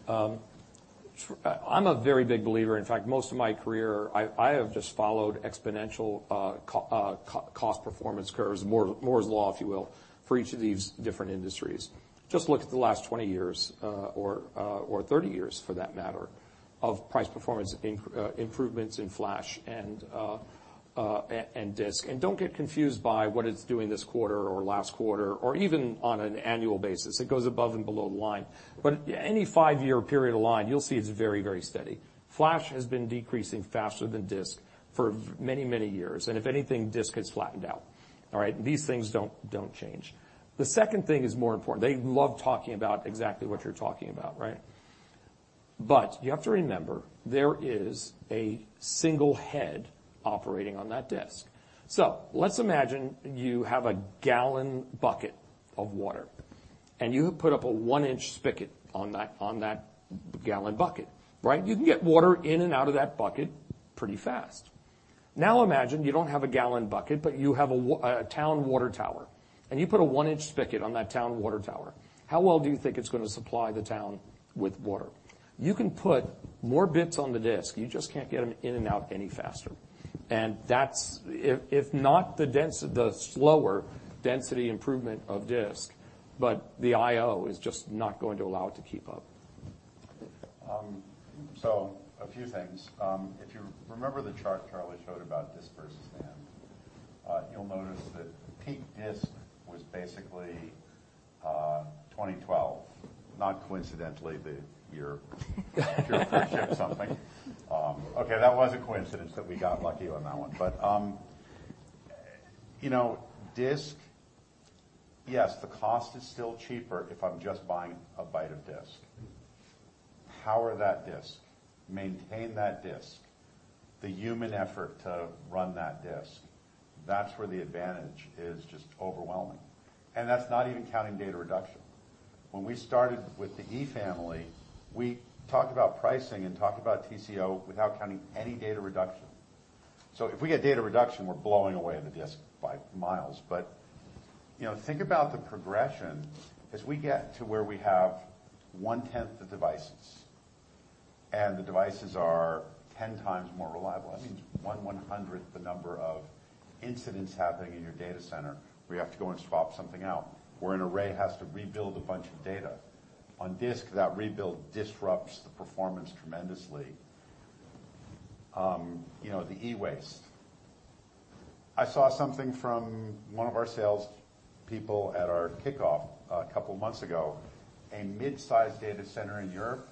I'm a very big believer, in fact, most of my career, I have just followed exponential cost performance curves, Moore's Law, if you will, for each of these different industries. Just look at the last 20 years, or 30 years for that matter, of price performance improvements in flash and disk. Don't get confused by what it's doing this quarter or last quarter, or even on an annual basis. It goes above and below the line. Any five-year period aligned, you'll see it's very steady. Flash has been decreasing faster than disk for many, many years, and if anything, disk has flattened out. All right? These things don't change. The second thing is more important. They love talking about exactly what you're talking about, right? You have to remember, there is a single head operating on that disk. Let's imagine you have a gallon bucket of water, and you put up a one-inch spigot on that, on that gallon bucket, right? You can get water in and out of that bucket pretty fast. Now, imagine you don't have a gallon bucket, but you have a town water tower, and you put a one-inch spigot on that town water tower. How well do you think it's going to supply the town with water? You can put more bits on the disk. You just can't get them in and out any faster. That's... If not, the slower density improvement of disk, but the IO is just not going to allow it to keep up. A few things. If you remember the chart Charlie showed about disk versus HAMR, you'll notice that peak disk was basically, 2012, not coincidentally, the year ship something. Okay, that was a coincidence that we got lucky on that one. You know, disk, yes, the cost is still cheaper if I'm just buying a byte of disk. Power that disk, maintain that disk, the human effort to run that disk, that's where the advantage is just overwhelming. That's not even counting data reduction. When we started with the E family, we talked about pricing and talked about TCO without counting any data reduction. If we get data reduction, we're blowing away the disk by miles. You know, think about the progression as we get to where we have 1/10 the devices, and the devices are 10 times more reliable. That means one 100th the number of incidents happening in your data center, where you have to go and swap something out, where an array has to rebuild a bunch of data. On disk, that rebuild disrupts the performance tremendously. You know, the e-waste. I saw something from one of our sales people at our kickoff a couple months ago. A mid-sized data center in Europe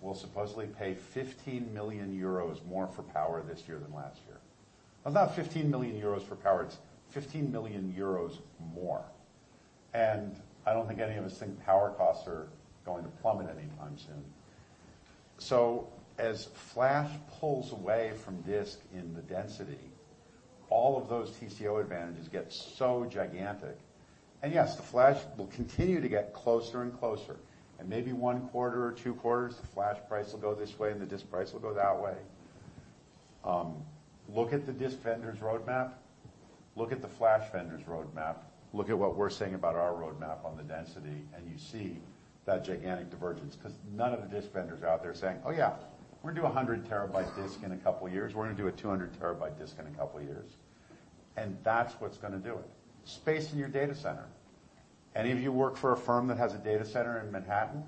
will supposedly pay 15 million euros more for power this year than last year. Not 15 million euros for power, it's 15 million euros more. I don't think any of us think power costs are going to plummet anytime soon. As flash pulls away from disk in the density-... All of those TCO advantages get so gigantic. Yes, the flash will continue to get closer and closer, and maybe one quarter or two quarters, the flash price will go this way, and the disk price will go that way. Look at the disk vendors' roadmap, look at the flash vendors' roadmap, look at what we're saying about our roadmap on the density, and you see that gigantic divergence. None of the disk vendors are out there saying, "Oh, yeah, we're gonna do a 100-TB disk in a couple of years. We're gonna do a 200-TB disk in a couple of years." That's what's gonna do it. Space in your data center. Any of you work for a firm that has a data center in Manhattan?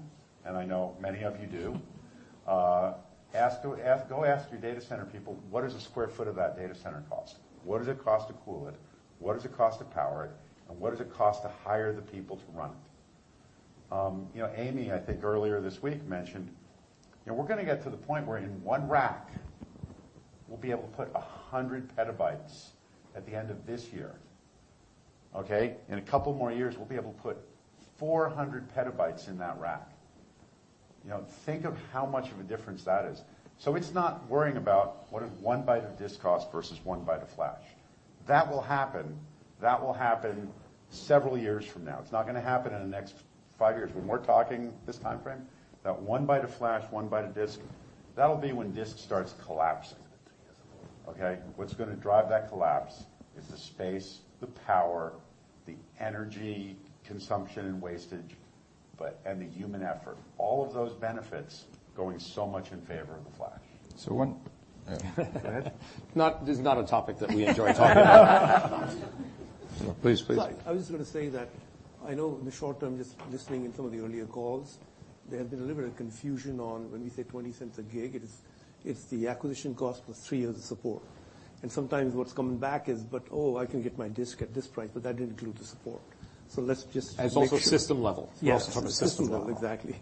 I know many of you do. Go, ask your data center people, what does a 1 sq ft of that data center cost? What does it cost to cool it? What does it cost to power it? What does it cost to hire the people to run it? You know, Amy, I think earlier this week mentioned, you know, we're gonna get to the point where in one rack, we'll be able to put 100 PB at the end of this year, okay? In a couple more years, we'll be able to put 400 PB in that rack. You know, think of how much of a difference that is. It's not worrying about what is 1 byte of disk cost versus 1 byte of flash. That will happen. That will happen several years from now. It's not gonna happen in the next five years. When we're talking this time frame, that one byte of flash, one byte of disk, that'll be when disk starts collapsing, okay? What's gonna drive that collapse is the space, the power, the energy consumption and wastage, and the human effort, all of those benefits going so much in favor of the flash. Go ahead. This is not a topic that we enjoy talking about. Please, please. I was just going to say that I know in the short term, just listening in some of the earlier calls, there have been a little bit of confusion on when we say $0.20 a gig, it is, it's the acquisition cost plus three years of support. Sometimes what's coming back is: "But oh, I can get my disk at this price," but that didn't include the support. Let's just. It's also system level. Yes, system level, exactly.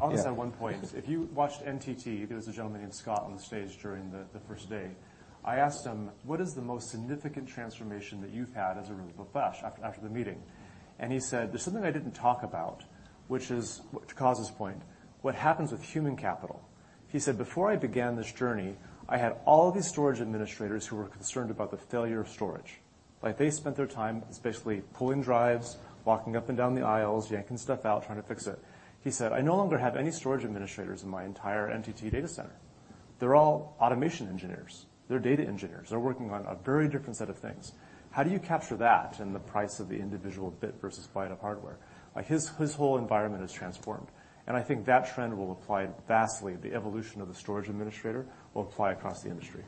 I'll just add one point. If you watched NTT, there was a gentleman named Scott on the stage during the first day. I asked him: What is the most significant transformation that you've had as a result of flash, after the meeting? He said: "There's something I didn't talk about, which is," to Coz his point, "what happens with human capital." He said, "Before I began this journey, I had all these storage administrators who were concerned about the failure of storage. Like, they spent their time basically pulling drives, walking up and down the aisles, yanking stuff out, trying to fix it." He said, "I no longer have any storage administrators in my entire NTT data center. They're all automation engineers. They're data engineers. They're working on a very different set of things." How do you capture that in the price of the individual bit versus byte of hardware? Like, his whole environment is transformed, I think that trend will apply vastly. The evolution of the storage administrator will apply across the industry.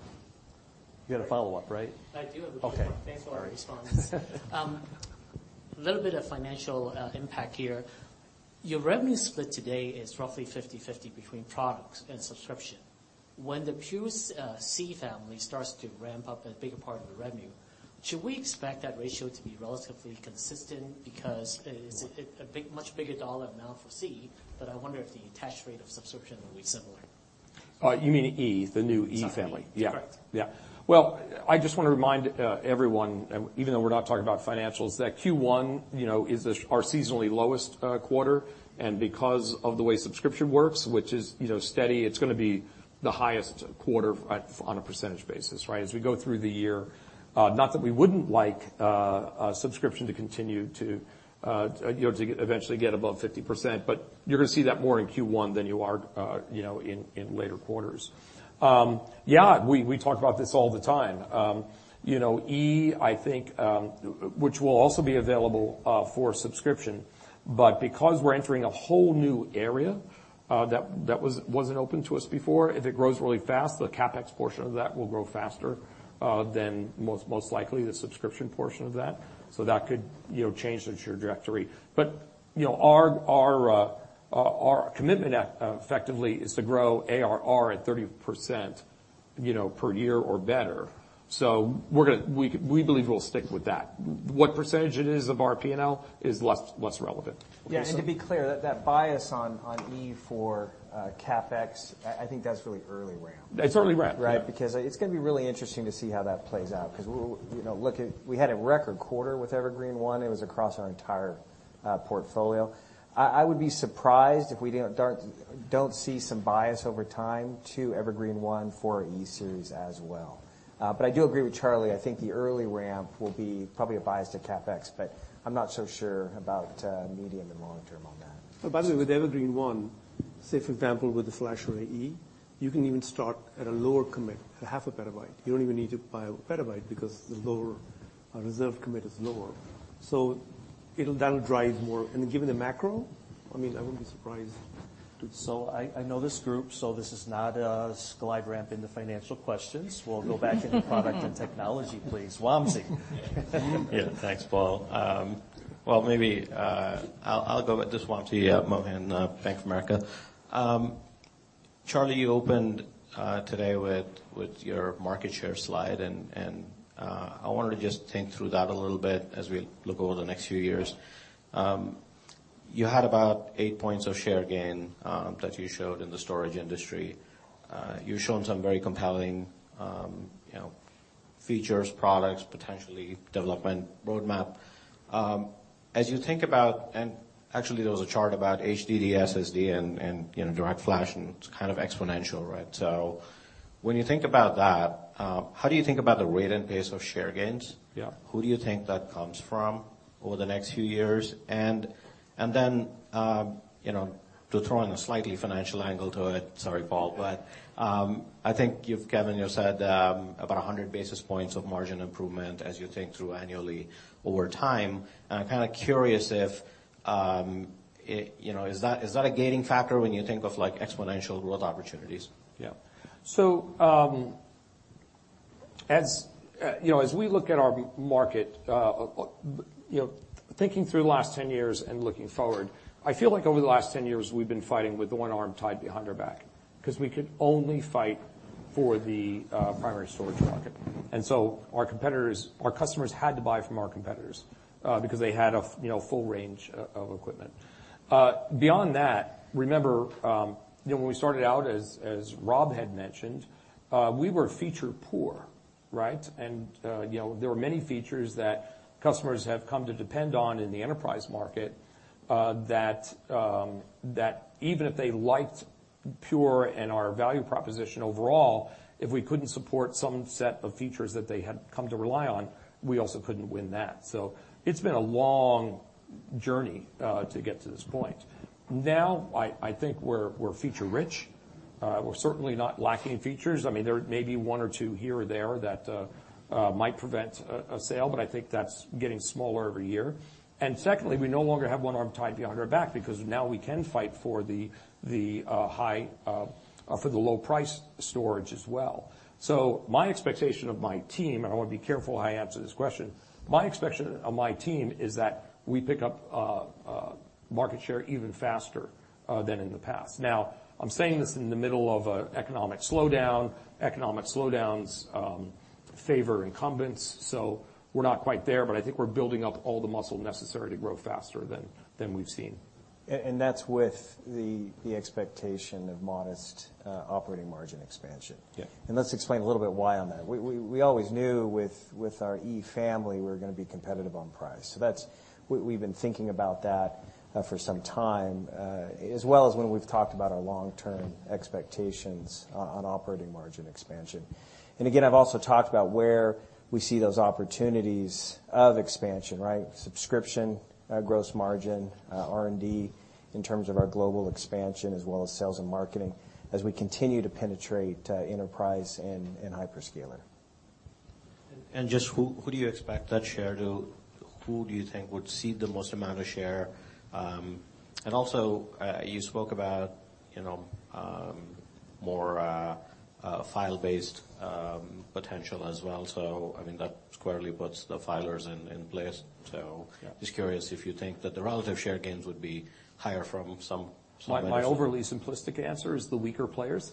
You had a follow-up, right? I do have a follow-up. Okay. Thanks for all the responses. Little bit of financial impact here. Your revenue split today is roughly 50/50 between products and subscription. When the Pure C family starts to ramp up a bigger part of the revenue, should we expect that ratio to be relatively consistent? It is a big, much bigger dollar amount for C, but I wonder if the attach rate of subscription will be similar. You mean E, the new E family. Sorry. Yeah. Correct. Yeah. Well, I just want to remind everyone, even though we're not talking about financials, that Q1, you know, is our seasonally lowest quarter, and because of the way subscription works, which is, you know, steady, it's gonna be the highest quarter on a percentage basis, right? As we go through the year, not that we wouldn't like a subscription to continue to, you know, to eventually get above 50%, but you're going to see that more in Q1 than you are, you know, in later quarters. Yeah, we talk about this all the time. You know, FlashArray//E, I think, which will also be available for subscription, but because we're entering a whole new area, that wasn't open to us before, if it grows really fast, the CapEx portion of that will grow faster than most likely, the subscription portion of that. That could, you know, change the trajectory. You know, our commitment at, effectively, is to grow ARR at 30%, you know, per year or better. We believe we'll stick with that. What percentage it is of our PNL is less relevant. Yeah, to be clear, that bias on E for CapEx, I think that's really early ramp. It's early ramp. Right? Yeah. It's going to be really interesting to see how that plays out, because we're, you know, we had a record quarter with Evergreen//One. It was across our entire portfolio. I would be surprised if we don't see some bias over time to Evergreen//One for E-Series as well. I do agree with Charlie. I think the early ramp will be probably a bias to CapEx, but I'm not so sure about medium and long term on that. By the way, with Evergreen//One, say, for example, with the FlashArray//E, you can even start at a lower commit, a half a PB. You don't even need to buy a PB because the lower, reserve commit is lower. It'll down drive more. Given the macro, I mean, I wouldn't be surprised. I know this group, so this is not a slide ramp in the financial questions. We'll go back into product and technology, please. Wamsi? Yeah. Thanks, Paul. Well, maybe I'll go at this, Wamsi Mohan, Bank of America. Charlie, you opened today with your market share slide, and I wanted to just think through that a little bit as we look over the next few years. You had about eight points of share gain that you showed in the storage industry. You've shown some very compelling, you know, features, products, potentially development roadmap. Actually, there was a chart about HDD, SSD, and, you know, DirectFlash, and it's kind of exponential, right? When you think about that, how do you think about the rate and pace of share gains? Yeah. Who do you think that comes from over the next few years? Then, you know, to throw in a slightly financial angle to it, sorry, Paul, but I think Kevin, you said about 100 basis points of margin improvement as you think through annually over time. I'm kind of curious if, it, you know, is that a gaining factor when you think of, like, exponential growth opportunities? As you know, as we look at our market, you know, thinking through the last 10 years and looking forward, I feel like over the last 10 years, we've been fighting with the one arm tied behind our back, 'cause we could only fight for the primary storage market. Our customers had to buy from our competitors, because they had a you know, full range of equipment. Beyond that, remember, you know, when we started out, as Rob had mentioned, we were feature poor, right? You know, there were many features that customers have come to depend on in the enterprise market, that even if they liked Pure and our value proposition overall, if we couldn't support some set of features that they had come to rely on, we also couldn't win that. It's been a long journey to get to this point. I think we're feature rich. We're certainly not lacking in features. I mean, there may be one or two here or there that might prevent a sale, but I think that's getting smaller every year. Secondly, we no longer have one arm tied behind our back because now we can fight for the high for the low price storage as well. My expectation of my team, and I want to be careful how I answer this question, my expectation of my team is that we pick up a market share even faster than in the past. I'm saying this in the middle of a economic slowdown. Economic slowdowns favor incumbents, so we're not quite there, but I think we're building up all the muscle necessary to grow faster than we've seen. That's with the expectation of modest operating margin expansion? Yeah. Let's explain a little bit why on that. We always knew with our E Family, we were going to be competitive on price. We've been thinking about that for some time, as well as when we've talked about our long-term expectations on operating margin expansion. Again, I've also talked about where we see those opportunities of expansion, right? Subscription, gross margin, R&D, in terms of our global expansion, as well as sales and marketing, as we continue to penetrate enterprise and hyperscaler. Just who do you expect that share who do you think would cede the most amount of share? Also, you spoke about, you know, more file-based potential as well. I mean, that squarely puts the filers in place. Yeah. Just curious if you think that the relative share gains would be higher from some. My overly simplistic answer is the weaker players.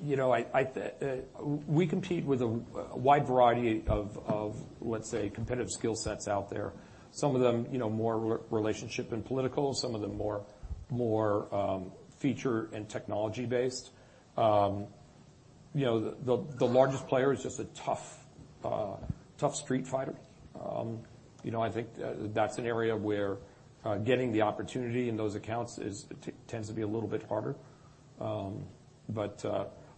You know, I we compete with a wide variety of, let's say, competitive skill sets out there. Some of them, you know, more relationship and political, some of them more, more feature and technology-based. You know, the largest player is just a tough street fighter. You know, I think that's an area where getting the opportunity in those accounts tends to be a little bit harder. But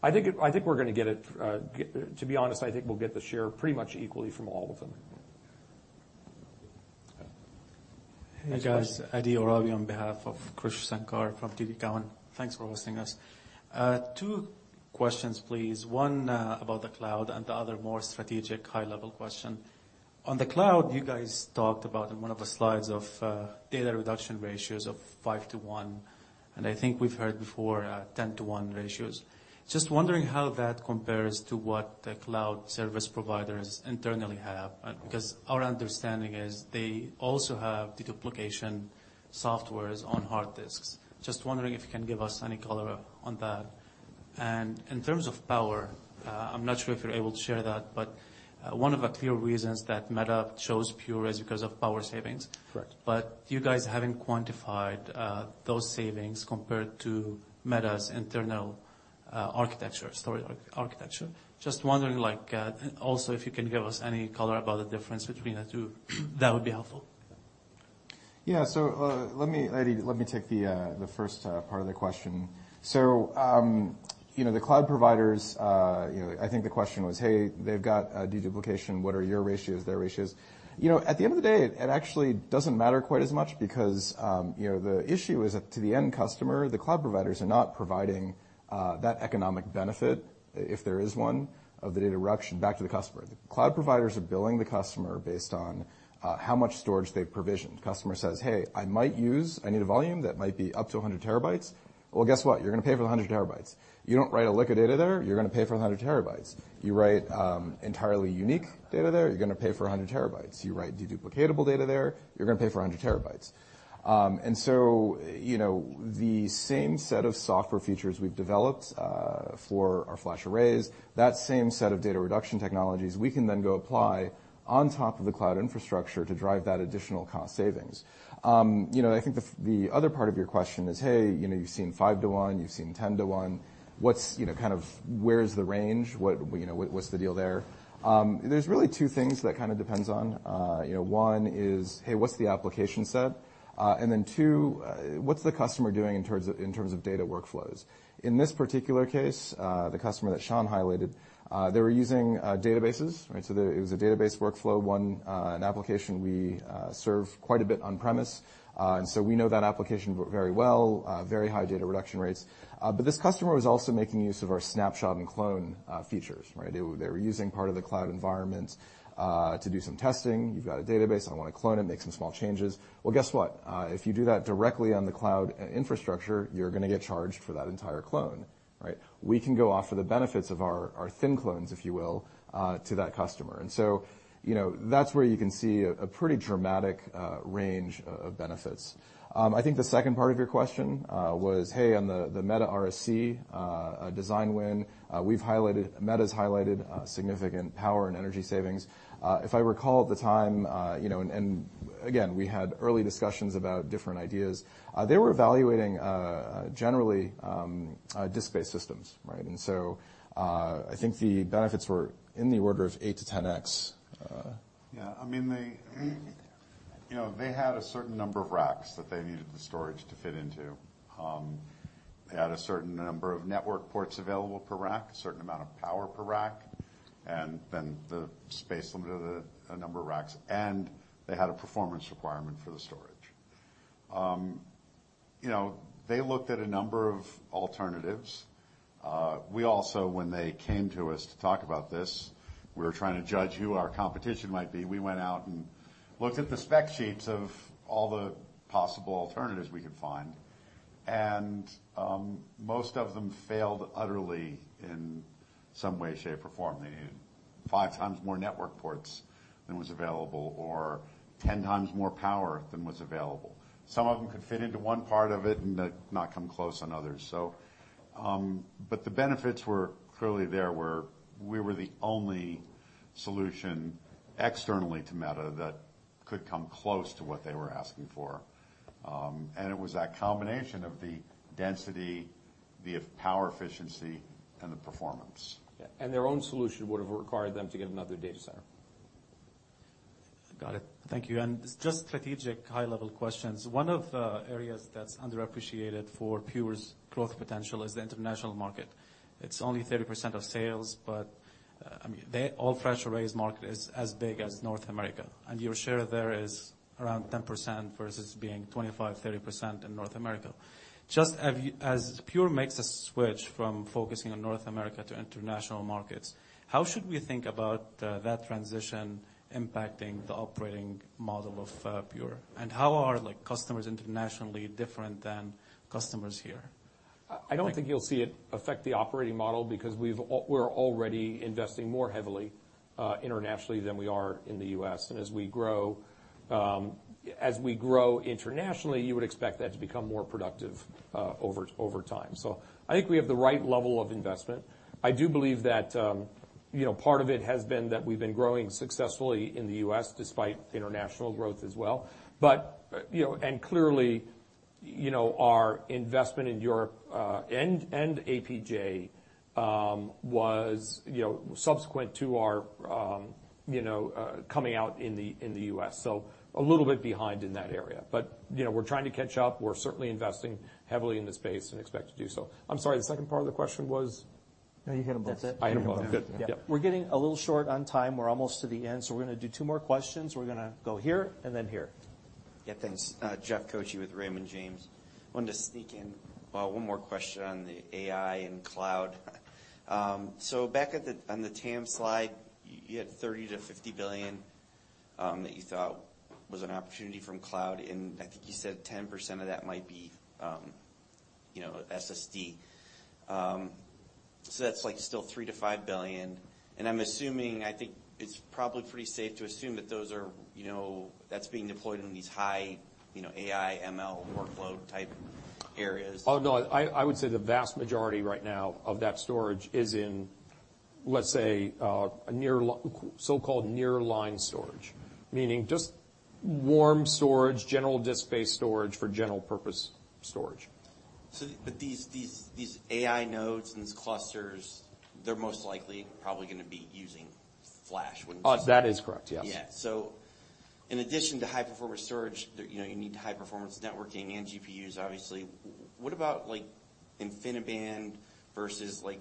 I think we're going to get it. To be honest, I think we'll get the share pretty much equally from all of them. Okay. Hey, guys. Ati Orazi on behalf of Krish Sankar from TD Cowen. Thanks for hosting us. Two questions, please. One, about the cloud, the other more strategic, high-level question. On the cloud, you guys talked about, in one of the slides, of data reduction ratios of five to one, I think we've heard before, 10 to one ratios. Just wondering how that compares to what the cloud service providers internally have? Our understanding is they also have deduplication software on hard disks. Just wondering if you can give us any color on that. In terms of power, I'm not sure if you're able to share that, one of the clear reasons that Meta chose Pure is because of power savings. Correct. You guys haven't quantified those savings compared to Meta's internal architecture, storage architecture. Just wondering, like, also, if you can give us any color about the difference between the two, that would be helpful. Yeah. Let me, Ati, let me take the first part of the question. You know, the cloud providers, you know, I think the question was: Hey, they've got deduplication. What are your ratios, their ratios? You know, at the end of the day, it actually doesn't matter quite as much because, you know, the issue is, that to the end customer, the cloud providers are not providing that economic benefit, if there is one, of the data reduction back to the customer. The cloud providers are billing the customer based on how much storage they've provisioned. Customer says: "Hey, I need a volume that might be up to 100 TB." "Well, guess what? You're going to pay for the 100 TB. You don't write a lick of data there, you're going to pay for 100 TB. You write entirely unique data there, you're going to pay for 100 TB. You write deduplicatable data there, you're going to pay for 100 TB." You know, the same set of software features we've developed for our FlashArrays, that same set of data reduction technologies, we can then go apply on top of the cloud infrastructure to drive that additional cost savings. You know, I think the other part of your question is, hey, you know, you've seen five to one, you've seen 10 to one. What's, you know, kind of where's the range? What, you know, what's the deal there? There's really two things that kind of depends on. You know, one is, hey, what's the application set? Then two, what's the customer doing in terms of, in terms of data workflows? In this particular case, the customer that Shawn highlighted, they were using, databases, right? There it was a database workflow, one, an application we, serve quite a bit on-premise. We know that application worked very well, very high data reduction rates. This customer was also making use of our snapshot and clone, features, right? They were using part of the cloud environment, to do some testing. You've got a database, I want to clone it, make some small changes. Well, guess what? If you do that directly on the cloud infrastructure, you're going to get charged for that entire clone, right? We can go off of the benefits of our thin clones, if you will, to that customer. You know, that's where you can see a pretty dramatic range of benefits. I think the second part of your question was, hey, on the Meta RSC a design win, Meta's highlighted significant power and energy savings. If I recall at the time, you know, and again, we had early discussions about different ideas. They were evaluating generally disk-based systems, right? I think the benefits were in the order of 8x-10x. Yeah, I mean, they, you know, they had a certain number of racks that they needed the storage to fit into. They had a certain number of network ports available per rack, a certain amount of power per rack, and then the space limit of the, a number of racks, and they had a performance requirement for the storage. You know, they looked at a number of alternatives. We also when they came to us to talk about this, we were trying to judge who our competition might be. We went out and looked at the spec sheets of all the possible alternatives we could find, and most of them failed utterly in some way, shape, or form. They needed five times more network ports than was available, or 10 times more power than was available. Some of them could fit into one part of it and not come close on others. But the benefits were clearly there, where we were the only solution externally to Meta that could come close to what they were asking for. It was that combination of the density, the power efficiency, and the performance. Yeah, their own solution would have required them to get another data center. Got it. Thank you. Just strategic, high-level questions. One of the areas that's underappreciated for Pure's growth potential is the international market. It's only 30% of sales, but, I mean, all flash arrays market is as big as North America, and your share there is around 10% versus being 25%, 30% in North America. Just as Pure makes a switch from focusing on North America to international markets, how should we think about that transition impacting the operating model of Pure? How are, like, customers internationally different than customers here? I don't think you'll see it affect the operating model because we're already investing more heavily, internationally than we are in the U.S. As we grow, as we grow internationally, you would expect that to become more productive, over time. I think we have the right level of investment. I do believe that, you know, part of it has been that we've been growing successfully in the U.S. despite international growth as well. You know, and clearly, you know, our investment in Europe, and APJ, was, you know, subsequent to our, you know, coming out in the, in the U.S., so a little bit behind in that area. You know, we're trying to catch up. We're certainly investing heavily in this space and expect to do so. I'm sorry, the second part of the question was? No, you hit them both. That's it. I hit them both. Good. Yeah. We're getting a little short on time. We're almost to the end. We're going to do two more questions. We're going to go here and then here. Yeah, thanks. Jeff Koche with Raymond James. Wanted to sneak in one more question on the AI and cloud. On the TAM slide, you had $30 billion-$50 billion that you thought was an opportunity from cloud. I think you said 10% of that might be, you know, SSD. That's like still $3 billion-$5 billion. I think it's probably pretty safe to assume that those are, you know, that's being deployed in these high, you know, AI, ML workload type areas. Oh, no, I would say the vast majority right now of that storage is in, let's say, a so-called near-line storage, meaning just warm storage, general disk-based storage for general purpose storage. These AI nodes and these clusters, they're most likely probably going to be using flash, wouldn't you say? That is correct, yes. Yeah. In addition to high-performance storage, you know, you need high-performance networking and GPUs, obviously. What about, like, InfiniBand versus like,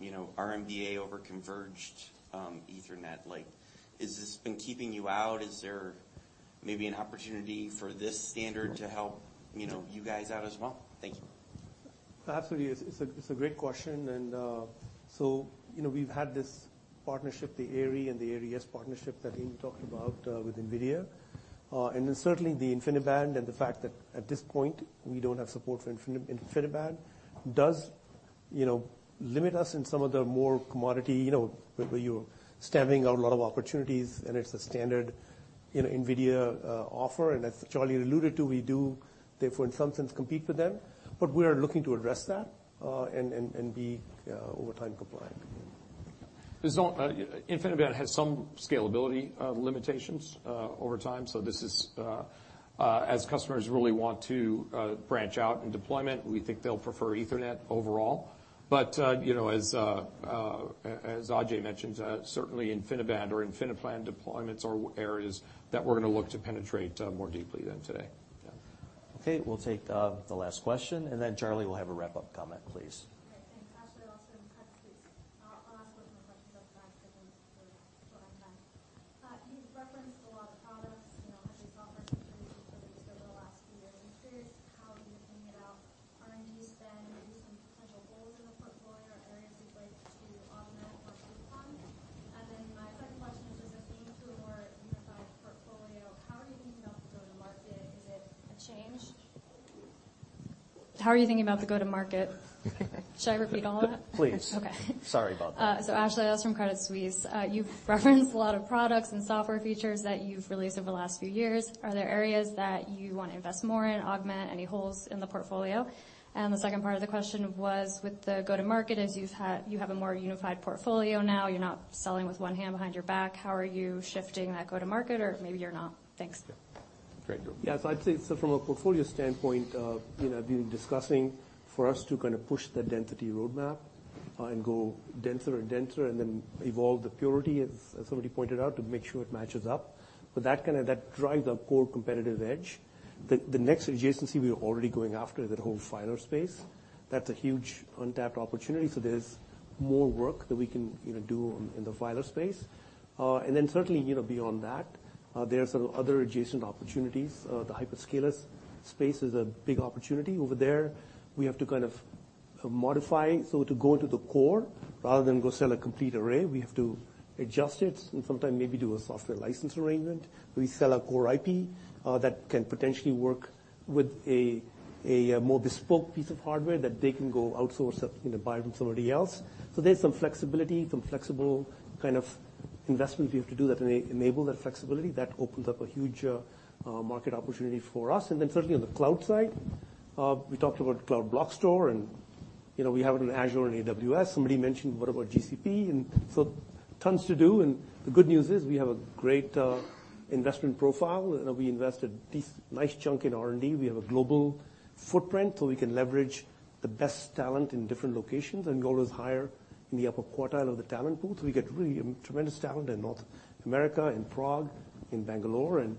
you know, RDMA over converged Ethernet? Like, is this been keeping you out? Is there maybe an opportunity for this standard to help, you know, you guys out as well? Thank you. Absolutely. It's a, it's a great question, you know, we've had this partnership, the AIRI and the AIRI partnership, that Ian talked about with NVIDIA. Certainly the InfiniBand and the fact that at this point, we don't have support for InfiniBand, does, you know, limit us in some of the more commodity, you know, where you're stemming out a lot of opportunities, and it's a standard, you know, NVIDIA offer. As Charlie alluded to, we do therefore, in some sense, compete with them, but we are looking to address that and be over time compliant. There's no, InfiniBand has some scalability limitations, over time. This is, as Ajay mentioned, certainly InfiniBand or InfiniBand deployments are areas that we're going to look to penetrate, more deeply than today. Yeah. Okay, we'll take the last question, and then Charlie will have a wrap-up comment, please. Yeah. Great. I'd say, so from a portfolio standpoint, you know, I've been discussing for us to kind of push the density roadmap and go denser and denser, and then evolve the Purity, as somebody pointed out, to make sure it matches up. That drives our core competitive edge. The next adjacency, we are already going after, the whole filer space. That's a huge untapped opportunity, so there's more work that we can, you know, do on, in the filer space. Certainly, you know, beyond that, there are some other adjacent opportunities. The hyperscalers space is a big opportunity over there. We have to kind of modify. To go into the core rather than go sell a complete array, we have to adjust it and sometimes maybe do a software license arrangement. We sell a core IP that can potentially work with a more bespoke piece of hardware that they can go outsource or, you know, buy from somebody else. There's some flexibility, some flexible kind of investments we have to do that enable that flexibility. That opens up a huge market opportunity for us. Certainly on the cloud side, we talked about Cloud Block Store, and, you know, we have it in Azure and AWS. Somebody mentioned, what about GCP? Tons to do, and the good news is we have a great investment profile, and we invest a nice chunk in R&D. We have a global footprint, so we can leverage the best talent in different locations, and go as high in the upper quartile of the talent pool. We get really tremendous talent in North America, in Prague, in Bangalore, and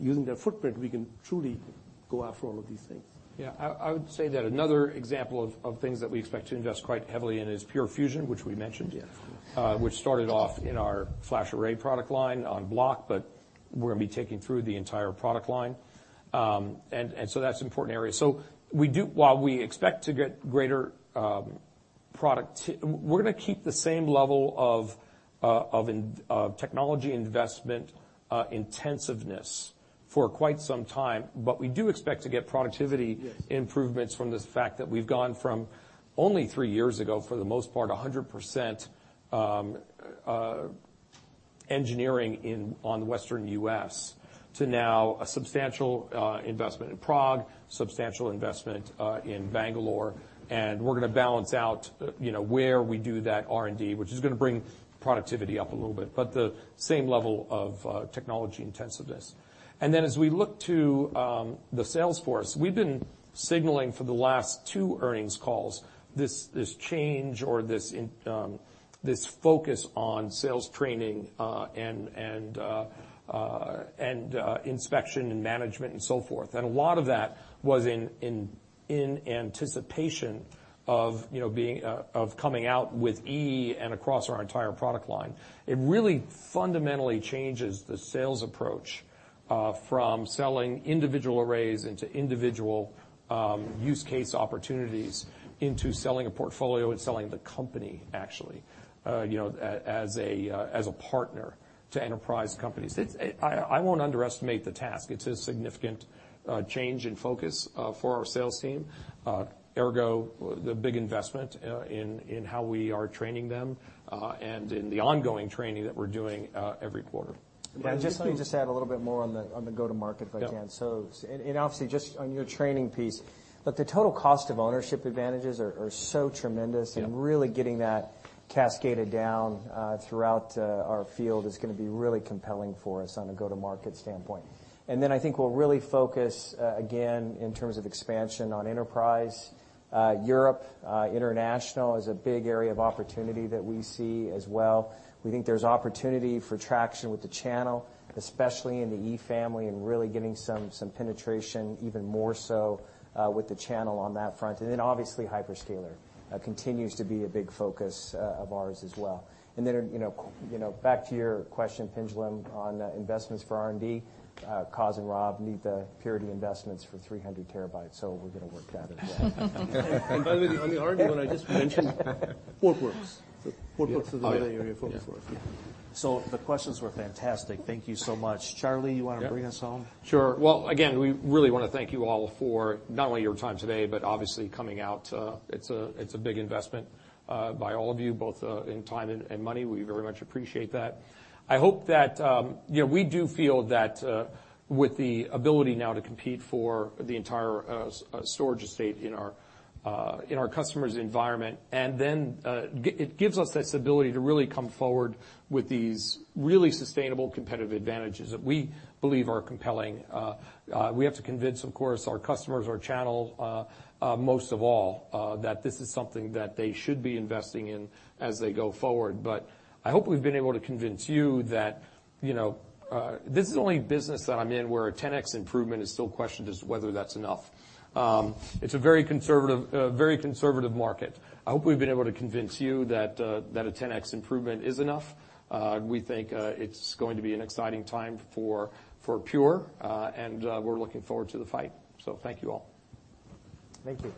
using that footprint, we can truly go after all of these things. Yeah. I would say that another example of things that we expect to invest quite heavily in is Pure Fusion, which we mentioned- Yeah which started off in our FlashArray product line on Block, but we're going to be taking through the entire product line. That's an important area. While we expect to get greater product. We're going to keep the same level of technology investment intensiveness for quite some time, but we do expect to get productivity- Yes Improvements from the fact that we've gone from only three years ago, for the most part, 100% engineering in, on the Western U.S., to now a substantial investment in Prague, substantial investment in Bangalore. We're going to balance out, you know, where we do that R&D, which is going to bring productivity up a little bit, but the same level of technology intensiveness. Then as we look to the sales force, we've been signaling for the last two earnings calls, this change or this focus on sales training and inspection and management and so forth. A lot of that was in anticipation of, you know, being of coming out with E and across our entire product line. It really fundamentally changes the sales approach, from selling individual arrays into individual use case opportunities, into selling a portfolio and selling the company, actually, you know, as a partner to enterprise companies. I won't underestimate the task. It's a significant change in focus for our sales team, ergo, the big investment in how we are training them and in the ongoing training that we're doing every quarter. Yeah, just let me add a little bit more on the go-to-market front end. Yeah. And obviously, just on your training piece, but the total cost of ownership advantages are so tremendous. Yeah Really getting that cascaded down throughout our field is going to be really compelling for us on a go-to-market standpoint. Then I think we'll really focus again, in terms of expansion on enterprise. Europe, international is a big area of opportunity that we see as well. We think there's opportunity for traction with the channel, especially in the E family, and really getting some penetration, even more so with the channel on that front. Obviously, hyperscaler continues to be a big focus of ours as well. Then, you know, you know, back to your question, Pinjalim, on investments for R&D, Coz and Rob need the Purity investments for 300 TB, so we're going to work that as well. By the way, on the R&D one, I just mentioned Portworx. Portworx is the area we're focused on. The questions were fantastic. Thank you so much. Charlie, you want to bring us home? Sure. Well, again, we really want to thank you all for not only your time today, but obviously coming out, it's a big investment by all of you, both in time and money. We very much appreciate that. I hope that, you know, we do feel that with the ability now to compete for the entire storage estate in our customer's environment, and then it gives us this ability to really come forward with these really sustainable competitive advantages that we believe are compelling. We have to convince, of course, our customers, our channel, most of all, that this is something that they should be investing in as they go forward. I hope we've been able to convince you that, you know, this is the only business that I'm in where a 10x improvement is still questioned as to whether that's enough. It's a very conservative market. I hope we've been able to convince you that a 10x improvement is enough. We think it's going to be an exciting time for Pure, and we're looking forward to the fight. Thank you all. Thank you.